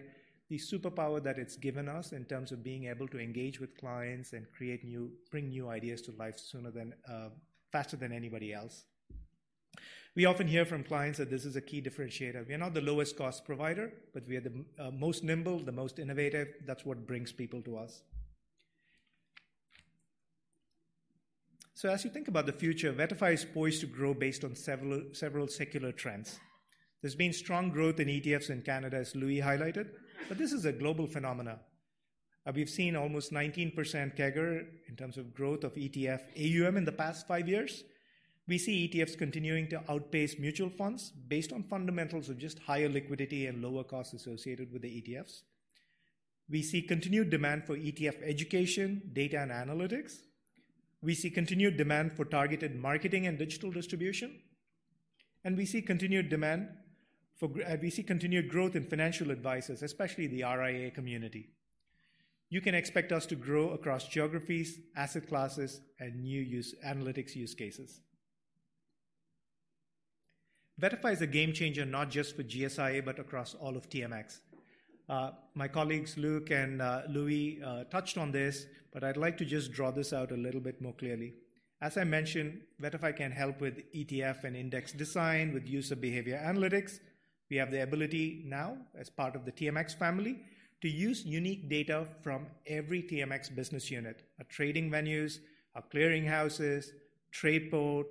S49: the superpower that it's given us in terms of being able to engage with clients and bring new ideas to life sooner than faster than anybody else. We often hear from clients that this is a key differentiator. We are not the lowest cost provider, but we are the most nimble, the most innovative. That's what brings people to us. As you think about the future, VettaFi is poised to grow based on several secular trends. There's been strong growth in ETFs in Canada, as Loui highlighted, but this is a global phenomenon. We've seen almost 19% CAGR in terms of growth of ETF AUM in the past five years. We see ETFs continuing to outpace mutual funds based on fundamentals of just higher liquidity and lower costs associated with the ETFs. We see continued demand for ETF education, data, and analytics. We see continued demand for targeted marketing and digital distribution, and we see continued demand for we see continued growth in financial advisors, especially the RIA community. You can expect us to grow across geographies, asset classes, and new analytics use cases. VettaFi is a game changer, not just for GSIA, but across all of TMX. My colleagues, Luc and Loui, touched on this, but I'd like to just draw this out a little bit more clearly. As I mentioned, VettaFi can help with ETF and index design, with user behavior analytics. We have the ability now, as part of the TMX family, to use unique data from every TMX business unit, our trading venues, our clearinghouses, trade board,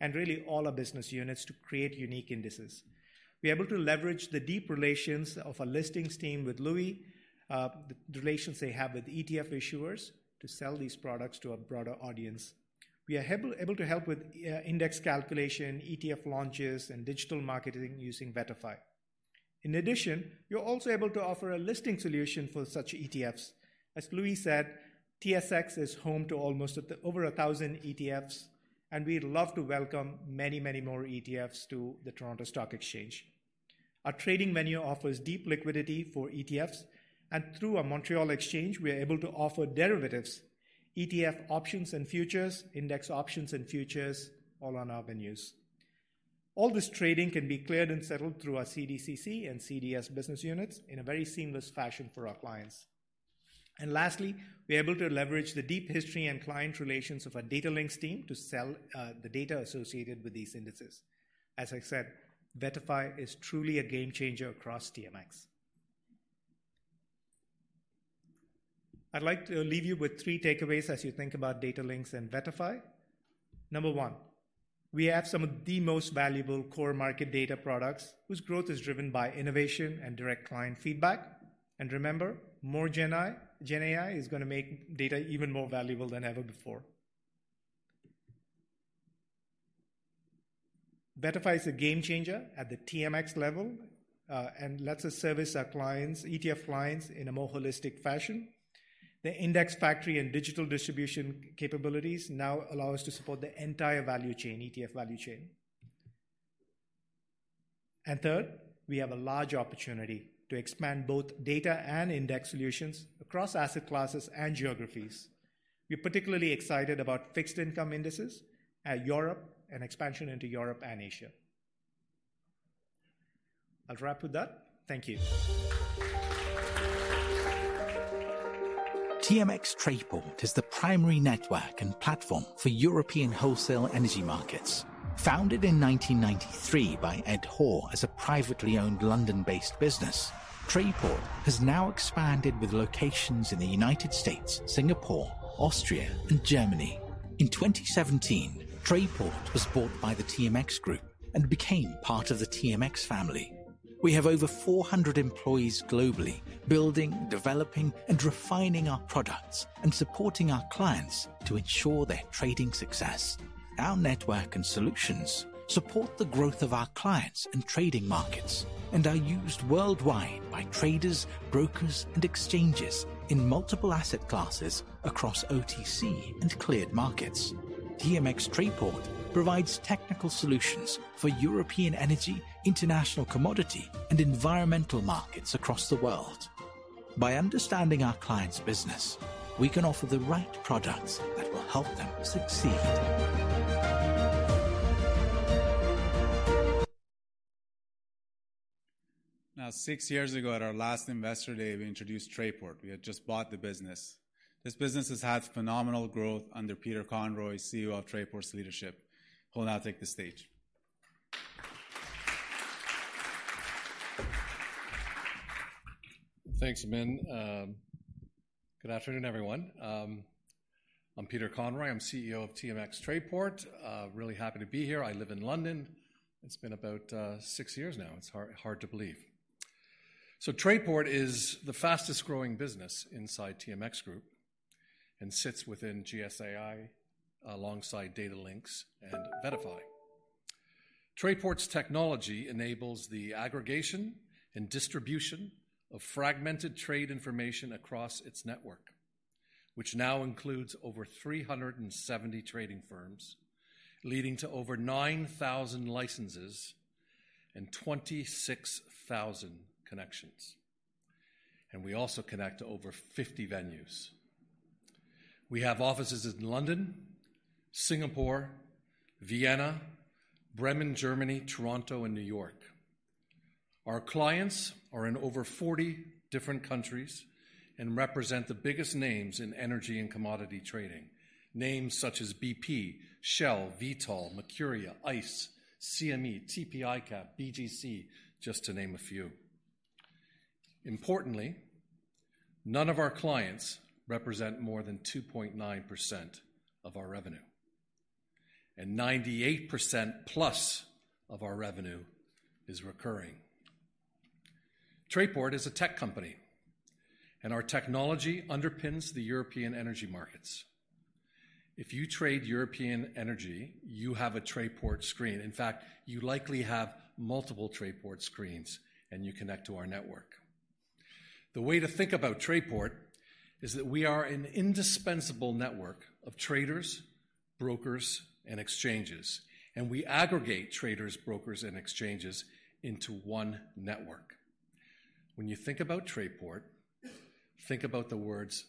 S49: and really all our business units to create unique indices. We're able to leverage the deep relations of our listings team with Loui, the relations they have with ETF issuers to sell these products to a broader audience. We are able to help with index calculation, ETF launches, and digital marketing using VettaFi. In addition, we're also able to offer a listing solution for such ETFs. As Loui said, TSX is home to over 1,000 ETFs, and we'd love to welcome many, many more ETFs to the Toronto Stock Exchange. Our trading venue offers deep liquidity for ETFs, and through our Montréal Exchange, we are able to offer derivatives, ETF options and futures, index options and futures, all on our venues. All this trading can be cleared and settled through our CDCC and CDS business units in a very seamless fashion for our clients. And lastly, we're able to leverage the deep history and client relations of our Datalinx team to sell the data associated with these indices. As I said, VettaFi is truly a game changer across TMX. I'd like to leave you with three takeaways as you think about Datalinx and VettaFi. Number one, we have some of the most valuable core market data products, whose growth is driven by innovation and direct client feedback. And remember, more GenAI is gonna make data even more valuable than ever before. VettaFi is a game changer at the TMX level and lets us service our clients, ETF clients, in a more holistic fashion. The index factory and digital distribution capabilities now allow us to support the entire value chain, ETF value chain. Third, we have a large opportunity to expand both data and index solutions across asset classes and geographies. We're particularly excited about fixed income indices in Europe, and expansion into Europe and Asia. I'll wrap with that. Thank you.
S50: TMX Trayport is the primary network and platform for European wholesale energy markets. Founded in 1993 by Ed Hor as a privately owned London-based business, Trayport has now expanded with locations in the United States, Singapore, Austria, and Germany. In 2017, Trayport was bought by the TMX Group and became part of the TMX family. We have over 400 employees globally, building, developing, and refining our products and supporting our clients to ensure their trading success. Our network and solutions support the growth of our clients and trading markets and are used worldwide by traders, brokers, and exchanges in multiple asset classes across OTC and cleared markets. TMX Trayport provides technical solutions for European energy, international commodity, and environmental markets across the world. By understanding our clients' business, we can offer the right products that will help them succeed.
S1: Now, six years ago, at our last Investor Day, we introduced Trayport. We had just bought the business. This business has had phenomenal growth under Peter Conroy, CEO of Trayport's leadership, who will now take the stage.
S51: Thanks, Amin. Good afternoon, everyone. I'm Peter Conroy. I'm CEO of TMX Trayport. Really happy to be here. I live in London. It's been about six years now. It's hard to believe. Trayport is the fastest-growing business inside TMX Group and sits within GSIA, alongside Datalinx and VettaFi. Trayport's technology enables the aggregation and distribution of fragmented trade information across its network, which now includes over 370 trading firms, leading to over 9,000 licenses and 26,000 connections. We also connect to over 50 venues. We have offices in London, Singapore, Vienna, Bremen, Germany, Toronto, and New York. Our clients are in over 40 different countries and represent the biggest names in energy and commodity trading. Names such as BP, Shell, Vitol, Mercuria, ICE, CME, TP ICAP, BGC, just to name a few. Importantly, none of our clients represent more than 2.9% of our revenue, and 98%+ of our revenue is recurring. Trayport is a tech company, and our technology underpins the European energy markets. If you trade European energy, you have a Trayport screen. In fact, you likely have multiple Trayport screens, and you connect to our network. The way to think about Trayport is that we are an indispensable network of traders, brokers, and exchanges, and we aggregate traders, brokers, and exchanges into one network. When you think about Trayport, think about the words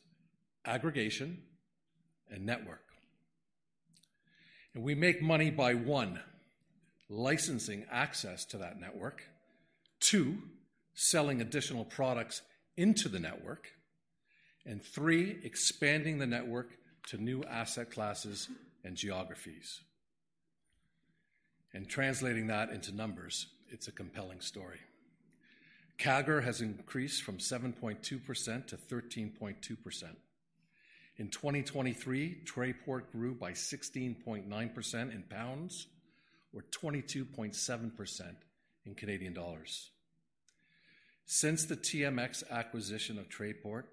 S51: aggregation and network. And we make money by, one, licensing access to that network, two, selling additional products into the network, and three, expanding the network to new asset classes and geographies. And translating that into numbers, it's a compelling story. CAGR has increased from 7.2% to 13.2%. In 2023, Trayport grew by 16.9% in GBP or 22.7% in CAD. Since the TMX acquisition of Trayport,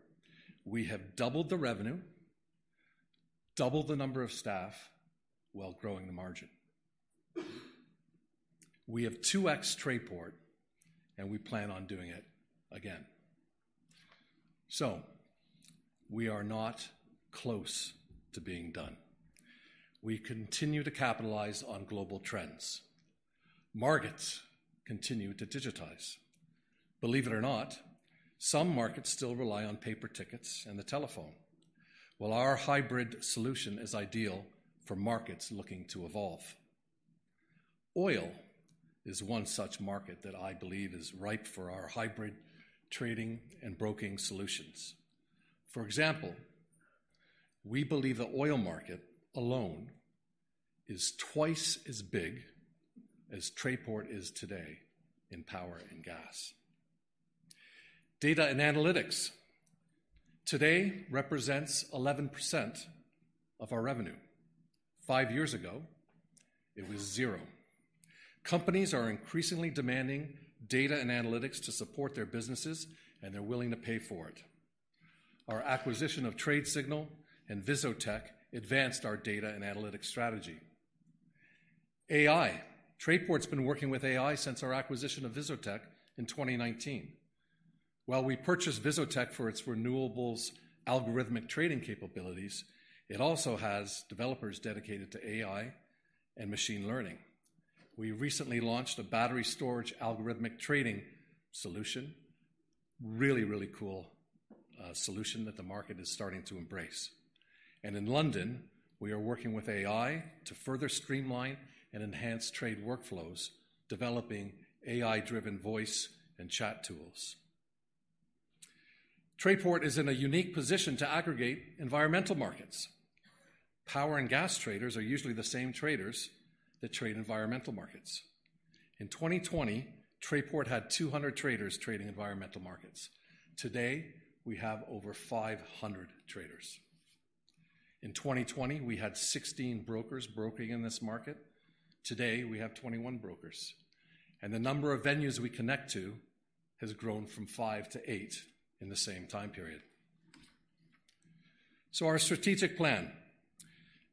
S51: we have doubled the revenue, doubled the number of staff, while growing the margin. We have 2x Trayport, and we plan on doing it again. So we are not close to being done. We continue to capitalize on global trends. Markets continue to digitize. Believe it or not, some markets still rely on paper tickets and the telephone. Well, our hybrid solution is ideal for markets looking to evolve. Oil is one such market that I believe is ripe for our hybrid trading and broking solutions. For example, we believe the oil market alone is twice as big as Trayport is today in power and gas. Data and analytics today represents 11% of our revenue. Five years ago, it was zero. Companies are increasingly demanding data and analytics to support their businesses, and they're willing to pay for it. Our acquisition of Tradesignal and VisoTech advanced our data and analytics strategy. AI. Trayport's been working with AI since our acquisition of VisoTech in 2019. While we purchased VisoTech for its renewables algorithmic trading capabilities, it also has developers dedicated to AI and machine learning. We recently launched a battery storage algorithmic trading solution. Really, really cool solution that the market is starting to embrace. And in London, we are working with AI to further streamline and enhance trade workflows, developing AI-driven voice and chat tools. Trayport is in a unique position to aggregate environmental markets. Power and gas traders are usually the same traders that trade environmental markets. In 2020, Trayport had 200 traders trading environmental markets. Today, we have over 500 traders. In 2020, we had 16 brokers broking in this market. Today, we have 21 brokers, and the number of venues we connect to has grown from 5 to 8 in the same time period. Our strategic plan.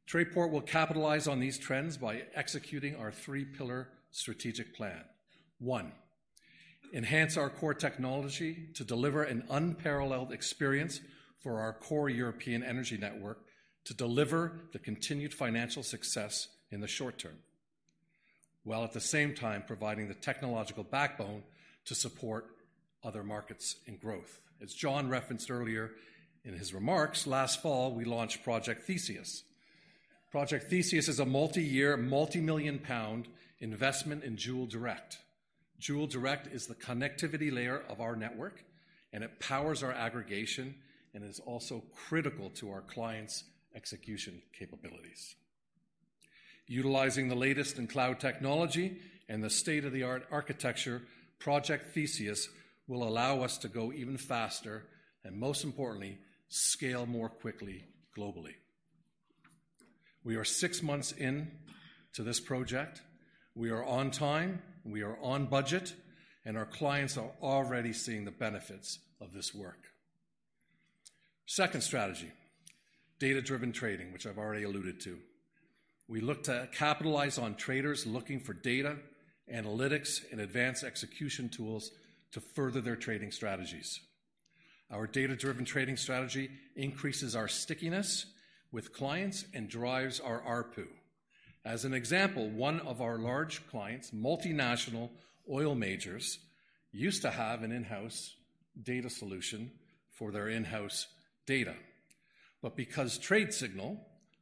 S51: Trayport will capitalize on these trends by executing our three-pillar strategic plan. 1, enhance our core technology to deliver an unparalleled experience for our core European energy network to deliver the continued financial success in the short term, while at the same time providing the technological backbone to support other markets in growth. As John referenced earlier in his remarks, last fall, we launched Project Theseus. Project Theseus is a multi-year, multi-million GBP investment in Joule Direct. Joule Direct is the connectivity layer of our network, and it powers our aggregation and is also critical to our clients' execution capabilities. Utilizing the latest in cloud technology and the state-of-the-art architecture, Project Theseus will allow us to go even faster, and most importantly, scale more quickly globally. We are six months in to this project. We are on time, we are on budget, and our clients are already seeing the benefits of this work. Second strategy, data-driven trading, which I've already alluded to. We look to capitalize on traders looking for data, analytics, and advanced execution tools to further their trading strategies. Our data-driven trading strategy increases our stickiness with clients and drives our ARPU. As an example, one of our large clients, multinational oil majors, used to have an in-house data solution for their in-house data. But because Tradesignal,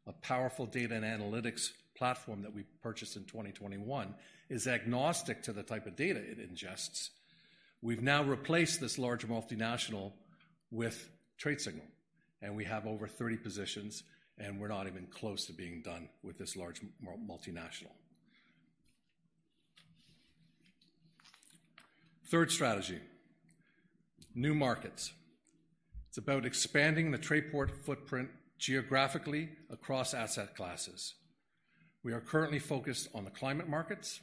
S51: a powerful data and analytics platform that we purchased in 2021, is agnostic to the type of data it ingests, we've now replaced this large multinational with Tradesignal, and we have over 30 positions, and we're not even close to being done with this large multinational. Third strategy, new markets. It's about expanding the Trayport footprint geographically across asset classes. We are currently focused on the climate markets,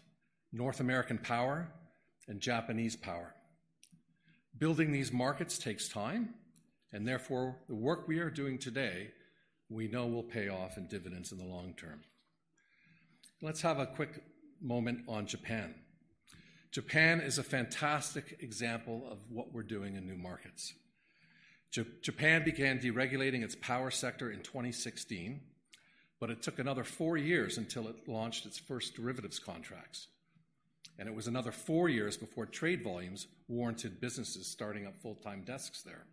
S51: North American power, and Japanese power. Building these markets takes time, and therefore, the work we are doing today, we know will pay off in dividends in the long term. Let's have a quick moment on Japan. Japan is a fantastic example of what we're doing in new markets. Japan began deregulating its power sector in 2016, but it took another four years until it launched its first derivatives contracts, and it was another four years before trade volumes warranted businesses starting up full-time desks there.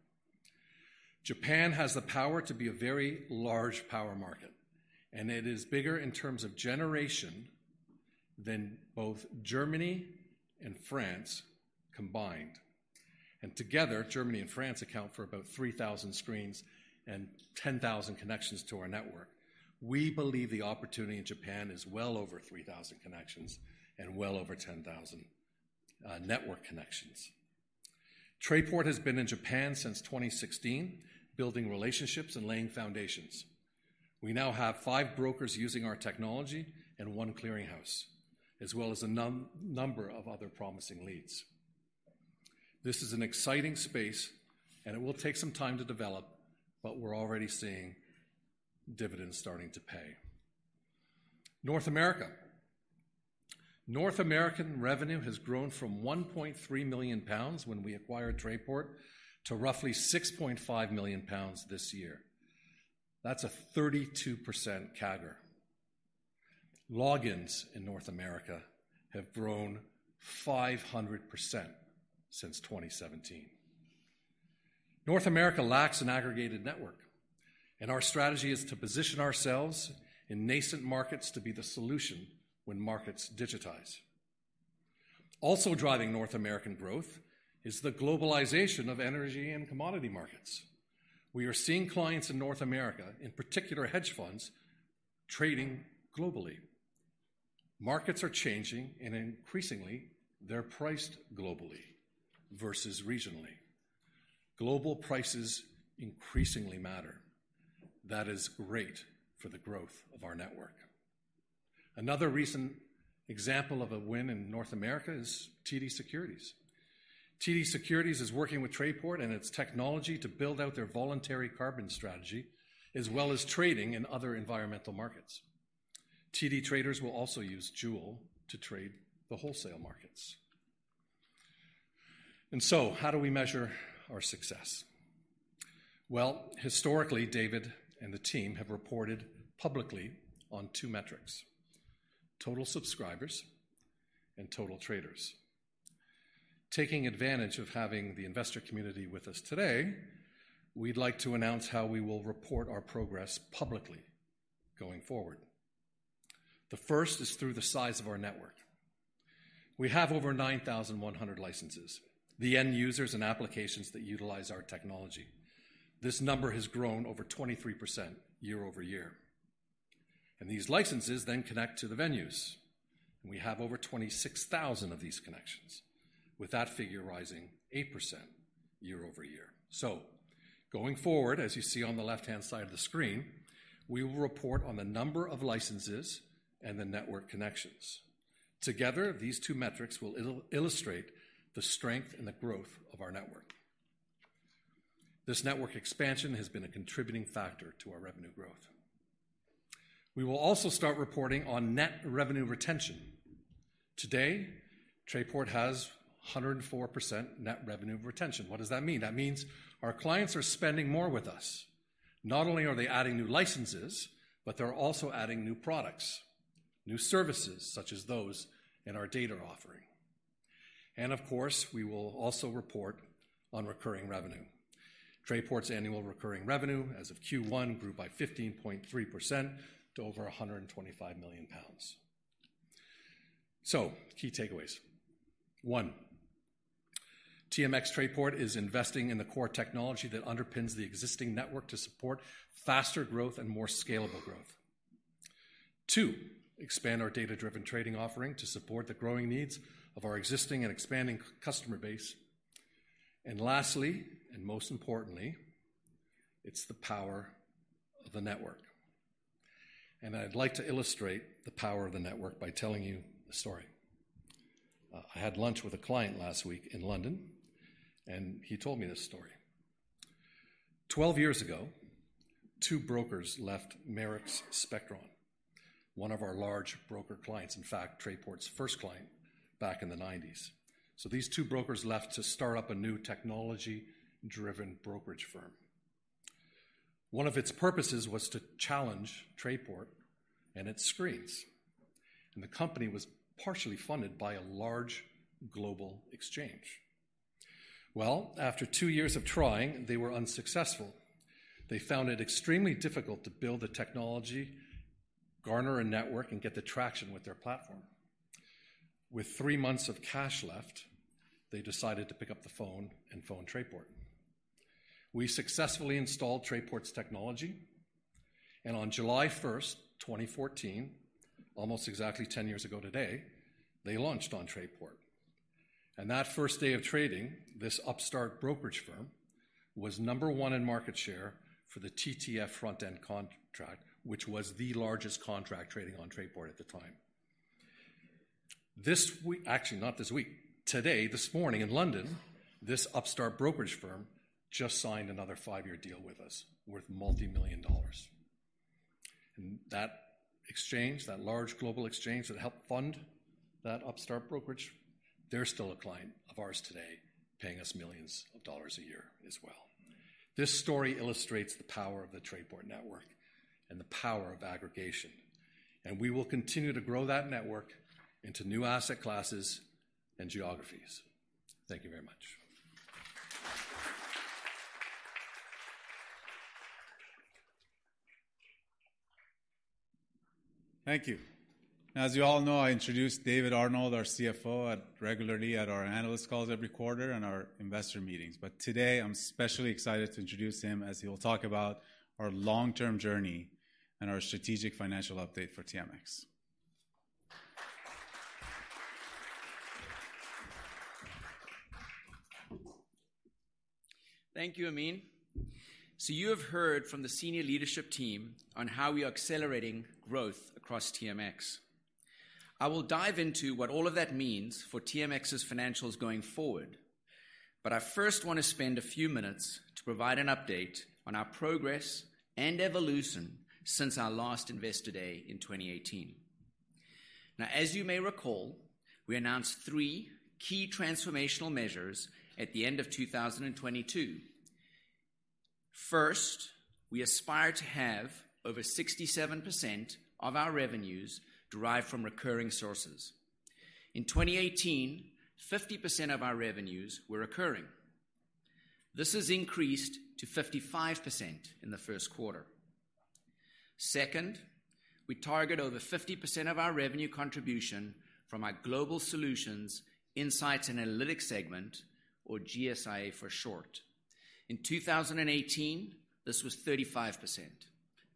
S51: Japan has the power to be a very large power market, and it is bigger in terms of generation than both Germany and France combined. And together, Germany and France account for about 3,000 screens and 10,000 connections to our network. We believe the opportunity in Japan is well over 3,000 connections and well over 10,000 network connections. Trayport has been in Japan since 2016, building relationships and laying foundations. We now have five brokers using our technology and one clearinghouse, as well as a number of other promising leads. This is an exciting space, and it will take some time to develop, but we're already seeing dividends starting to pay. North America. North American revenue has grown from 1.3 million pounds when we acquired Trayport to roughly 6.5 million pounds this year. That's a 32% CAGR. Logins in North America have grown 500% since 2017. North America lacks an aggregated network, and our strategy is to position ourselves in nascent markets to be the solution when markets digitize. Also driving North American growth is the globalization of energy and commodity markets. We are seeing clients in North America, in particular, hedge funds, trading globally. Markets are changing, and increasingly, they're priced globally versus regionally. Global prices increasingly matter. That is great for the growth of our network. Another recent example of a win in North America is TD Securities. TD Securities is working with Trayport and its technology to build out their voluntary carbon strategy, as well as trading in other environmental markets. TD traders will also use Joule to trade the wholesale markets. And so, how do we measure our success? Well, historically, David and the team have reported publicly on two metrics: total subscribers and total traders. Taking advantage of having the investor community with us today, we'd like to announce how we will report our progress publicly going forward. The first is through the size of our network. We have over 9,100 licenses, the end users and applications that utilize our technology. This number has grown over 23% year-over-year. And these licenses then connect to the venues, and we have over 26,000 of these connections, with that figure rising 8% year-over-year. So going forward, as you see on the left-hand side of the screen, we will report on the number of licenses and the network connections. Together, these two metrics will illustrate the strength and the growth of our network. This network expansion has been a contributing factor to our revenue growth. We will also start reporting on net revenue retention. Today, Trayport has 104% net revenue retention. What does that mean? That means our clients are spending more with us. Not only are they adding new licenses, but they're also adding new products, new services, such as those in our data offering. And of course, we will also report on recurring revenue. Trayport's annual recurring revenue, as of Q1, grew by 15.3% to over 125 million pounds. So, key takeaways. One TMX Trayport is investing in the core technology that underpins the existing network to support faster growth and more scalable growth. Two, expand our data-driven trading offering to support the growing needs of our existing and expanding customer base. Lastly, and most importantly, it's the power of the network. I'd like to illustrate the power of the network by telling you a story. I had lunch with a client last week in London, and he told me this story. 12 years ago, two brokers left Marex Spectron, one of our large broker clients, in fact, Trayport's first client back in the 1990s. So these two brokers left to start up a new technology-driven brokerage firm. One of its purposes was to challenge Trayport and its screens, and the company was partially funded by a large global exchange. Well, after two years of trying, they were unsuccessful. They found it extremely difficult to build the technology, garner a network, and get the traction with their platform. With three months of cash left, they decided to pick up the phone and phone Trayport. We successfully installed Trayport's technology, and on July 1, 2014, almost exactly 10 years ago today, they launched on Trayport. That first day of trading, this upstart brokerage firm was number one in market share for the TTF front-end contract, which was the largest contract trading on Trayport at the time. This week. Actually, not this week, today, this morning in London, this upstart brokerage firm just signed another five-year deal with us worth multimillion dollars. That exchange, that large global exchange that helped fund that upstart brokerage, they're still a client of ours today, paying us millions of dollars a year as well. This story illustrates the power of the Trayport network and the power of aggregation, and we will continue to grow that network into new asset classes and geographies. Thank you very much.
S1: Thank you. As you all know, I introduce David Arnold, our CFO, regularly at our Analyst Calls every quarter and our investor meetings. But today, I'm especially excited to introduce him as he will talk about our long-term journey and our strategic financial update for TMX.
S52: Thank you, Amin. So you have heard from the senior leadership team on how we are accelerating growth across TMX. I will dive into what all of that means for TMX's financials going forward, but I first want to spend a few minutes to provide an update on our progress and evolution since our last Investor Day in 2018. Now, as you may recall, we announced three key transformational measures at the end of 2022. First, we aspire to have over 67% of our revenues derived from recurring sources. In 2018, 50% of our revenues were recurring. This has increased to 55% in the first quarter. Second, we target over 50% of our revenue contribution from our Global Solutions, Insights and Analytics segment, or GSIA for short. In 2018, this was 35%.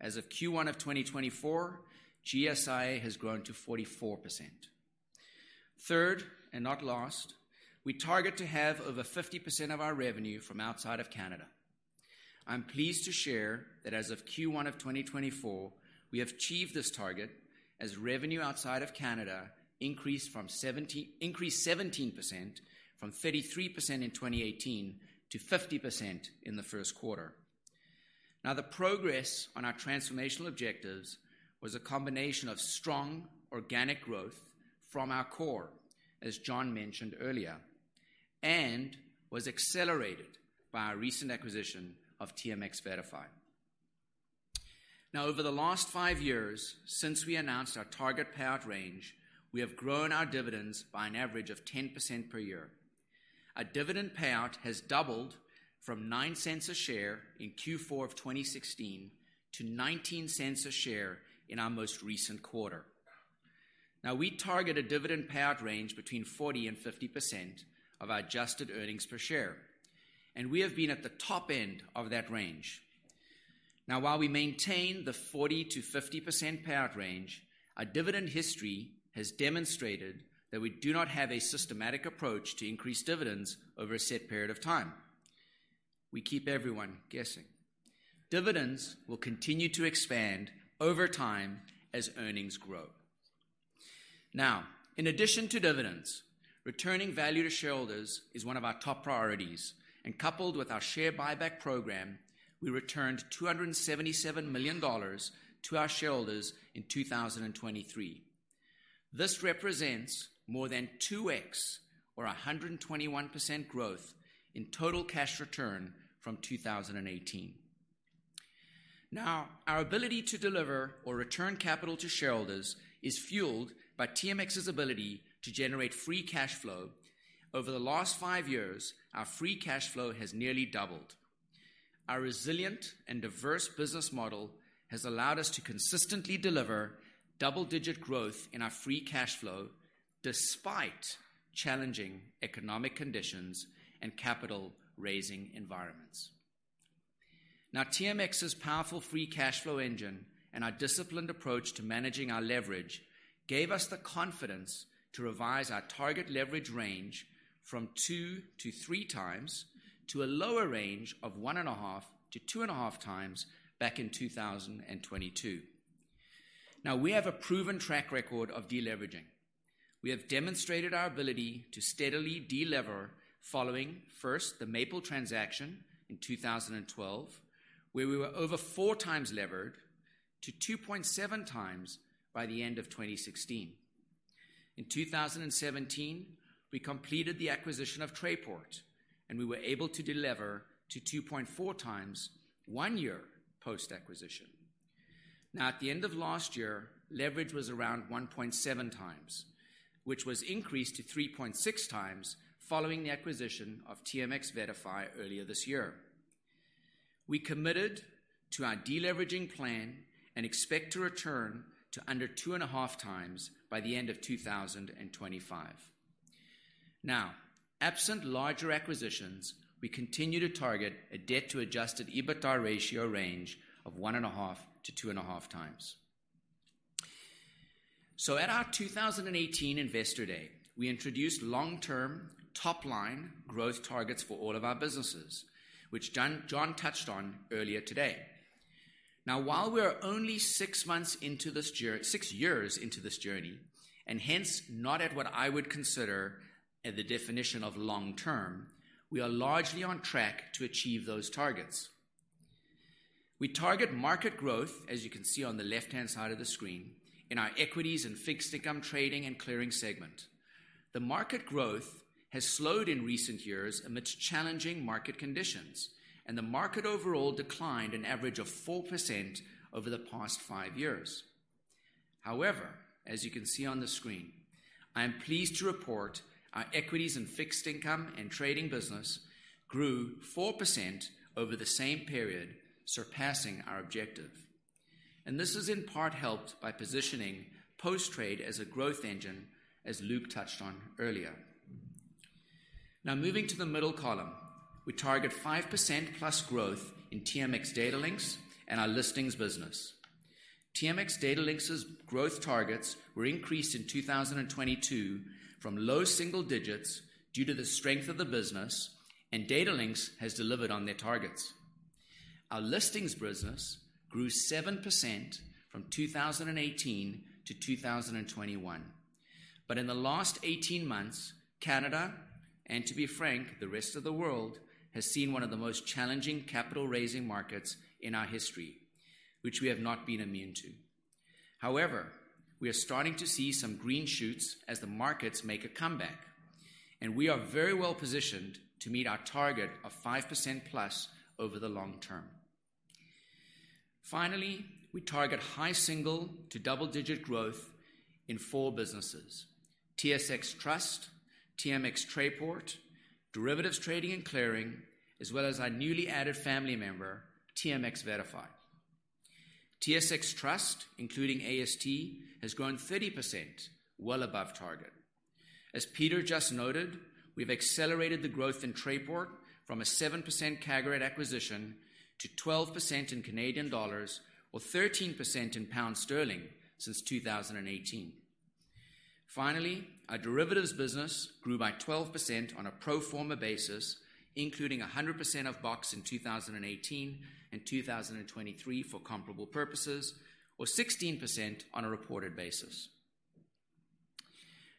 S52: As of Q1 of 2024, GSIA has grown to 44%. Third, and not last, we target to have over 50% of our revenue from outside of Canada. I'm pleased to share that as of Q1 of 2024, we have achieved this target, as revenue outside of Canada increased 17% from 33% in 2018 to 50% in the first quarter. Now, the progress on our transformational objectives was a combination of strong organic growth from our core, as John mentioned earlier, and was accelerated by our recent acquisition of TMX VettaFi. Now, over the last five years since we announced our target payout range, we have grown our dividends by an average of 10% per year. Our dividend payout has doubled from 0.09 per share in Q4 of 2016 to 0.19 per share in our most recent quarter. Now, we target a dividend payout range between 40% and 50% of our adjusted earnings per share, and we have been at the top end of that range. Now, while we maintain the 40%-50% payout range, our dividend history has demonstrated that we do not have a systematic approach to increase dividends over a set period of time. We keep everyone guessing. Dividends will continue to expand over time as earnings grow. Now, in addition to dividends, returning value to shareholders is one of our top priorities, and coupled with our share buyback program, we returned 277 million dollars to our shareholders in 2023. This represents more than 2x or 121% growth in total cash return from 2018. Now, our ability to deliver or return capital to shareholders is fueled by TMX's ability to generate free cash flow. Over the last five years, our free cash flow has nearly doubled. Our resilient and diverse business model has allowed us to consistently deliver double-digit growth in our free cash flow, despite challenging economic conditions and capital raising environments. Now, TMX's powerful free cash flow engine and our disciplined approach to managing our leverage gave us the confidence to revise our target leverage range from 2x-3x to a lower range of 1.5x-2.5x back in 2022. Now, we have a proven track record of deleveraging. We have demonstrated our ability to steadily delever following first, the Maple transaction in 2012, where we were over 4x levered to 2.7x by the end of 2016. In 2017, we completed the acquisition of Trayport, and we were able to delever to 2.4x one year post-acquisition. Now, at the end of last year, leverage was around 1.7x, which was increased to 3.6x following the acquisition of TMX VettaFi earlier this year. We committed to our deleveraging plan and expect to return to under 2.5x by the end of 2025. Now, absent larger acquisitions, we continue to target a debt to adjusted EBITDA ratio range of 1.5x-2.5x. At our 2018 Investor Day, we introduced long-term top-line growth targets for all of our businesses, which John touched on earlier today. Now, while we are only six years into this journey, and hence not at what I would consider the definition of long term, we are largely on track to achieve those targets. We target market growth, as you can see on the left-hand side of the screen, in our Equities and Fixed Income Trading and Clearing segment. The market growth has slowed in recent years amidst challenging market conditions, and the market overall declined an average of 4% over the past 5 years. However, as you can see on the screen, I am pleased to report our equities and fixed income and trading business grew 4% over the same period, surpassing our objective. This is in part helped by positioning post-trade as a growth engine, as Luc touched on earlier. Now, moving to the middle column, we target 5%+ growth in TMX Datalinx and our listings business. TMX Datalinx's growth targets were increased in 2022 from low single digits due to the strength of the business, and Datalinx has delivered on their targets. Our listings business grew 7% from 2018 to 2021. But in the last 18 months, Canada, and to be frank, the rest of the world, has seen one of the most challenging capital-raising markets in our history, which we have not been immune to. However, we are starting to see some green shoots as the markets make a comeback, and we are very well positioned to meet our target of 5%+ over the long term. Finally, we target high single- to double-digit growth in four businesses: TSX Trust, TMX Trayport, Derivatives Trading and Clearing, as well as our newly added family member, TMX VettaFi. TSX Trust, including AST, has grown 30%, well above target. As Peter just noted, we've accelerated the growth in Trayport from a 7% CAGR at acquisition to 12% in Canadian dollars, or 13% in GBP since 2018. Finally, our derivatives business grew by 12% on a pro forma basis, including 100% of BOX in 2018 and 2023 for comparable purposes, or 16% on a reported basis.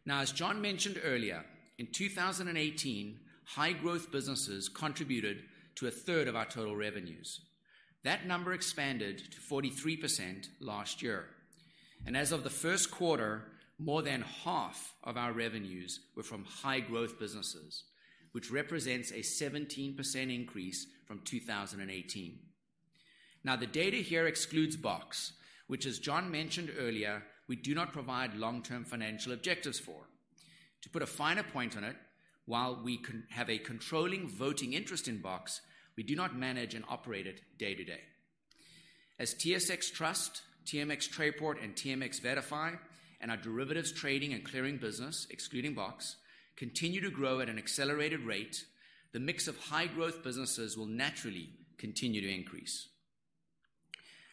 S52: Now, as John mentioned earlier, in 2018, high-growth businesses contributed to a third of our total revenues. That number expanded to 43% last year, and as of the first quarter, more than half of our revenues were from high-growth businesses, which represents a 17% increase from 2018. Now, the data here excludes BOX, which as John mentioned earlier, we do not provide long-term financial objectives for. To put a finer point on it, while we have a controlling voting interest in BOX, we do not manage and operate it day to day. As TSX Trust, TMX Trayport, and TMX VettaFi, and our derivatives trading and clearing business, excluding BOX, continue to grow at an accelerated rate, the mix of high-growth businesses will naturally continue to increase.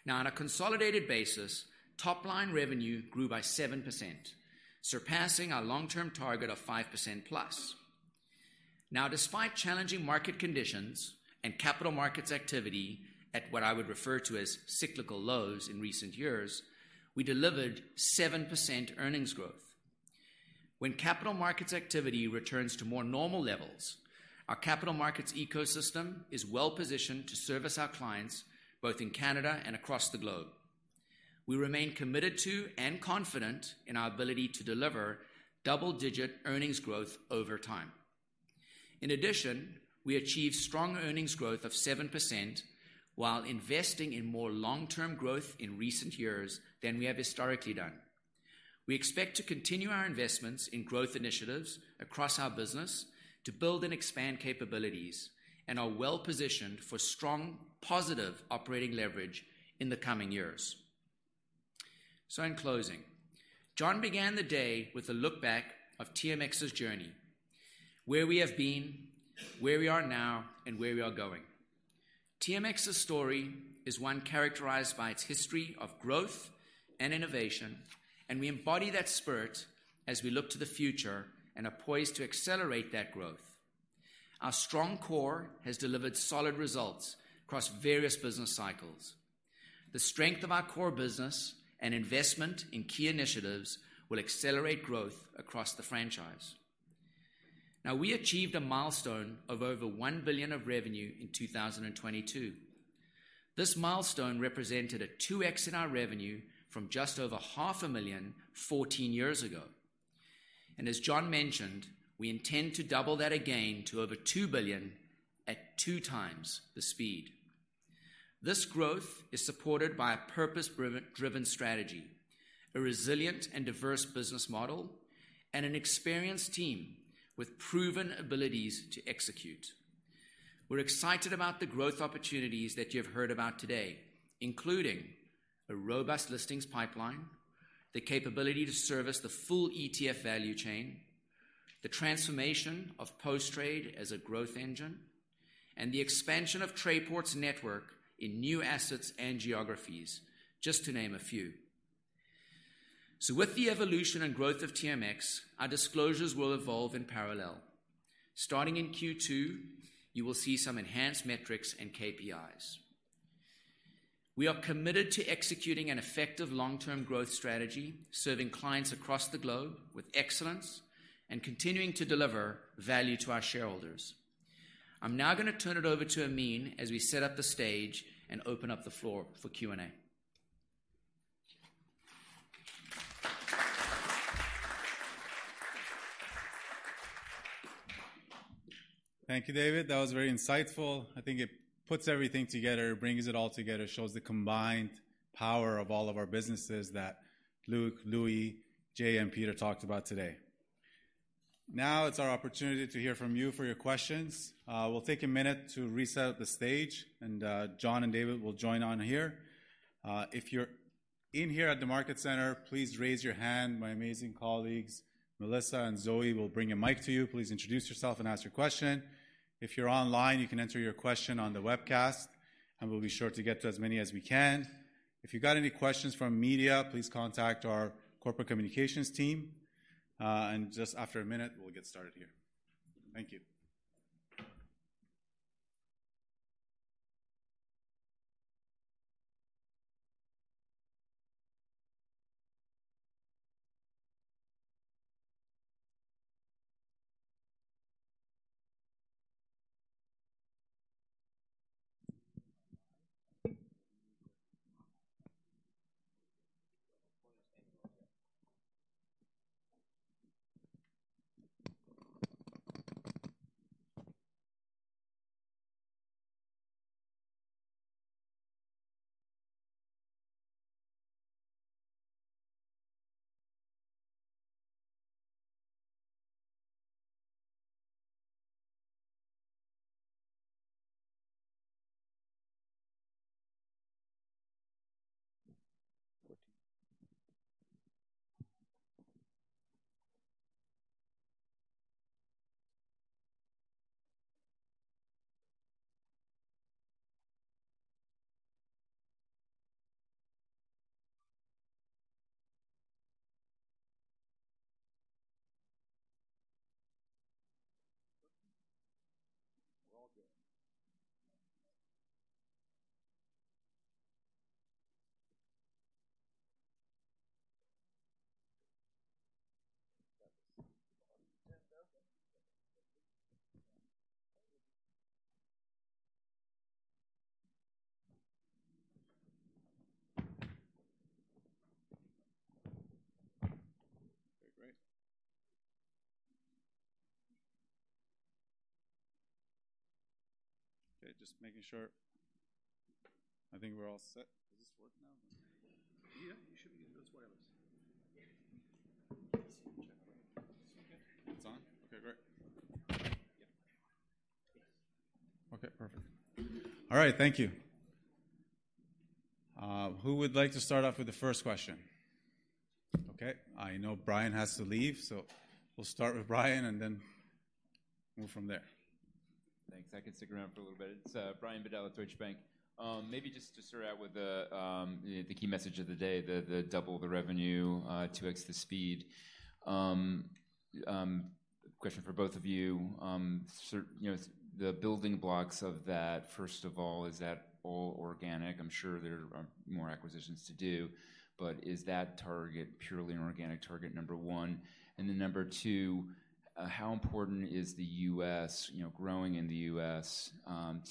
S52: Now, on a consolidated basis, top-line revenue grew by 7%, surpassing our long-term target of 5%+. Now, despite challenging market conditions and capital markets activity at what I would refer to as cyclical lows in recent years, we delivered 7% earnings growth. When capital markets activity returns to more normal levels, our capital markets ecosystem is well positioned to service our clients, both in Canada and across the globe. We remain committed to and confident in our ability to deliver double-digit earnings growth over time. In addition, we achieved strong earnings growth of 7% while investing in more long-term growth in recent years than we have historically done. We expect to continue our investments in growth initiatives across our business to build and expand capabilities, and are well positioned for strong, positive operating leverage in the coming years. So in closing, John began the day with a look back of TMX's journey, where we have been, where we are now, and where we are going. TMX's story is one characterized by its history of growth and innovation, and we embody that spirit as we look to the future and are poised to accelerate that growth. Our strong core has delivered solid results across various business cycles. The strength of our core business and investment in key initiatives will accelerate growth across the franchise. Now, we achieved a milestone of over 1 billion of revenue in 2022. This milestone represented a 2x in our revenue from just over 500,000 14 years ago. And as John mentioned, we intend to double that again to over 2 billion at two times the speed. This growth is supported by a purpose-driven, driven strategy, a resilient and diverse business model, and an experienced team with proven abilities to execute. We're excited about the growth opportunities that you've heard about today, including a robust listings pipeline, the capability to service the full ETF value chain, the transformation of post-trade as a growth engine, and the expansion of Trayport's network in new assets and geographies, just to name a few. With the evolution and growth of TMX, our disclosures will evolve in parallel. Starting in Q2, you will see some enhanced metrics and KPIs. We are committed to executing an effective long-term growth strategy, serving clients across the globe with excellence and continuing to deliver value to our shareholders. I'm now going to turn it over to Amin as we set up the stage and open up the floor for Q&A.
S1: Thank you, David. That was very insightful. I think it puts everything together, brings it all together, shows the combined power of all of our businesses that Luc, Loui, Jay, and Peter talked about today. Now it's our opportunity to hear from you for your questions. We'll take a minute to reset the stage, and John and David will join on here. If you're in here at the market center, please raise your hand. My amazing colleagues, Melissa and Zoe, will bring a mic to you. Please introduce yourself and ask your question. If you're online, you can enter your question on the webcast, and we'll be sure to get to as many as we can. If you've got any questions from media, please contact our corporate communications team. And just after a minute, we'll get started here. Thank you.
S53: Okay, just making sure. I think we're all set. Does this work now?
S2: Yeah, you should be getting those wires. It's okay.
S53: It's on? Okay, great.
S2: Yeah.
S53: Okay, perfect. All right, thank you. Who would like to start off with the first question? Okay, I know Brian has to leave, so we'll start with Brian and then move from there.
S54: Thanks. I can stick around for a little bit. It's Brian Bedell at Deutsche Bank. Maybe just to start out with the, you know, the key message of the day, the, the double the revenue, 2x the speed. Question for both of you. So, you know, the building blocks of that, first of all, is that all organic? I'm sure there are more acquisitions to do, but is that target purely an organic target, number one? And then number two, how important is the U.S., you know, growing in the U.S.,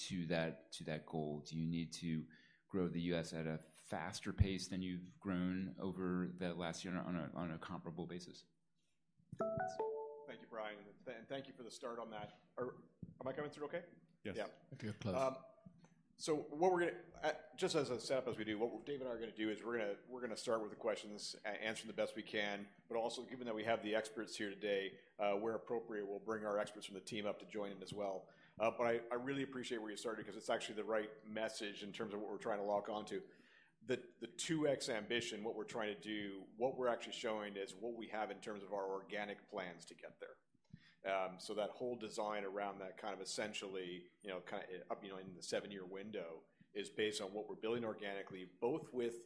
S54: to that, to that goal? Do you need to grow the U.S. at a faster pace than you've grown over the last year on a, on a comparable basis?
S2: Thank you, Brian, and thank you for the start on that. Am I coming through okay?
S53: Yes.
S2: Yeah.
S53: You're close.
S2: So what we're gonna do is just as a setup as we do, what Dave and I are gonna do is we're gonna start with the questions answering the best we can. But also, given that we have the experts here today, where appropriate, we'll bring our experts from the team up to join in as well. But I really appreciate where you started, 'cause it's actually the right message in terms of what we're trying to lock on to. The 2x ambition, what we're trying to do—what we're actually showing is what we have in terms of our organic plans to get there. So that whole design around that kind of essentially, you know, kind of up, you know, in the seven-year window, is based on what we're building organically, both with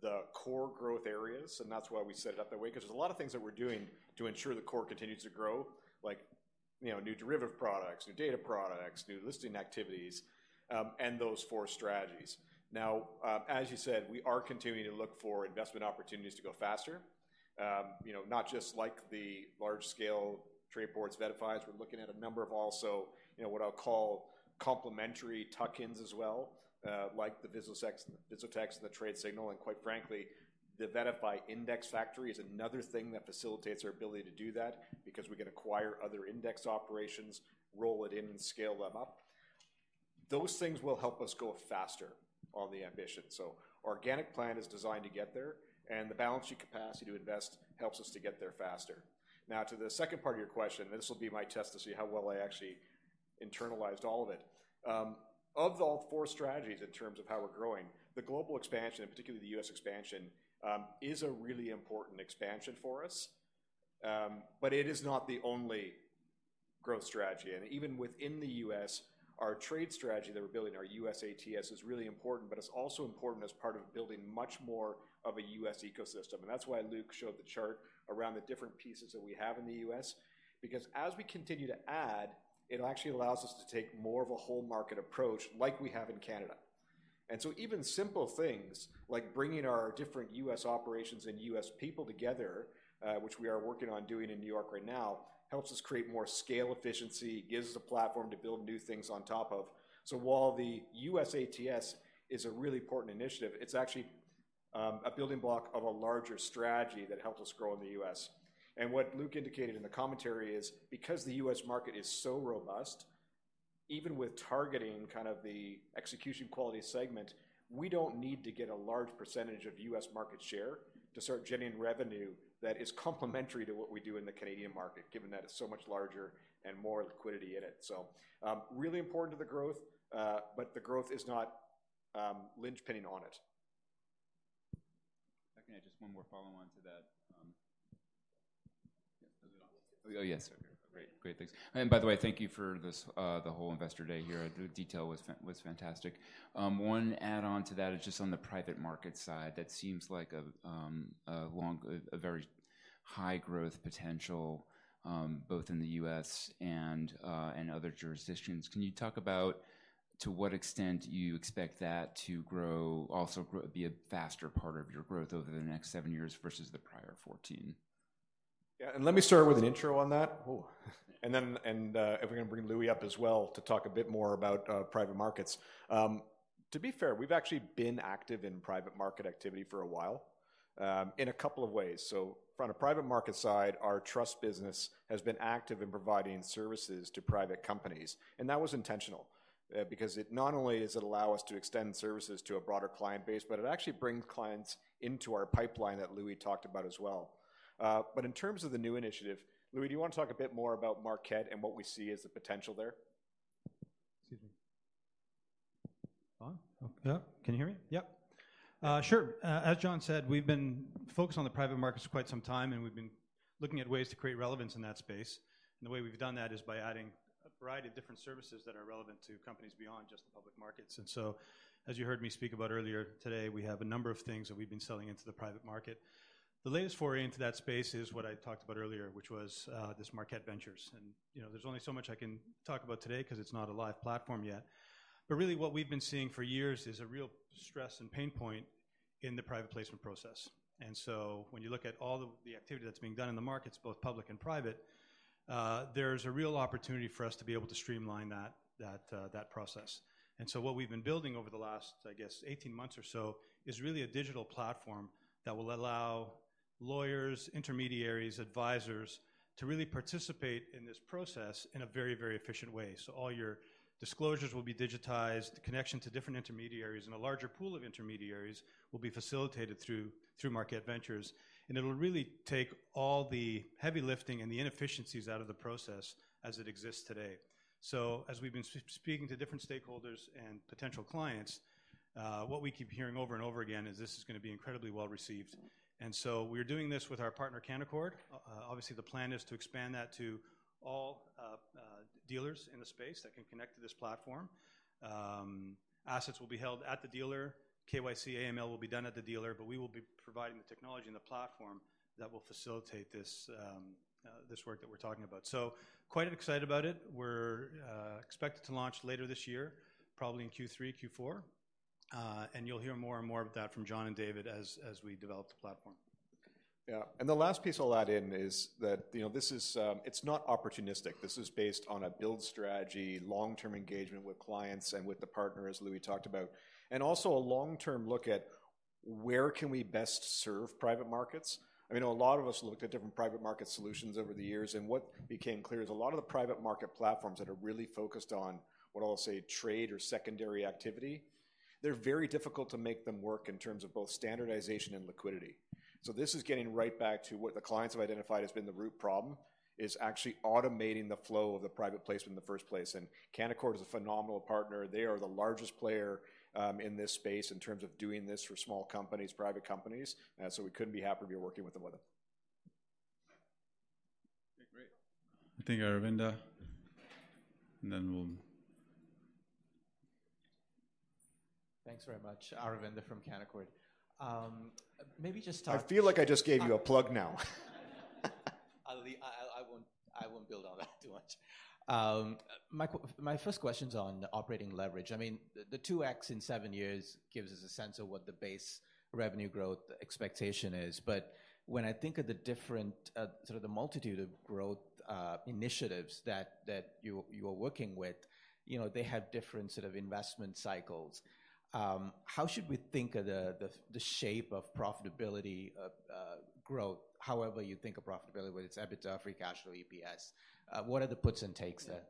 S2: the core growth areas, and that's why we set it up that way, 'cause there's a lot of things that we're doing to ensure the core continues to grow, like, you know, new derivative products, new data products, new listing activities, and those four strategies. Now, as you said, we are continuing to look for investment opportunities to go faster. You know, not just like the large-scale trade boards, VettaFi. We're looking at a number of also, you know, what I'll call complementary tuck-ins as well, like the VisoTech and the Tradesignal, and quite frankly, the VettaFi Index Factory is another thing that facilitates our ability to do that because we can acquire other index operations, roll it in, and scale them up. Those things will help us go faster on the ambition. So organic plan is designed to get there, and the balancing capacity to invest helps us to get there faster. Now, to the second part of your question, this will be my test to see how well I actually internalized all of it. Of the all four strategies in terms of how we're growing, the global expansion, and particularly the U.S. expansion, is a really important expansion for us, but it is not the only growth strategy. Even within the U.S., our trade strategy that we're building, our U.S. ATS, is really important, but it's also important as part of building much more of a U.S. ecosystem. And that's why Luc showed the chart around the different pieces that we have in the U.S., because as we continue to add, it'll actually allows us to take more of a whole market approach like we have in Canada. And so even simple things, like bringing our different U.S. operations and U.S. people together, which we are working on doing in New York right now, helps us create more scale efficiency, gives us a platform to build new things on top of. So while the U.S. ATS is a really important initiative, it's actually a building block of a larger strategy that helps us grow in the U.S. What Luc indicated in the commentary is, because the U.S. market is so robust, even with targeting kind of the execution quality segment, we don't need to get a large percentage of U.S. market share to start generating revenue that is complementary to what we do in the Canadian market, given that it's so much larger and more liquidity in it. So, really important to the growth, but the growth is not, linchpinning on it.
S54: If I can add just one more follow-on to that. Is it on? Oh, yes. Great, great, thanks. And by the way, thank you for this, the whole Investor Day here. The detail was fantastic. One add-on to that is just on the private market side. That seems like a very high growth potential, both in the U.S. and other jurisdictions. Can you talk about to what extent you expect that to grow, also grow, be a faster part of your growth over the next seven years versus the prior 14?
S2: Yeah, and let me start with an intro on that. Oh, and then we're gonna bring Loui up as well to talk a bit more about private markets. To be fair, we've actually been active in private market activity for a while, in a couple of ways. So from the private market side, our Trust business has been active in providing services to private companies, and that was intentional. Because it not only does it allow us to extend services to a broader client base, but it actually brings clients into our pipeline that Loui talked about as well. But in terms of the new initiative, Loui, do you want to talk a bit more about Markette and what we see as the potential there?
S8: Excuse me. On? Yeah, can you hear me? Yep. Sure. As John said, we've been focused on the private markets for quite some time, and we've been looking at ways to create relevance in that space. And the way we've done that is by adding a variety of different services that are relevant to companies beyond just the public markets. And so, as you heard me speak about earlier today, we have a number of things that we've been selling into the private market. The latest foray into that space is what I talked about earlier, which was this Markette Ventures. And, you know, there's only so much I can talk about today 'cause it's not a live platform yet. But really, what we've been seeing for years is a real stress and pain point in the private placement process. And so when you look at all the activity that's being done in the markets, both public and private, there's a real opportunity for us to be able to streamline that process. And so what we've been building over the last, I guess, 18 months or so, is really a digital platform that will allow lawyers, intermediaries, advisors, to really participate in this process in a very, very efficient way. So all your disclosures will be digitized, connection to different intermediaries, and a larger pool of intermediaries will be facilitated through Markette Ventures. And it'll really take all the heavy lifting and the inefficiencies out of the process as it exists today. So as we've been speaking to different stakeholders and potential clients, what we keep hearing over and over again is this is gonna be incredibly well-received. And so we're doing this with our partner, Canaccord. Obviously, the plan is to expand that to all dealers in the space that can connect to this platform. Assets will be held at the dealer. KYC, AML will be done at the dealer, but we will be providing the technology and the platform that will facilitate this work that we're talking about. So quite excited about it. We're expected to launch later this year, probably in Q3, Q4. And you'll hear more and more about that from John and David as we develop the platform.
S2: Yeah, and the last piece I'll add in is that, you know, this is, it's not opportunistic. This is based on a build strategy, long-term engagement with clients and with the partners Loui talked about, and also a long-term look at where can we best serve private markets. I mean, a lot of us looked at different private market solutions over the years, and what became clear is a lot of the private market platforms that are really focused on, what I'll say, trade or secondary activity, they're very difficult to make them work in terms of both standardization and liquidity. So this is getting right back to what the clients have identified as been the root problem, is actually automating the flow of the private placement in the first place, and Canaccord is a phenomenal partner. They are the largest player, in this space in terms of doing this for small companies, private companies, so we couldn't be happier to be working with them with it.
S54: Okay, great.
S53: I think Aravinda, and then we'll-
S55: Thanks very much. Aravinda from Canaccord. Maybe just start-
S2: I feel like I just gave you a plug now.
S55: I'll leave—I won't build on that too much. My first question's on operating leverage. I mean, the 2x in seven years gives us a sense of what the base revenue growth expectation is, but when I think of the different sort of the multitude of growth initiatives that you are working with, you know, they have different sort of investment cycles. How should we think of the shape of profitability of growth, however you think of profitability, whether it's EBITDA, free cash, or EPS? What are the puts and takes there?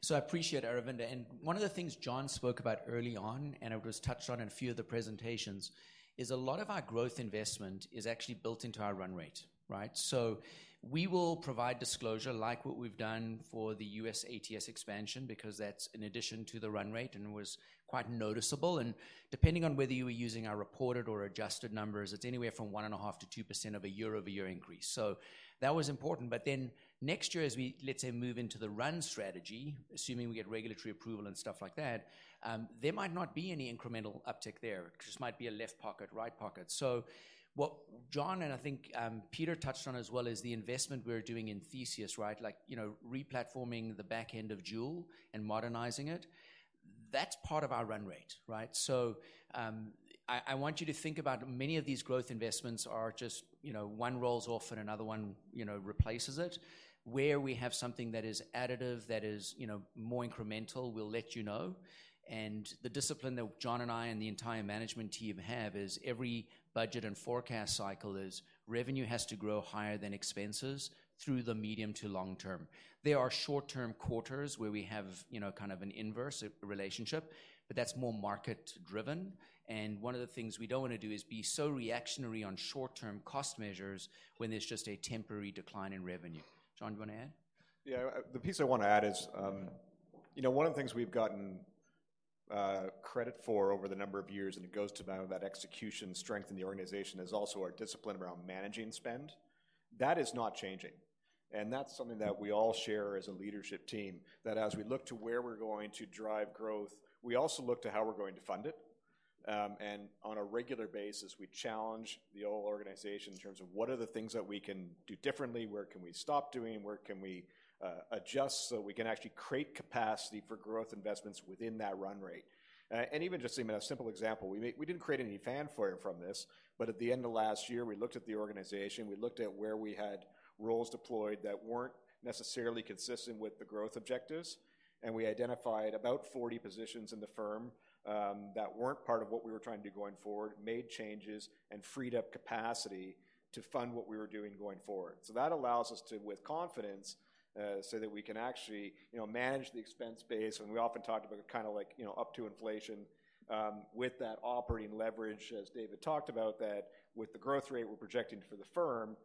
S52: So I appreciate, Aravinda, and one of the things John spoke about early on, and it was touched on in a few of the presentations, is a lot of our growth investment is actually built into our run rate, right? So we will provide disclosure, like what we've done for the U.S. ATS expansion, because that's in addition to the run rate and was quite noticeable, and depending on whether you were using our reported or adjusted numbers, it's anywhere from 1.5% to 2% of a year-over-year increase. So that was important, but then next year, as we, let's say, move into the run strategy, assuming we get regulatory approval and stuff like that, there might not be any incremental uptick there. It just might be a left pocket, right pocket. So what John and I think, Peter touched on as well, is the investment we're doing in Theseus, right? Like, you know, replatforming the back end of Joule and modernizing it, that's part of our run rate, right? So, I want you to think about many of these growth investments are just, you know, one rolls off and another one, you know, replaces it. Where we have something that is additive, that is, you know, more incremental, we'll let you know. And the discipline that John and I and the entire management team have is every budget and forecast cycle is revenue has to grow higher than expenses through the medium to long term. There are short-term quarters where we have, you know, kind of an inverse relationship, but that's more market-driven. One of the things we don't wanna do is be so reactionary on short-term cost measures when it's just a temporary decline in revenue. John, you wanna add?
S2: Yeah, the piece I wanna add is, you know, one of the things we've gotten credit for over the number of years, and it goes to about that execution strength in the organization, is also our discipline around managing spend. That is not changing, and that's something that we all share as a leadership team, that as we look to where we're going to drive growth, we also look to how we're going to fund it. And on a regular basis, we challenge the whole organization in terms of what are the things that we can do differently, where can we stop doing, where can we adjust so we can actually create capacity for growth investments within that run rate? And even just a simple example, we didn't create any fanfare from this, but at the end of last year, we looked at the organization, we looked at where we had roles deployed that weren't necessarily consistent with the growth objectives, and we identified about 40 positions in the firm, that weren't part of what we were trying to do going forward, made changes, and freed up capacity to fund what we were doing going forward. So that allows us to, with confidence, so that we can actually, you know, manage the expense base. We often talked about kind of like, you know, up to inflation, with that operating leverage, as David talked about, that with the growth rate we're projecting for the firm,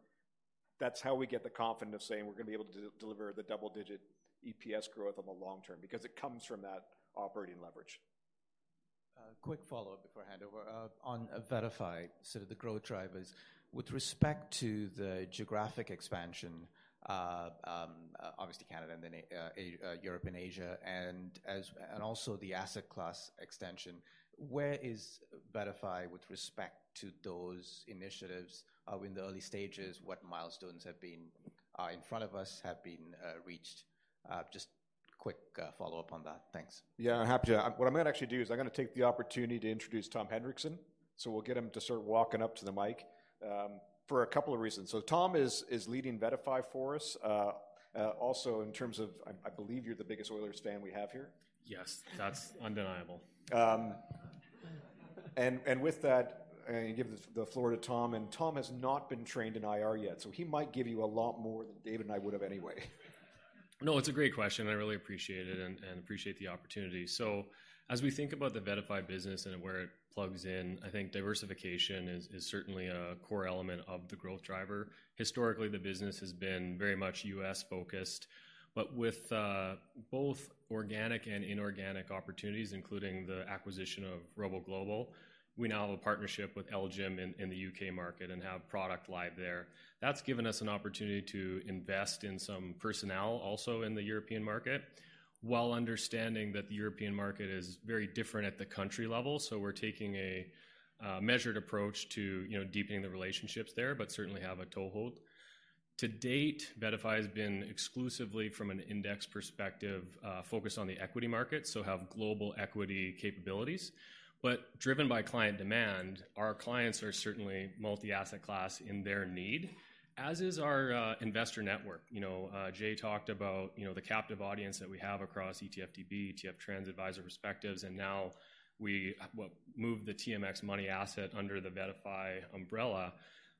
S2: that's how we get the confidence of saying we're gonna be able to deliver the double-digit EPS growth on the long term because it comes from that operating leverage.
S55: Quick follow-up before I hand over. On VettaFi, so the growth drivers. With respect to the geographic expansion, obviously Canada, and then, Europe and Asia, and also the asset class extension, where is VettaFi with respect to those initiatives? In the early stages, what milestones have been in front of us, have been reached? Just quick follow-up on that. Thanks.
S2: Yeah, happy to. What I'm gonna actually do is I'm gonna take the opportunity to introduce Tom Hendrickson, so we'll get him to start walking up to the mic for a couple of reasons. So Tom is leading VettaFi for us. Also, in terms of, I believe you're the biggest Oilers fan we have here?
S56: Yes, that's undeniable.
S2: With that, I give the floor to Tom, and Tom has not been trained in IR yet, so he might give you a lot more than David and I would have anyway.
S56: No, it's a great question, and I really appreciate it and appreciate the opportunity. So as we think about the VettaFi business and where it plugs in, I think diversification is certainly a core element of the growth driver. Historically, the business has been very much U.S.-focused, but with both organic and inorganic opportunities, including the acquisition of ROBO Global, we now have a partnership with LGIM in the U.K. market and have product live there. That's given us an opportunity to invest in some personnel also in the European market, while understanding that the European market is very different at the country level. So we're taking a measured approach to, you know, deepening the relationships there, but certainly have a toehold. To date, VettaFi has been exclusively from an index perspective focused on the equity market, so have global equity capabilities. But driven by client demand, our clients are certainly multi-asset class in their need, as is our investor network. You know, Jay talked about, you know, the captive audience that we have across ETFDB, ETF Trends, Advisor Perspectives, and now we well moved the TMX Money Asset under the VettaFi umbrella.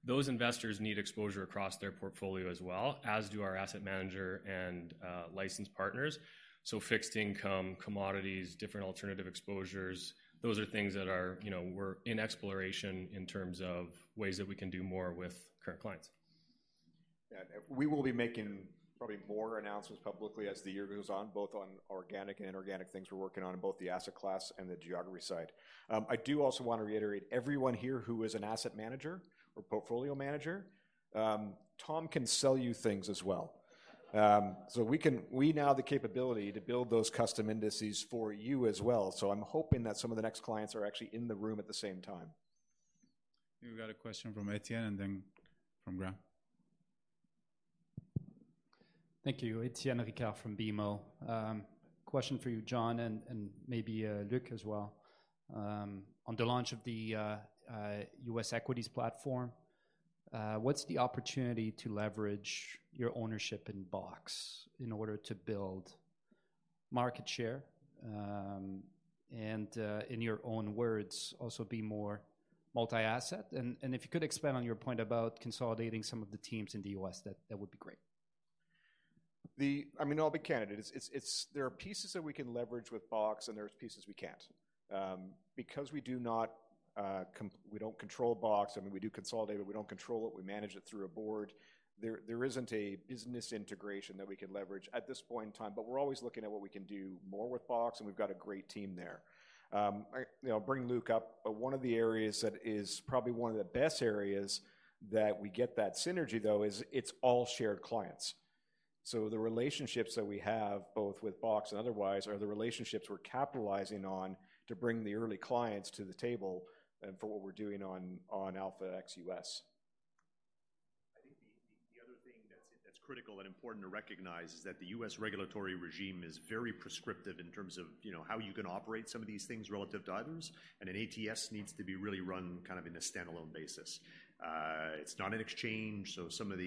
S56: Those investors need exposure across their portfolio as well, as do our asset manager and licensed partners. So fixed income, commodities, different alternative exposures, those are things that are, you know, we're in exploration in terms of ways that we can do more with current clients.
S2: Yeah. We will be making probably more announcements publicly as the year goes on, both on organic and inorganic things we're working on in both the asset class and the geography side. I do also want to reiterate, everyone here who is an asset manager or portfolio manager, Tom can sell you things as well. So, we now have the capability to build those custom indices for you as well, so I'm hoping that some of the next clients are actually in the room at the same time.
S53: We've got a question from Étienne and then from Graham.
S57: Thank you. Étienne Ricard from BMO. Question for you, John, and maybe Luc as well. On the launch of the U.S. equities platform, what's the opportunity to leverage your ownership in BOX in order to build market share, and in your own words, also be more multi-asset? And if you could expand on your point about consolidating some of the teams in the U.S., that would be great.
S2: I mean, I'll be candid. It's. There are pieces that we can leverage with BOX, and there are pieces we can't. Because we do not control BOX, I mean, we do consolidate it, we don't control it, we manage it through a board, there isn't a business integration that we can leverage at this point in time, but we're always looking at what we can do more with BOX, and we've got a great team there. You know, I'll bring Luc up, but one of the areas that is probably one of the best areas that we get that synergy, though, is it's all shared clients. So the relationships that we have, both with BOX and otherwise, are the relationships we're capitalizing on to bring the early clients to the table and for what we're doing on Alpha-X US.
S13: I think the other thing that's critical and important to recognize is that the U.S. regulatory regime is very prescriptive in terms of, you know, how you can operate some of these things relative to items, and an ATS needs to be really run kind of in a standalone basis. It's not an exchange, so some of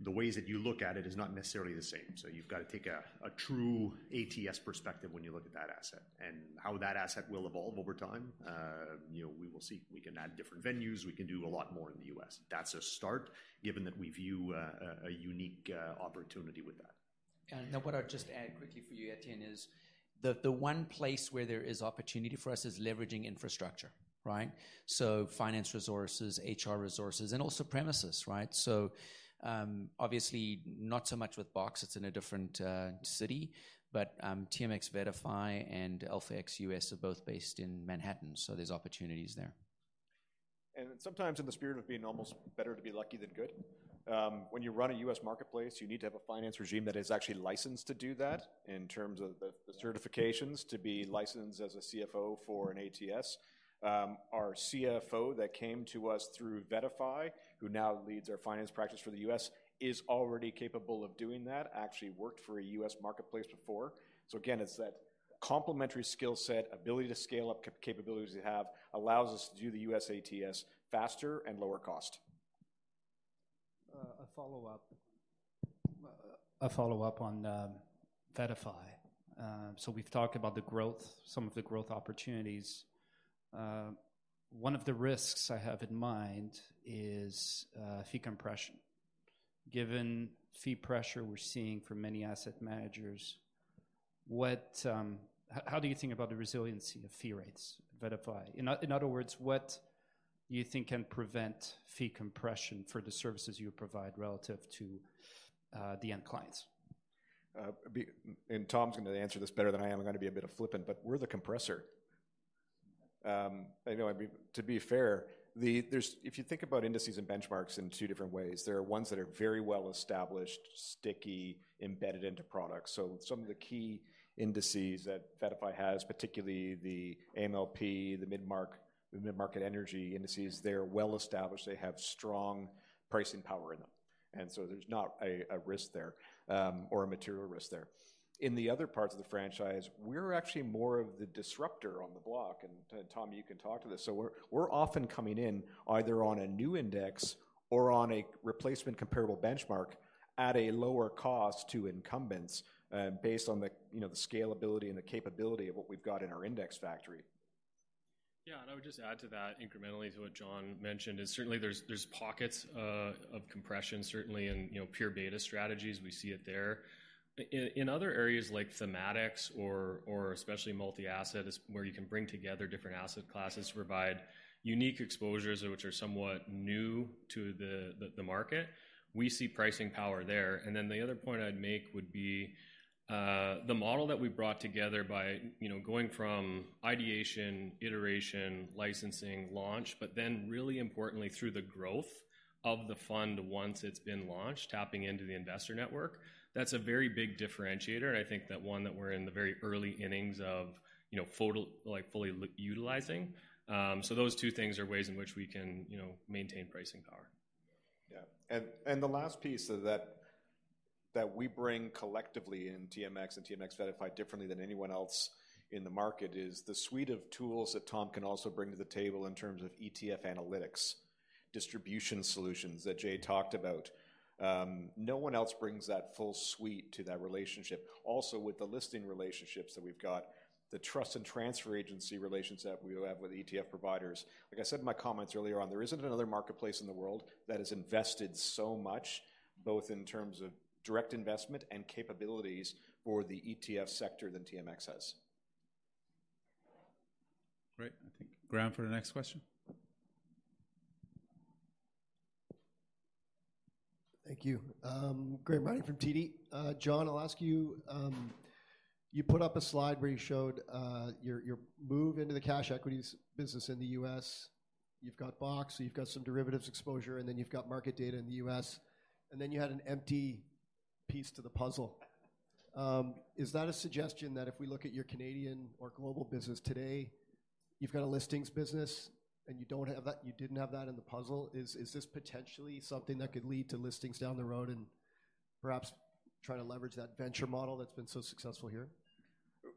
S13: the ways that you look at it is not necessarily the same. So you've got to take a true ATS perspective when you look at that asset. And how that asset will evolve over time, you know, we will see. We can add different venues. We can do a lot more in the U.S. That's a start, given that we view a unique opportunity with that.
S52: And now what I'll just add quickly for you, Étienne, is the one place where there is opportunity for us is leveraging infrastructure, right? So finance resources, HR resources, and also premises, right? So, obviously, not so much with BOX, it's in a different city, but, TMX VettaFi and Alpha-X US are both based in Manhattan, so there's opportunities there.
S2: And sometimes in the spirit of being almost better to be lucky than good, when you run a U.S. marketplace, you need to have a finance regime that is actually licensed to do that in terms of the certifications to be licensed as a CFO for an ATS. Our CFO that came to us through VettaFi, who now leads our finance practice for the U.S., is already capable of doing that, actually worked for a U.S. marketplace before. So again, it's that complementary skill set, ability to scale up capabilities they have, allows us to do the U.S. ATS faster and lower cost.
S57: A follow-up on VettaFi. So we've talked about the growth, some of the growth opportunities. One of the risks I have in mind is fee compression. Given fee pressure we're seeing from many asset managers, what, how do you think about the resiliency of fee rates at VettaFi? In other words, what do you think can prevent fee compression for the services you provide relative to the end clients?
S2: And Tom's gonna answer this better than I am. I'm gonna be a bit flippant, but we're the compressor. I know, I mean, to be fair, there's if you think about indices and benchmarks in two different ways, there are ones that are very well-established, sticky, embedded into products. So some of the key indices that VettaFi has, particularly the AMLP, the mid-market, the mid-market energy indices, they're well-established. They have strong pricing power in them, and so there's not a risk there, or a material risk there. In the other parts of the franchise, we're actually more of the disruptor on the block, and Tom, you can talk to this. So we're often coming in either on a new index or on a replacement comparable benchmark at a lower cost to incumbents, based on the, you know, the scalability and the capability of what we've got in our index factory.
S56: Yeah, and I would just add to that incrementally to what John mentioned, is certainly there are pockets of compression, certainly in, you know, pure beta strategies. We see it there. In other areas like thematics or especially multi-asset, is where you can bring together different asset classes to provide unique exposures, which are somewhat new to the market, we see pricing power there. And then the other point I'd make would be the model that we brought together by, you know, going from ideation, iteration, licensing, launch, but then really importantly, through the growth of the fund once it's been launched, tapping into the investor network, that's a very big differentiator, and I think that one that we're in the very early innings of, you know, fully utilizing. Those two things are ways in which we can, you know, maintain pricing power.
S2: Yeah. And the last piece of that, that we bring collectively in TMX and TMX VettaFi differently than anyone else in the market, is the suite of tools that Tom can also bring to the table in terms of ETF analytics, distribution solutions that Jay talked about. No one else brings that full suite to that relationship. Also, with the listing relationships that we've got, the trust and transfer agency relations that we have with ETF providers, like I said in my comments earlier on, there isn't another marketplace in the world that has invested so much, both in terms of direct investment and capabilities for the ETF sector than TMX has.
S53: Great. I think Graham for the next question.
S58: Thank you. Graham Ryding from TD. John, I'll ask you, you put up a slide where you showed your move into the cash equities business in the U.S. You've got BOX, so you've got some derivatives exposure, and then you've got market data in the U.S., and then you had an empty piece to the puzzle. Is that a suggestion that if we look at your Canadian or global business today, you've got a listings business, and you don't have that - you didn't have that in the puzzle? Is this potentially something that could lead to listings down the road and perhaps try to leverage that venture model that's been so successful here?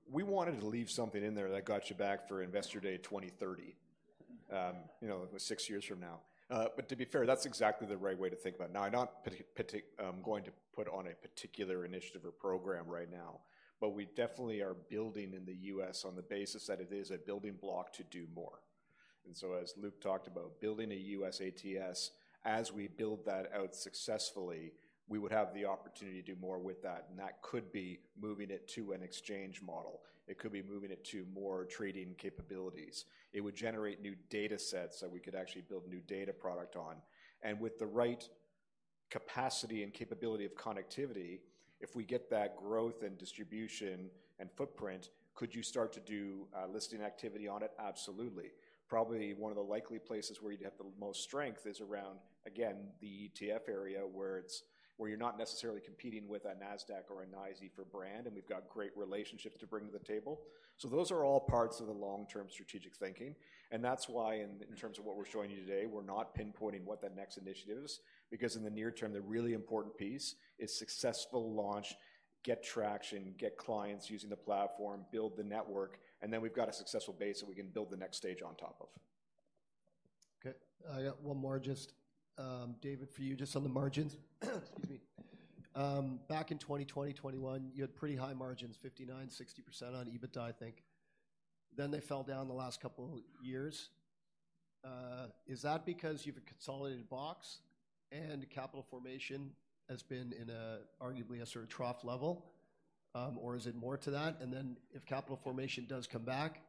S2: We wanted to leave something in there that got you back for Investor Day 2030, you know, six years from now. But to be fair, that's exactly the right way to think about it. Now, I'm not going to put on a particular initiative or program right now, but we definitely are building in the U.S. on the basis that it is a building block to do more. And so as Luc talked about, building a U.S. ATS, as we build that out successfully, we would have the opportunity to do more with that, and that could be moving it to an exchange model. It could be moving it to more trading capabilities. It would generate new data sets that we could actually build new data product on. With the right capacity and capability of connectivity, if we get that growth and distribution and footprint, could you start to do listing activity on it? Absolutely. Probably one of the likely places where you'd have the most strength is around, again, the ETF area, where you're not necessarily competing with a Nasdaq or a NYSE for brand, and we've got great relationships to bring to the table. So those are all parts of the long-term strategic thinking, and that's why in terms of what we're showing you today, we're not pinpointing what that next initiative is. Because in the near term, the really important piece is successful launch, get traction, get clients using the platform, build the network, and then we've got a successful base that we can build the next stage on top of.
S58: Okay, I got one more, just, David, for you, just on the margins. Excuse me. Back in 2020, 2021, you had pretty high margins, 59%-60% on EBITDA, I think. Then they fell down the last couple years. Is that because you've consolidated BOX and Capital Formation has been in a, arguably a sort of trough level, or is it more to that? And then if Capital Formation does come back..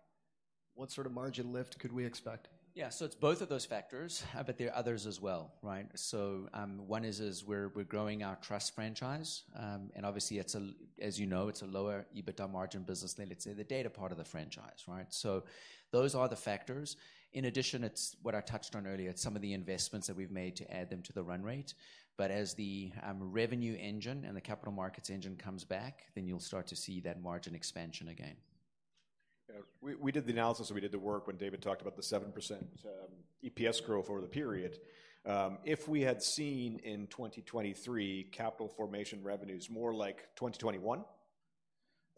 S58: what sort of margin lift could we expect?
S52: Yeah, so it's both of those factors, but there are others as well, right? So, one is we're growing our Trust franchise. And obviously, it's a—as you know, it's a lower EBITDA margin business than, let's say, the data part of the franchise, right? So those are the factors. In addition, it's what I touched on earlier, it's some of the investments that we've made to add them to the run rate. But as the revenue engine and the capital markets engine comes back, then you'll start to see that margin expansion again.
S2: Yeah, we did the analysis, and we did the work when David talked about the 7%, EPS growth over the period. If we had seen in 2023 Capital Formation revenues more like 2021,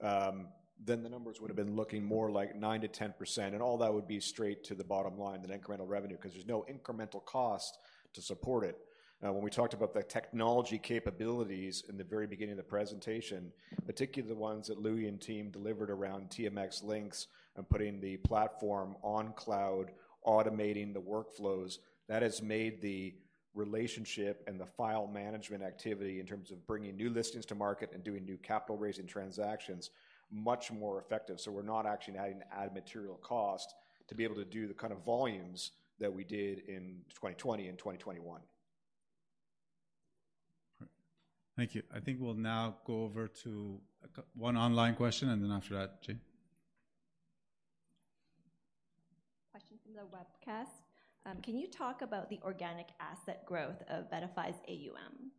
S2: then the numbers would have been looking more like 9%-10%, and all that would be straight to the bottom line, the net incremental revenue, 'cause there's no incremental cost to support it. When we talked about the technology capabilities in the very beginning of the presentation, particularly the ones that Loui and team delivered around TMX Linx and putting the platform on cloud, automating the workflows, that has made the relationship and the file management activity, in terms of bringing new listings to market and doing new capital-raising transactions, much more effective. We're not actually adding any material cost to be able to do the kind of volumes that we did in 2020 and 2021.
S1: Great. Thank you. I think we'll now go over to one online question, and then after that, Jane.
S59: Question from the webcast. Can you talk about the organic asset growth of VettaFi's AUM?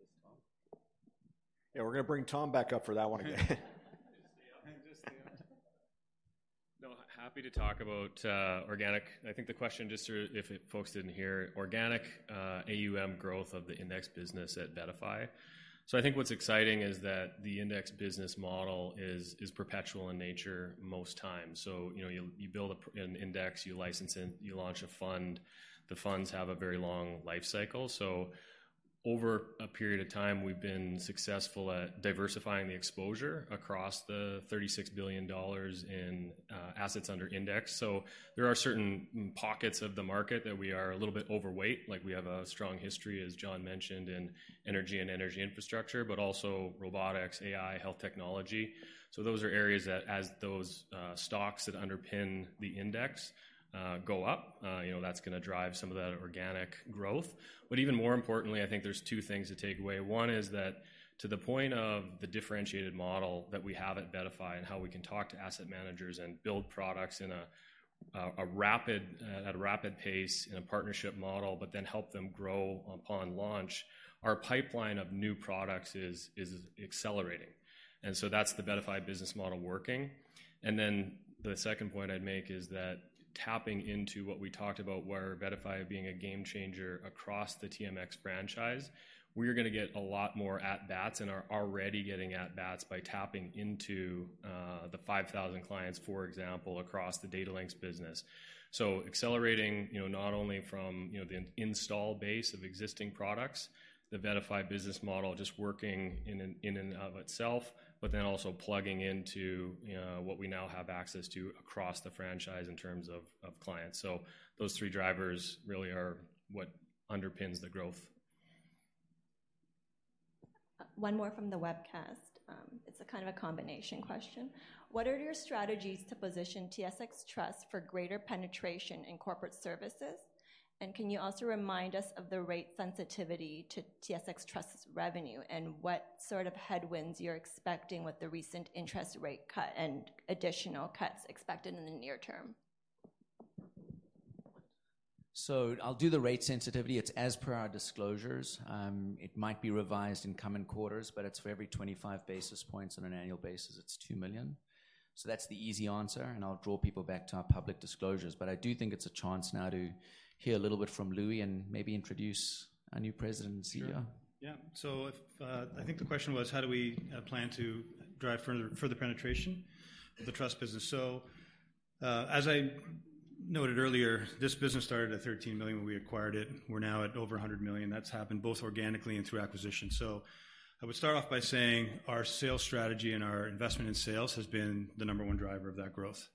S2: Yes, Tom. Yeah, we're going to bring Tom back up for that one again.
S56: Just stay on, just stay on. No, happy to talk about organic. I think the question, just to, if folks didn't hear, organic AUM growth of the index business at VettaFi. So I think what's exciting is that the index business model is perpetual in nature most times. So, you know, you build an index, you license it, you launch a fund. The funds have a very long life cycle. So over a period of time, we've been successful at diversifying the exposure across the $36 billion in assets under index. So there are certain pockets of the market that we are a little bit overweight. Like, we have a strong history, as John mentioned, in energy and energy infrastructure, but also robotics, AI, health technology. So those are areas that as those stocks that underpin the index go up, you know, that's going to drive some of that organic growth. But even more importantly, I think there's two things to take away. One is that to the point of the differentiated model that we have at VettaFi and how we can talk to asset managers and build products in a rapid pace in a partnership model, but then help them grow upon launch, our pipeline of new products is accelerating, and so that's the VettaFi business model working. And then the second point I'd make is that tapping into what we talked about, where VettaFi being a game changer across the TMX franchise, we're going to get a lot more at-bats and are already getting at-bats by tapping into the 5,000 clients, for example, across the Datalinx business. So accelerating, you know, not only from, you know, the install base of existing products, the VettaFi business model just working in and, in and of itself, but then also plugging into what we now have access to across the franchise in terms of, of clients. So those three drivers really are what underpins the growth.
S59: One more from the webcast. It's a kind of a combination question: What are your strategies to position TSX Trust for greater penetration in corporate services? And can you also remind us of the rate sensitivity to TSX Trust's revenue, and what sort of headwinds you're expecting with the recent interest rate cut and additional cuts expected in the near term?
S52: So I'll do the rate sensitivity. It's as per our disclosures. It might be revised in coming quarters, but it's for every 25 basis points on an annual basis, it's 2 million. So that's the easy answer, and I'll draw people back to our public disclosures. But I do think it's a chance now to hear a little bit from Loui and maybe introduce our new president and CEO.
S8: Sure. Yeah. So if I think the question was, how do we plan to drive further, further penetration of the Trust business? So, as I noted earlier, this business started at 13 million when we acquired it. We're now at over 100 million. That's happened both organically and through acquisition. So I would start off by saying our sales strategy and our investment in sales has been the number one driver of that growth.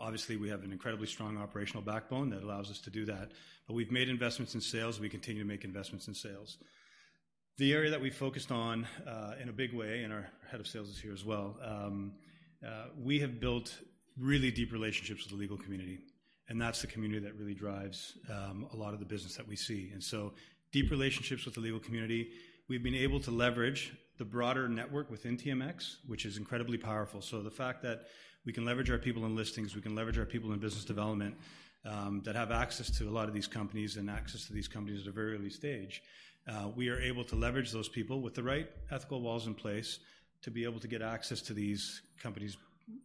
S8: Obviously, we have an incredibly strong operational backbone that allows us to do that, but we've made investments in sales, and we continue to make investments in sales. The area that we focused on, in a big way, and our head of sales is here as well, we have built really deep relationships with the legal community, and that's the community that really drives, a lot of the business that we see. And so deep relationships with the legal community. We've been able to leverage the broader network within TMX, which is incredibly powerful. So the fact that we can leverage our people in listings, we can leverage our people in business development, that have access to a lot of these companies and access to these companies at a very early stage, we are able to leverage those people with the right ethical walls in place to be able to get access to these companies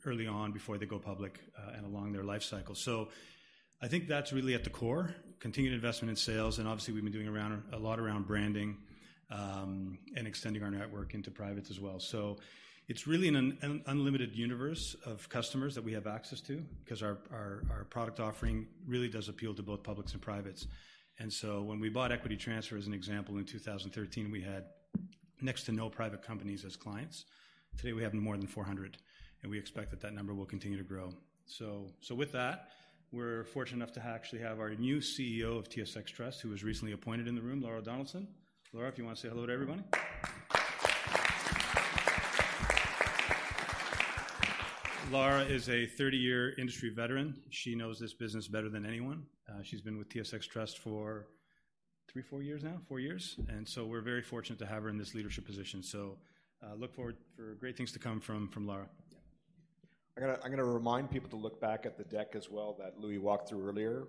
S8: early on before they go public, and along their life cycle. So I think that's really at the core, continued investment in sales, and obviously, we've been doing around, a lot around branding, and extending our network into privates as well. So it's really an unlimited universe of customers that we have access to because our, our, our product offering really does appeal to both publics and privates. And so when we bought Equity Transfer, as an example, in 2013, we had next to no private companies as clients. Today, we have more than 400, and we expect that that number will continue to grow. So, so with that, we're fortunate enough to actually have our new CEO of TSX Trust, who was recently appointed in the room, Lara Donaldson. Lara, if you want to say hello to everybody? Lara is a 30-year industry veteran. She knows this business better than anyone. She's been with TSX Trust for three, four years now? Four years. And so we're very fortunate to have her in this leadership position. So, look forward for great things to come from, from Lara.
S2: Yeah. I gotta, I'm gonna remind people to look back at the deck as well that Loui walked through earlier.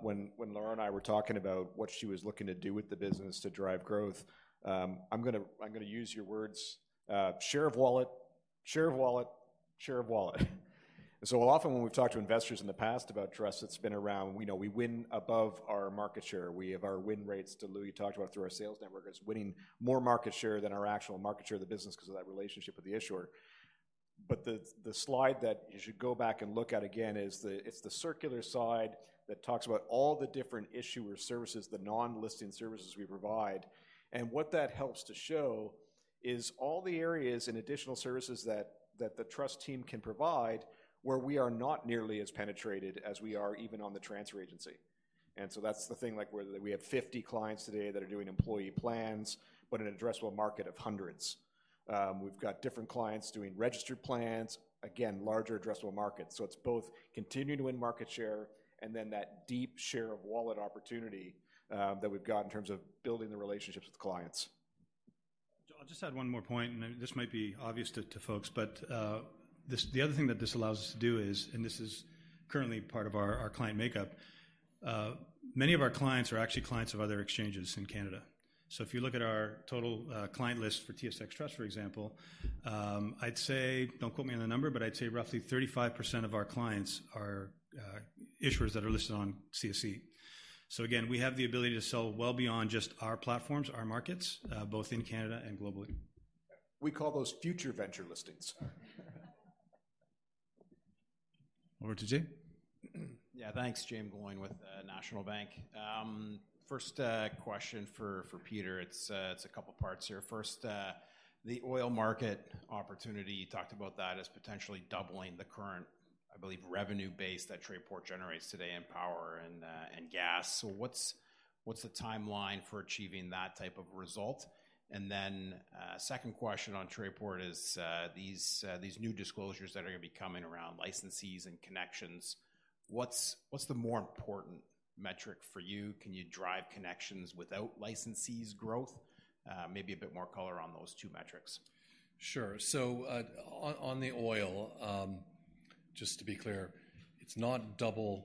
S2: When Lara and I were talking about what she was looking to do with the business to drive growth, I'm gonna, I'm gonna use your words: share of wallet, share of wallet, share of wallet. So often when we've talked to investors in the past about Trust, it's been around, we know we win above our market share. We have our win rates that Loui talked about through our sales network, as winning more market share than our actual market share of the business because of that relationship with the issuer. But the slide that you should go back and look at again is the, it's the circular side that talks about all the different issuer services, the non-listing services we provide. What that helps to show is all the areas and additional services that the Trust team can provide, where we are not nearly as penetrated as we are even on the transfer agency. So that's the thing, like, where we have 50 clients today that are doing employee plans, but an addressable market of hundreds. We've got different clients doing registered plans, again, larger addressable markets. So it's both continuing to win market share, and then that deep share of wallet opportunity that we've got in terms of building the relationships with clients.
S8: I'll just add one more point, and this might be obvious to folks, but this—the other thing that this allows us to do is, and this is currently part of our client makeup, many of our clients are actually clients of other exchanges in Canada. So if you look at our total client list for TSX Trust, for example, I'd say, don't quote me on the number, but I'd say roughly 35% of our clients are issuers that are listed on CSE. So again, we have the ability to sell well beyond just our platforms, our markets, both in Canada and globally.
S2: We call those future venture listings.
S53: Over to Jaeme.
S60: Yeah, thanks. Jaeme Gloyn with National Bank. First question for Peter. It's a couple parts here. First, the oil market opportunity, you talked about that as potentially doubling the current, I believe, revenue base that Trayport generates today in power and gas. So what's the timeline for achieving that type of result? And then, second question on Trayport is these new disclosures that are gonna be coming around, licensees and connections, what's the more important metric for you? Can you drive connections without licensees growth? Maybe a bit more color on those two metrics.
S51: Sure. So, on the oil, just to be clear, it's not double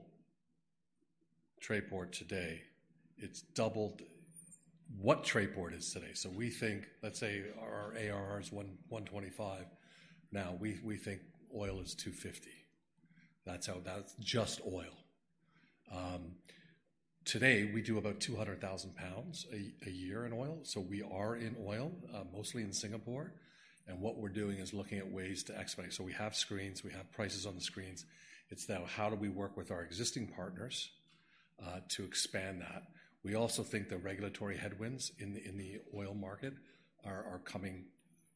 S51: Trayport today, it's doubled what Trayport is today. So we think... Let's say our ARR is 125 now, we think oil is 250. That's how. That's just oil. Today, we do about 200,000 pounds a year in oil, so we are in oil, mostly in Singapore, and what we're doing is looking at ways to execute. So we have screens, we have prices on the screens. It's now how do we work with our existing partners to expand that? We also think the regulatory headwinds in the oil market are coming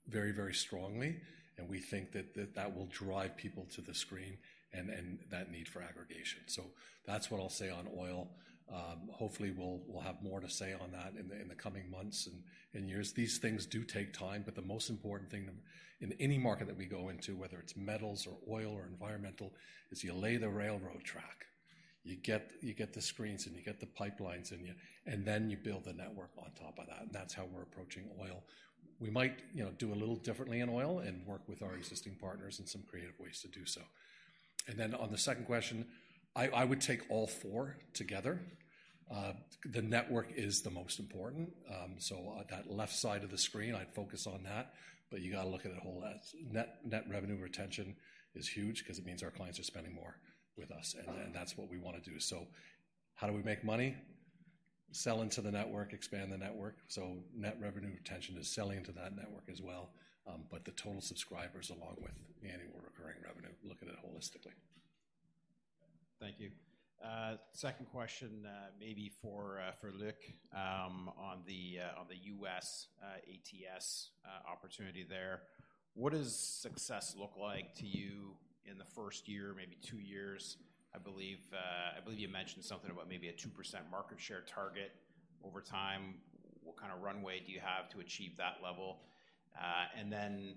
S51: very, very strongly, and we think that that will drive people to the screen and that need for aggregation. So that's what I'll say on oil. Hopefully, we'll have more to say on that in the coming months and years. These things do take time, but the most important thing in any market that we go into, whether it's metals or oil or environmental, is you lay the railroad track. You get the screens, and you get the pipelines in you, and then you build the network on top of that, and that's how we're approaching oil. We might, you know, do a little differently in oil and work with our existing partners in some creative ways to do so. And then on the second question, I would take all four together. The network is the most important, so, that left side of the screen, I'd focus on that, but you gotta look at the whole-- Net, net revenue retention is huge 'cause it means our clients are spending more with us, and, and that's what we wanna do. So how do we make money? Sell into the network, expand the network. So net revenue retention is selling into that network as well, but the total subscribers, along with annual recurring revenue, look at it holistically.
S60: Thank you. Second question, maybe for Luc, on the U.S. ATS opportunity there: What does success look like to you in the first year, maybe two years? I believe, I believe you mentioned something about maybe a 2% market share target over time. What kind of runway do you have to achieve that level? And then,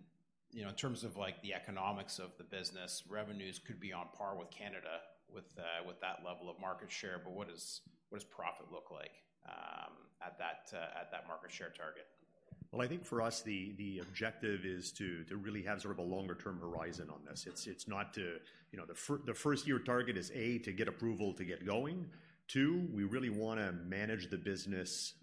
S60: you know, in terms of, like, the economics of the business, revenues could be on par with Canada, with that level of market share, but what does profit look like at that market share target?
S13: Well, I think for us, the objective is to really have sort of a longer-term horizon on this. It's not to-- You know, the first-year target is, A, to get approval to get going. Two, we really wanna manage the business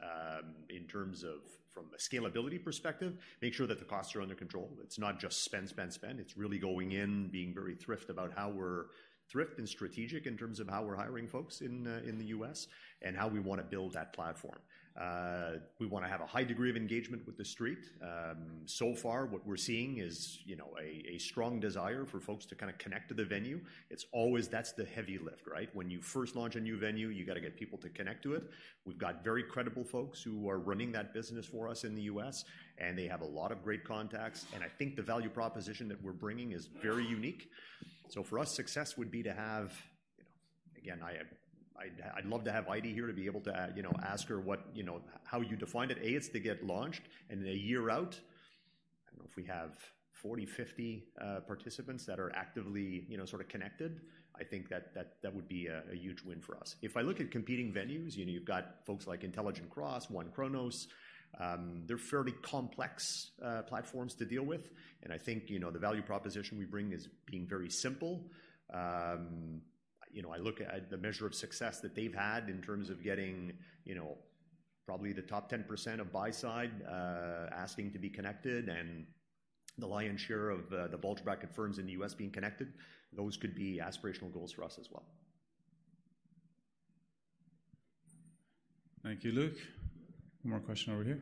S13: in terms of from a scalability perspective, make sure that the costs are under control. It's not just spend, spend, spend. It's really going in, being very thrift about thrift and strategic in terms of how we're hiring folks in the U.S., and how we wanna build that platform. We wanna have a high degree of engagement with the street. So far, what we're seeing is, you know, a strong desire for folks to kinda connect to the venue. That's the heavy lift, right? When you first launch a new venue, you gotta get people to connect to it. We've got very credible folks who are running that business for us in the U.S., and they have a lot of great contacts, and I think the value proposition that we're bringing is very unique. So for us, success would be to have-... again, I, I'd, I'd love to have Heidi here to be able to, you know, ask her what, you know, how you define it. A, is to get launched, and then a year out, I don't know, if we have 40, 50, participants that are actively, you know, sort of connected, I think that, that, that would be a, a huge win for us. If I look at competing venues, you know, you've got folks like Intelligent Cross, OneChronos, they're fairly complex, platforms to deal with, and I think, you know, the value proposition we bring is being very simple. You know, I look at the measure of success that they've had in terms of getting, you know, probably the top 10% of buy side asking to be connected, and the lion's share of the bulge bracket firms in the U.S. being connected. Those could be aspirational goals for us as well.
S53: Thank you, Luc. One more question over here.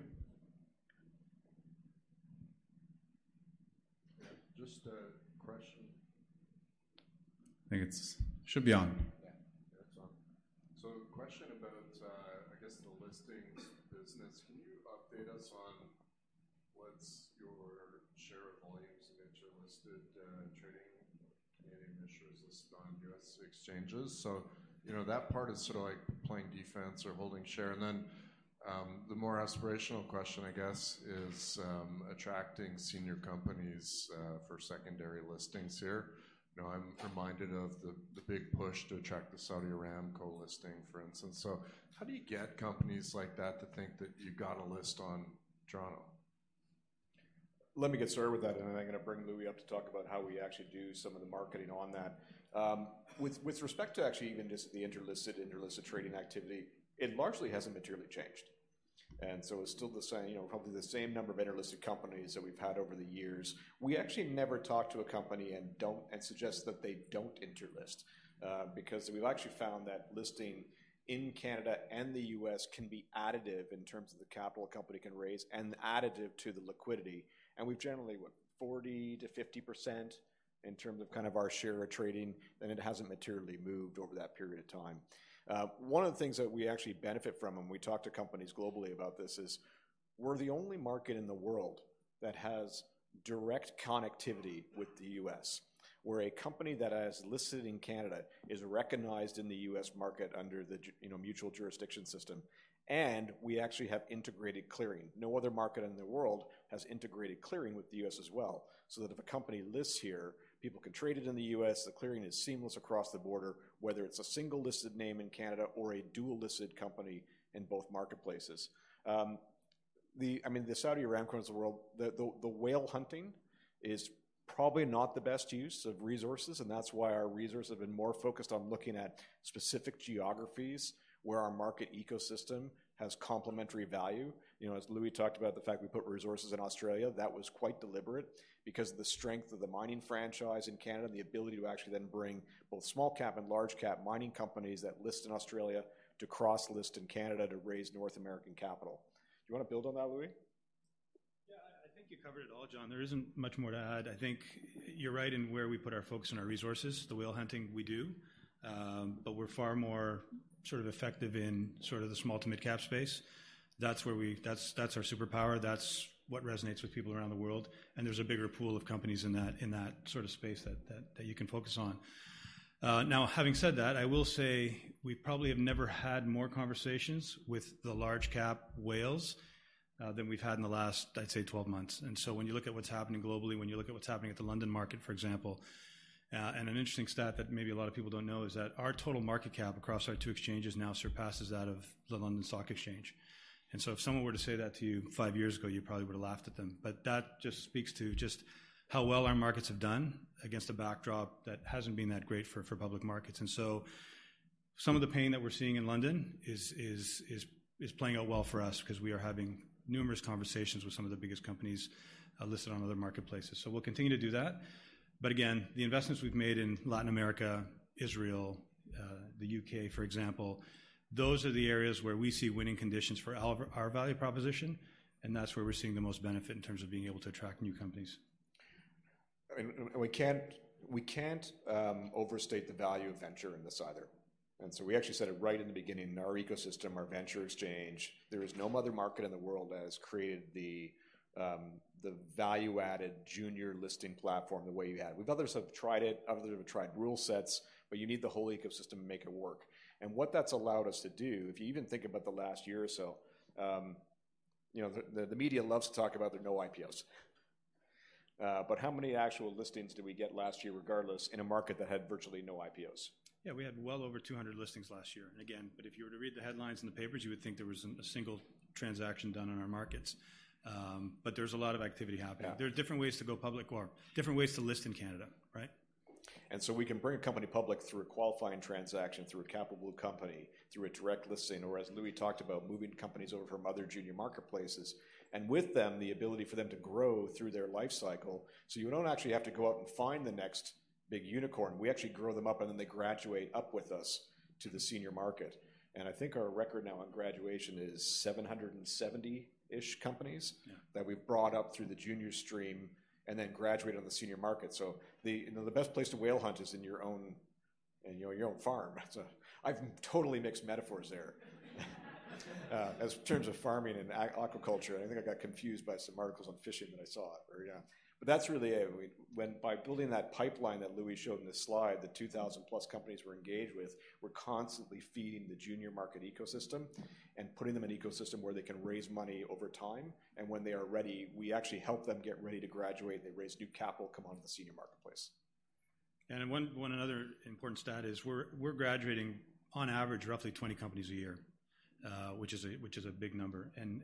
S61: Just a question.
S53: I think it's should be on.
S61: Yeah, yeah, it's on. So question about, I guess, the listings business. Can you update us on what's your share of volumes of interlisted, trading, Canadian issuers listed on U.S. exchanges? So, you know, that part is sort of like playing defense or holding share. And then, the more aspirational question, I guess, is, attracting senior companies, for secondary listings here. You know, I'm reminded of the big push to attract the Saudi Aramco listing, for instance. So how do you get companies like that to think that you've got a list on Toronto?
S2: Let me get started with that, and then I'm gonna bring Loui up to talk about how we actually do some of the marketing on that. With respect to actually even just the interlisted, interlisted trading activity, it largely hasn't materially changed. And so it's still the same, you know, probably the same number of interlisted companies that we've had over the years. We actually never talk to a company and don't and suggest that they don't interlist, because we've actually found that listing in Canada and the U.S. can be additive in terms of the capital a company can raise and additive to the liquidity. And we've generally, what, 40%-50% in terms of kind of our share of trading, and it hasn't materially moved over that period of time. One of the things that we actually benefit from, and we talk to companies globally about this, is we're the only market in the world that has direct connectivity with the U.S., where a company that has listed in Canada is recognized in the U.S. market under the jurisdiction, you know, mutual jurisdiction system, and we actually have integrated clearing. No other market in the world has integrated clearing with the U.S. as well, so that if a company lists here, people can trade it in the U.S., the clearing is seamless across the border, whether it's a single-listed name in Canada or a dual-listed company in both marketplaces. I mean, the Saudi Aramco is the world... The whale hunting is probably not the best use of resources, and that's why our resources have been more focused on looking at specific geographies where our market ecosystem has complementary value. You know, as Loui talked about, the fact we put resources in Australia, that was quite deliberate because of the strength of the mining franchise in Canada and the ability to actually then bring both small-cap and large-cap mining companies that list in Australia to cross-list in Canada to raise North American capital. Do you wanna build on that, Loui?
S8: Yeah, I think you covered it all, John. There isn't much more to add. I think you're right in where we put our focus and our resources. The whale hunting, we do, but we're far more sort of effective in sort of the small to mid-cap space. That's where we-- That's our superpower. That's what resonates with people around the world, and there's a bigger pool of companies in that sort of space that you can focus on. Now, having said that, I will say we probably have never had more conversations with the large-cap whales than we've had in the last, I'd say, 12 months. And so when you look at what's happening globally, when you look at what's happening at the London market, for example... An interesting stat that maybe a lot of people don't know is that our total market cap across our two exchanges now surpasses that of the London Stock Exchange. So if someone were to say that to you five years ago, you probably would've laughed at them. But that just speaks to just how well our markets have done against a backdrop that hasn't been that great for public markets. So some of the pain that we're seeing in London is playing out well for us 'cause we are having numerous conversations with some of the biggest companies listed on other marketplaces. So we'll continue to do that. But again, the investments we've made in Latin America, Israel, the U.K., for example, those are the areas where we see winning conditions for our, our value proposition, and that's where we're seeing the most benefit in terms of being able to attract new companies.
S2: I mean, and we can't, we can't overstate the value of venture in this either. So we actually said it right in the beginning, our ecosystem, our venture exchange, there is no other market in the world that has created the value-added junior listing platform the way we have. Others have tried it, others have tried rule sets, but you need the whole ecosystem to make it work. And what that's allowed us to do, if you even think about the last year or so, you know, the media loves to talk about there are no IPOs. But how many actual listings did we get last year, regardless, in a market that had virtually no IPOs?
S8: Yeah, we had well over 200 listings last year. Again, but if you were to read the headlines in the papers, you would think there wasn't a single transaction done on our markets. But there's a lot of activity happening.
S2: Yeah.
S8: There are different ways to go public or different ways to list in Canada, right?
S2: So we can bring a company public through a qualifying transaction, through a capital company, through a direct listing, or as Loui talked about, moving companies over from other junior marketplaces, and with them, the ability for them to grow through their life cycle. So you don't actually have to go out and find the next big unicorn. We actually grow them up, and then they graduate up with us to the senior market. And I think our record now on graduation is 770-ish companies-
S8: Yeah...
S2: that we've brought up through the junior stream and then graduated on the senior market. So the, you know, the best place to whale hunt is in your own, in your own farm. So I've totally mixed metaphors there.... As in terms of farming and aquaculture, I think I got confused by some articles on fishing that I saw— But that's really it. We— When, by building that pipeline that Loui showed in the slide, the 2,000+ companies we're engaged with, we're constantly feeding the junior market ecosystem and putting them in an ecosystem where they can raise money over time, and when they are ready, we actually help them get ready to graduate, and they raise new capital, come on to the senior marketplace.
S8: One other important stat is we're graduating, on average, roughly 20 companies a year, which is a big number. And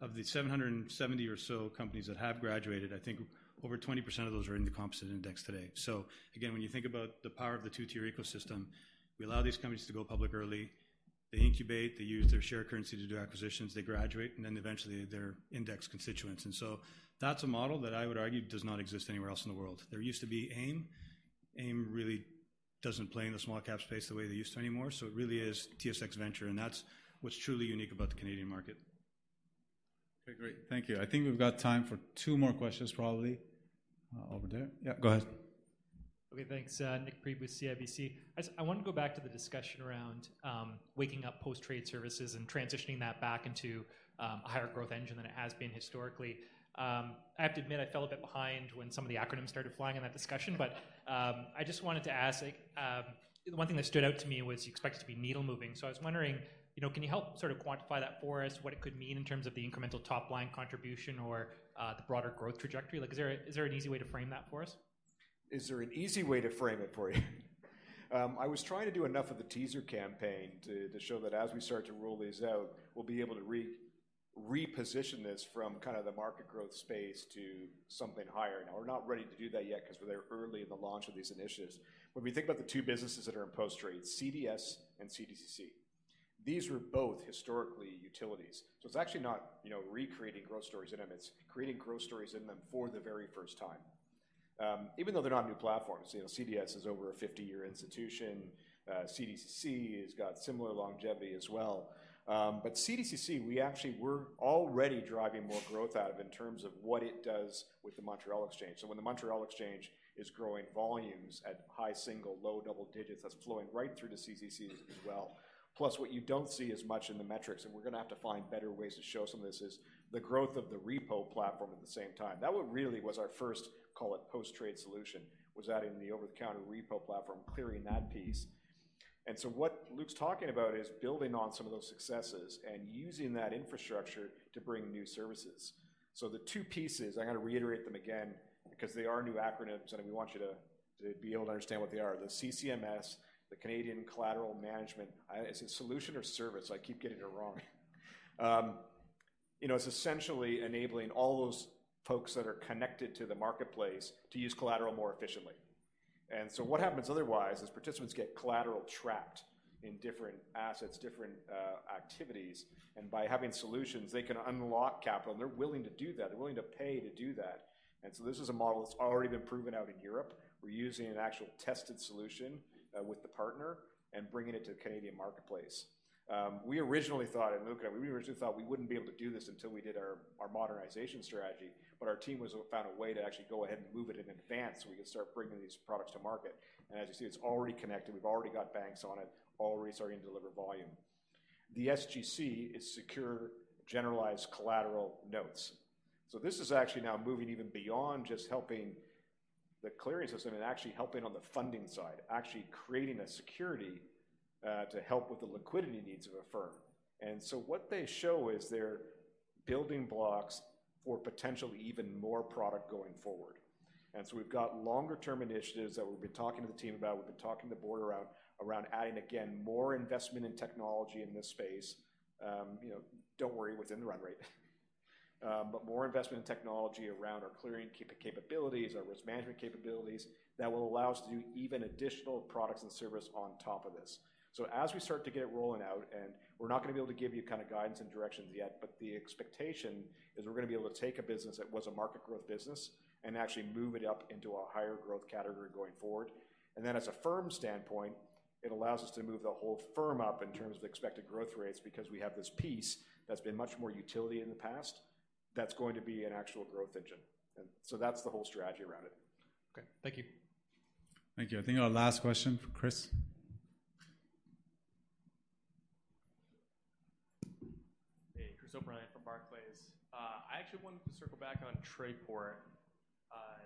S8: of the 700 or so companies that have graduated, I think over 20% of those are in the composite index today. So again, when you think about the power of the two-tier ecosystem, we allow these companies to go public early. They incubate, they use their share currency to do acquisitions, they graduate, and then eventually, they're index constituents. And so that's a model that I would argue does not exist anywhere else in the world. There used to be AIM. AIM really doesn't play in the small cap space the way they used to anymore, so it really is TSX Venture, and that's what's truly unique about the Canadian market.
S53: Okay, great. Thank you. I think we've got time for two more questions, probably. Over there. Yeah, go ahead.
S62: Okay, thanks. Nik Priebe with CIBC. I want to go back to the discussion around waking up post-trade services and transitioning that back into a higher growth engine than it has been historically. I have to admit, I fell a bit behind when some of the acronyms started flying in that discussion, but I just wanted to ask, the one thing that stood out to me was you expect it to be needle-moving. So I was wondering, you know, can you help sort of quantify that for us, what it could mean in terms of the incremental top-line contribution or the broader growth trajectory? Like, is there an easy way to frame that for us?
S2: Is there an easy way to frame it for you? I was trying to do enough of the teaser campaign to, to show that as we start to roll these out, we'll be able to reposition this from kind of the market growth space to something higher. Now, we're not ready to do that yet 'cause we're very early in the launch of these initiatives. When we think about the two businesses that are in post-trade, CDS and CDCC, these were both historically utilities. So it's actually not, you know, recreating growth stories in them, it's creating growth stories in them for the very first time. Even though they're not new platforms, you know, CDS is over a 50-year institution, CDCC has got similar longevity as well. But CDCC, we actually—we're already driving more growth out of in terms of what it does with the Montréal Exchange. So when the Montréal Exchange is growing volumes at high single, low double digits, that's flowing right through to CDCC as well. Plus, what you don't see as much in the metrics, and we're gonna have to find better ways to show some of this, is the growth of the repo platform at the same time. That one really was our first, call it, post-trade solution, was adding the over-the-counter repo platform, clearing that piece. And so what Luc's talking about is building on some of those successes and using that infrastructure to bring new services. So the two pieces, I'm gonna reiterate them again, because they are new acronyms, and we want you to, to be able to understand what they are. The CCMS, the Canadian Collateral Management Service... Is it solution or service? I keep getting it wrong. You know, it's essentially enabling all those folks that are connected to the marketplace to use collateral more efficiently. And so what happens otherwise is participants get collateral trapped in different assets, different activities, and by having solutions, they can unlock capital, and they're willing to do that. They're willing to pay to do that. And so this is a model that's already been proven out in Europe. We're using an actual tested solution with the partner and bringing it to the Canadian marketplace. We originally thought, and Luc and I, we originally thought we wouldn't be able to do this until we did our, our modernization strategy, but our team found a way to actually go ahead and move it in advance, so we could start bringing these products to market. As you see, it's already connected. We've already got banks on it, already starting to deliver volume. The SGC is Secure General Collateral Notes. So this is actually now moving even beyond just helping the clearing system and actually helping on the funding side, actually creating a security to help with the liquidity needs of a firm. So what they show is they're building blocks for potentially even more product going forward. And so we've got longer-term initiatives that we've been talking to the team about, we've been talking to the board around adding, again, more investment in technology in this space. You know, don't worry, within the run rate. But more investment in technology around our clearing capabilities, our risk management capabilities, that will allow us to do even additional products and service on top of this. So as we start to get it rolling out, and we're not gonna be able to give you kind of guidance and directions yet, but the expectation is we're gonna be able to take a business that was a market growth business and actually move it up into a higher growth category going forward. From a firm standpoint, it allows us to move the whole firm up in terms of expected growth rates because we have this piece that's been much more utility in the past, that's going to be an actual growth engine. So that's the whole strategy around it.
S62: Okay, thank you.
S53: Thank you. I think our last question for Chris.
S63: Hey, Chris O’Brien from Barclays. I actually wanted to circle back on Trayport.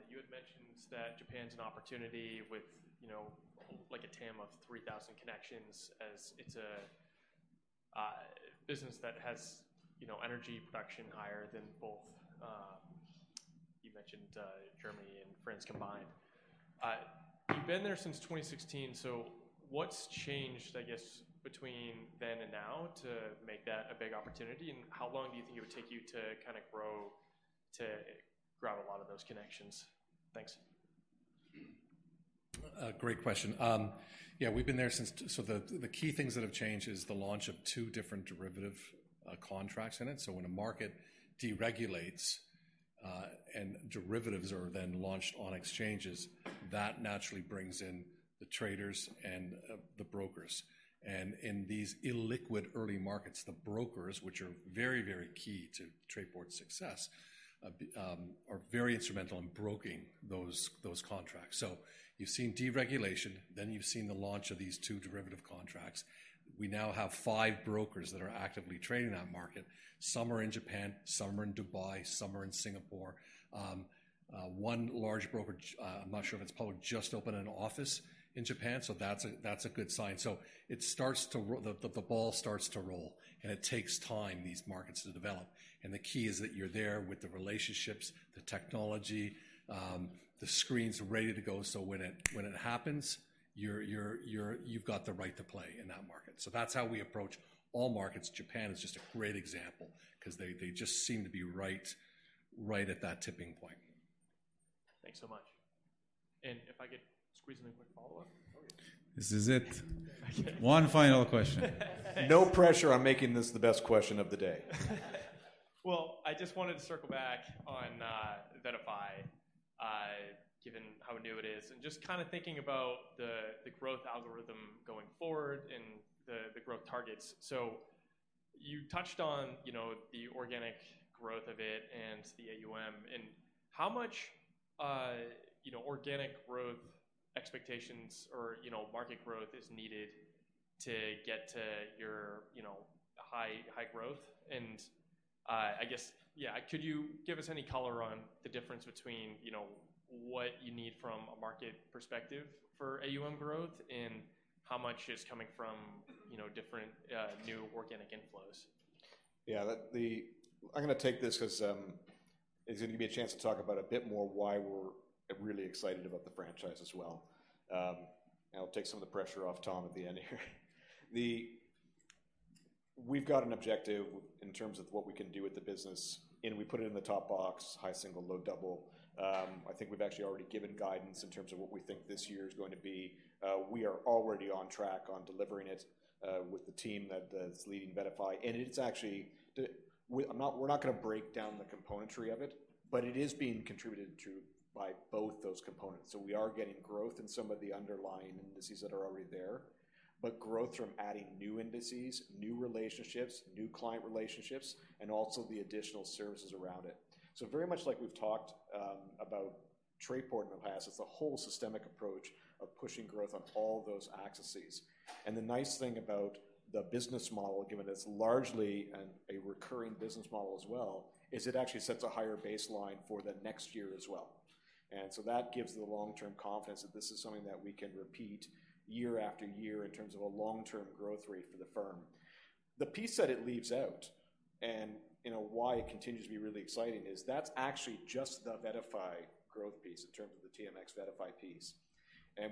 S63: You had mentioned that Japan’s an opportunity with, you know, like, a TAM of 3,000 connections, as it’s a business that has, you know, energy production higher than both, you mentioned, Germany and France combined. You’ve been there since 2016, so what’s changed, I guess, between then and now to make that a big opportunity? And how long do you think it would take you to kind of grow, to grab a lot of those connections? Thanks.
S51: Great question. Yeah, we've been there since. So the key things that have changed is the launch of two different derivative contracts in it. So when a market deregulates and derivatives are then launched on exchanges, that naturally brings in the traders and the brokers. And in these illiquid early markets, the brokers, which are very, very key to Trayport's success, are very instrumental in broking those contracts. So you've seen deregulation, then you've seen the launch of these two derivative contracts. We now have five brokers that are actively trading in that market. Some are in Japan, some are in Dubai, some are in Singapore. One large brokerage, I'm not sure if it's public, just opened an office in Japan, so that's a good sign. So it starts to roll- the ball starts to roll, and it takes time, these markets, to develop. And the key is that you're there with the relationships, the technology, the screens are ready to go, so when it happens, you're- you've got the right to play in that market. So that's how we approach all markets. Japan is just a great example 'cause they just seem to be right at that tipping point.
S63: Thanks so much. And if I could squeeze in a quick follow-up? Okay.
S2: This is it.
S63: If I can-
S2: One final question. No pressure on making this the best question of the day.
S63: Well, I just wanted to circle back on, VettaFi, given how new it is, and just kind of thinking about the, the growth algorithm going forward and the, the growth targets. So you touched on, you know, the organic growth of it and the AUM, and how much, you know, organic growth expectations or, you know, market growth is needed to get to your, you know, high, high growth? And, I guess, yeah, could you give us any color on the difference between, you know, what you need from a market perspective for AUM growth, and how much is coming from, you know, different, new organic inflows?
S2: Yeah, that's the... I'm gonna take this 'cause it's gonna give me a chance to talk about a bit more why we're really excited about the franchise as well. And it'll take some of the pressure off Tom at the end here. We've got an objective in terms of what we can do with the business, and we put it in the top box, high single, low double. I think we've actually already given guidance in terms of what we think this year is going to be. We are already on track on delivering it with the team that's leading VettaFi, and it's actually. We're not gonna break down the componentry of it, but it is being contributed to by both those components. So we are getting growth in some of the underlying indices that are already there, but growth from adding new indices, new relationships, new client relationships, and also the additional services around it. So very much like we've talked about Trayport in the past, it's a whole systemic approach of pushing growth on all those axes. And the nice thing about the business model, given that it's largely and a recurring business model as well, is it actually sets a higher baseline for the next year as well. And so that gives the long-term confidence that this is something that we can repeat year after year in terms of a long-term growth rate for the firm. The piece that it leaves out, and you know, why it continues to be really exciting, is that's actually just the VettaFi growth piece in terms of the TMX VettaFi piece.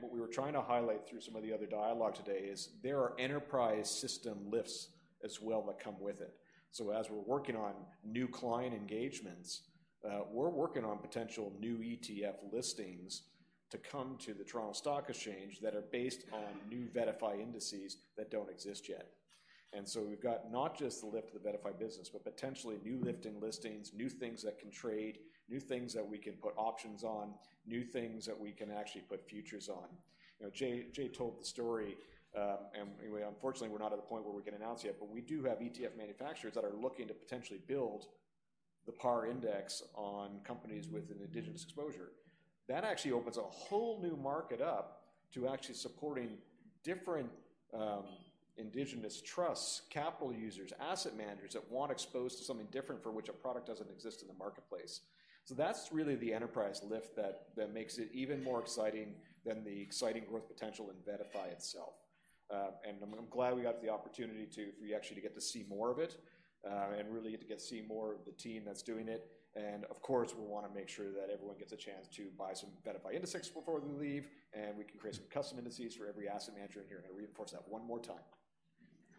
S2: What we were trying to highlight through some of the other dialogue today is, there are enterprise system lifts as well that come with it. So as we're working on new client engagements, we're working on potential new ETF listings to come to the Toronto Stock Exchange that are based on new VettaFi indices that don't exist yet. And so we've got not just the lift of the VettaFi business, but potentially new listings, new things that can trade, new things that we can put options on, new things that we can actually put futures on. You know, Jay, Jay told the story, and anyway, unfortunately, we're not at the point where we can announce yet, but we do have ETF manufacturers that are looking to potentially build the PAR Index on companies with an indigenous exposure. That actually opens a whole new market up to actually supporting different indigenous trusts, capital users, asset managers that want exposure to something different for which a product doesn't exist in the marketplace. So that's really the enterprise lift that makes it even more exciting than the exciting growth potential in VettaFi itself. And I'm glad we got the opportunity to for you actually to get to see more of it and really get to see more of the team that's doing it. And of course, we wanna make sure that everyone gets a chance to buy some VettaFi indices before they leave, and we can create some custom indices for every asset manager in here. I reinforce that one more time.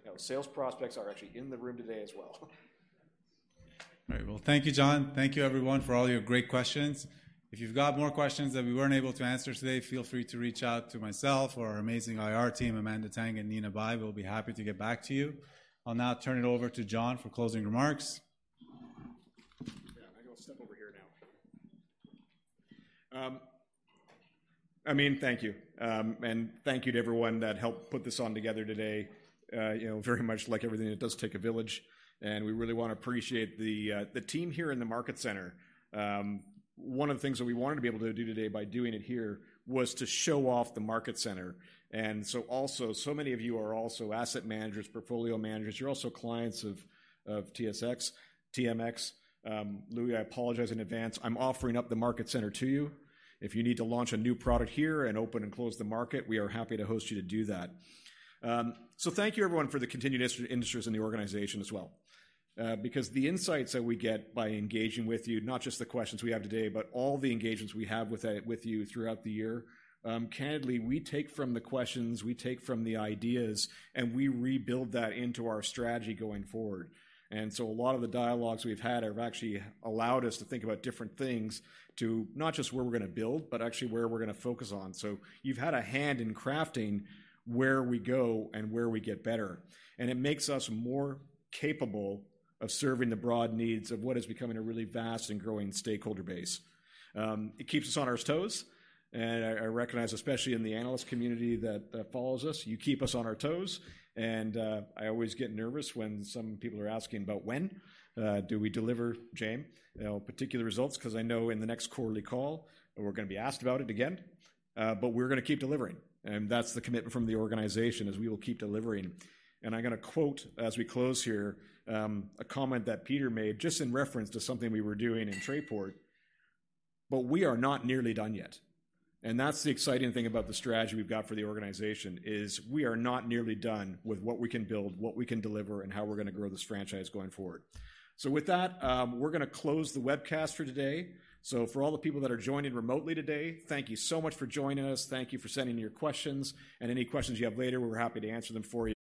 S2: You know, sales prospects are actually in the room today as well.
S1: All right. Well, thank you, John. Thank you, everyone, for all your great questions. If you've got more questions that we weren't able to answer today, feel free to reach out to myself or our amazing IR team, Amanda Tang and Nina Bai; we'll be happy to get back to you. I'll now turn it over to John for closing remarks.
S2: Yeah, I'm gonna step over here now. I mean, thank you. And thank you to everyone that helped put this on together today. You know, very much like everything, it does take a village, and we really want to appreciate the team here in the market center. One of the things that we wanted to be able to do today by doing it here was to show off the market center. And so also, so many of you are also asset managers, portfolio managers, you're also clients of TSX, TMX. Loui, I apologize in advance. I'm offering up the market center to you. If you need to launch a new product here and open and close the market, we are happy to host you to do that. So thank you everyone for the continued interest in the organization as well. Because the insights that we get by engaging with you, not just the questions we have today, but all the engagements we have with you throughout the year, candidly, we take from the questions, we take from the ideas, and we rebuild that into our strategy going forward. And so a lot of the dialogues we've had have actually allowed us to think about different things to not just where we're gonna build, but actually where we're gonna focus on. So you've had a hand in crafting where we go and where we get better, and it makes us more capable of serving the broad needs of what is becoming a really vast and growing stakeholder base. It keeps us on our toes, and I recognize, especially in the analyst community that follows us, you keep us on our toes. I always get nervous when some people are asking about when do we deliver, Jay, you know, particular results, 'cause I know in the next quarterly call, we're gonna be asked about it again. But we're gonna keep delivering, and that's the commitment from the organization, is we will keep delivering. And I'm gonna quote as we close here a comment that Peter made just in reference to something we were doing in Trayport, "But we are not nearly done yet." And that's the exciting thing about the strategy we've got for the organization, is we are not nearly done with what we can build, what we can deliver, and how we're gonna grow this franchise going forward. So with that, we're gonna close the webcast for today. So for all the people that are joining remotely today, thank you so much for joining us. Thank you for sending your questions, and any questions you have later, we're happy to answer them for you... Very-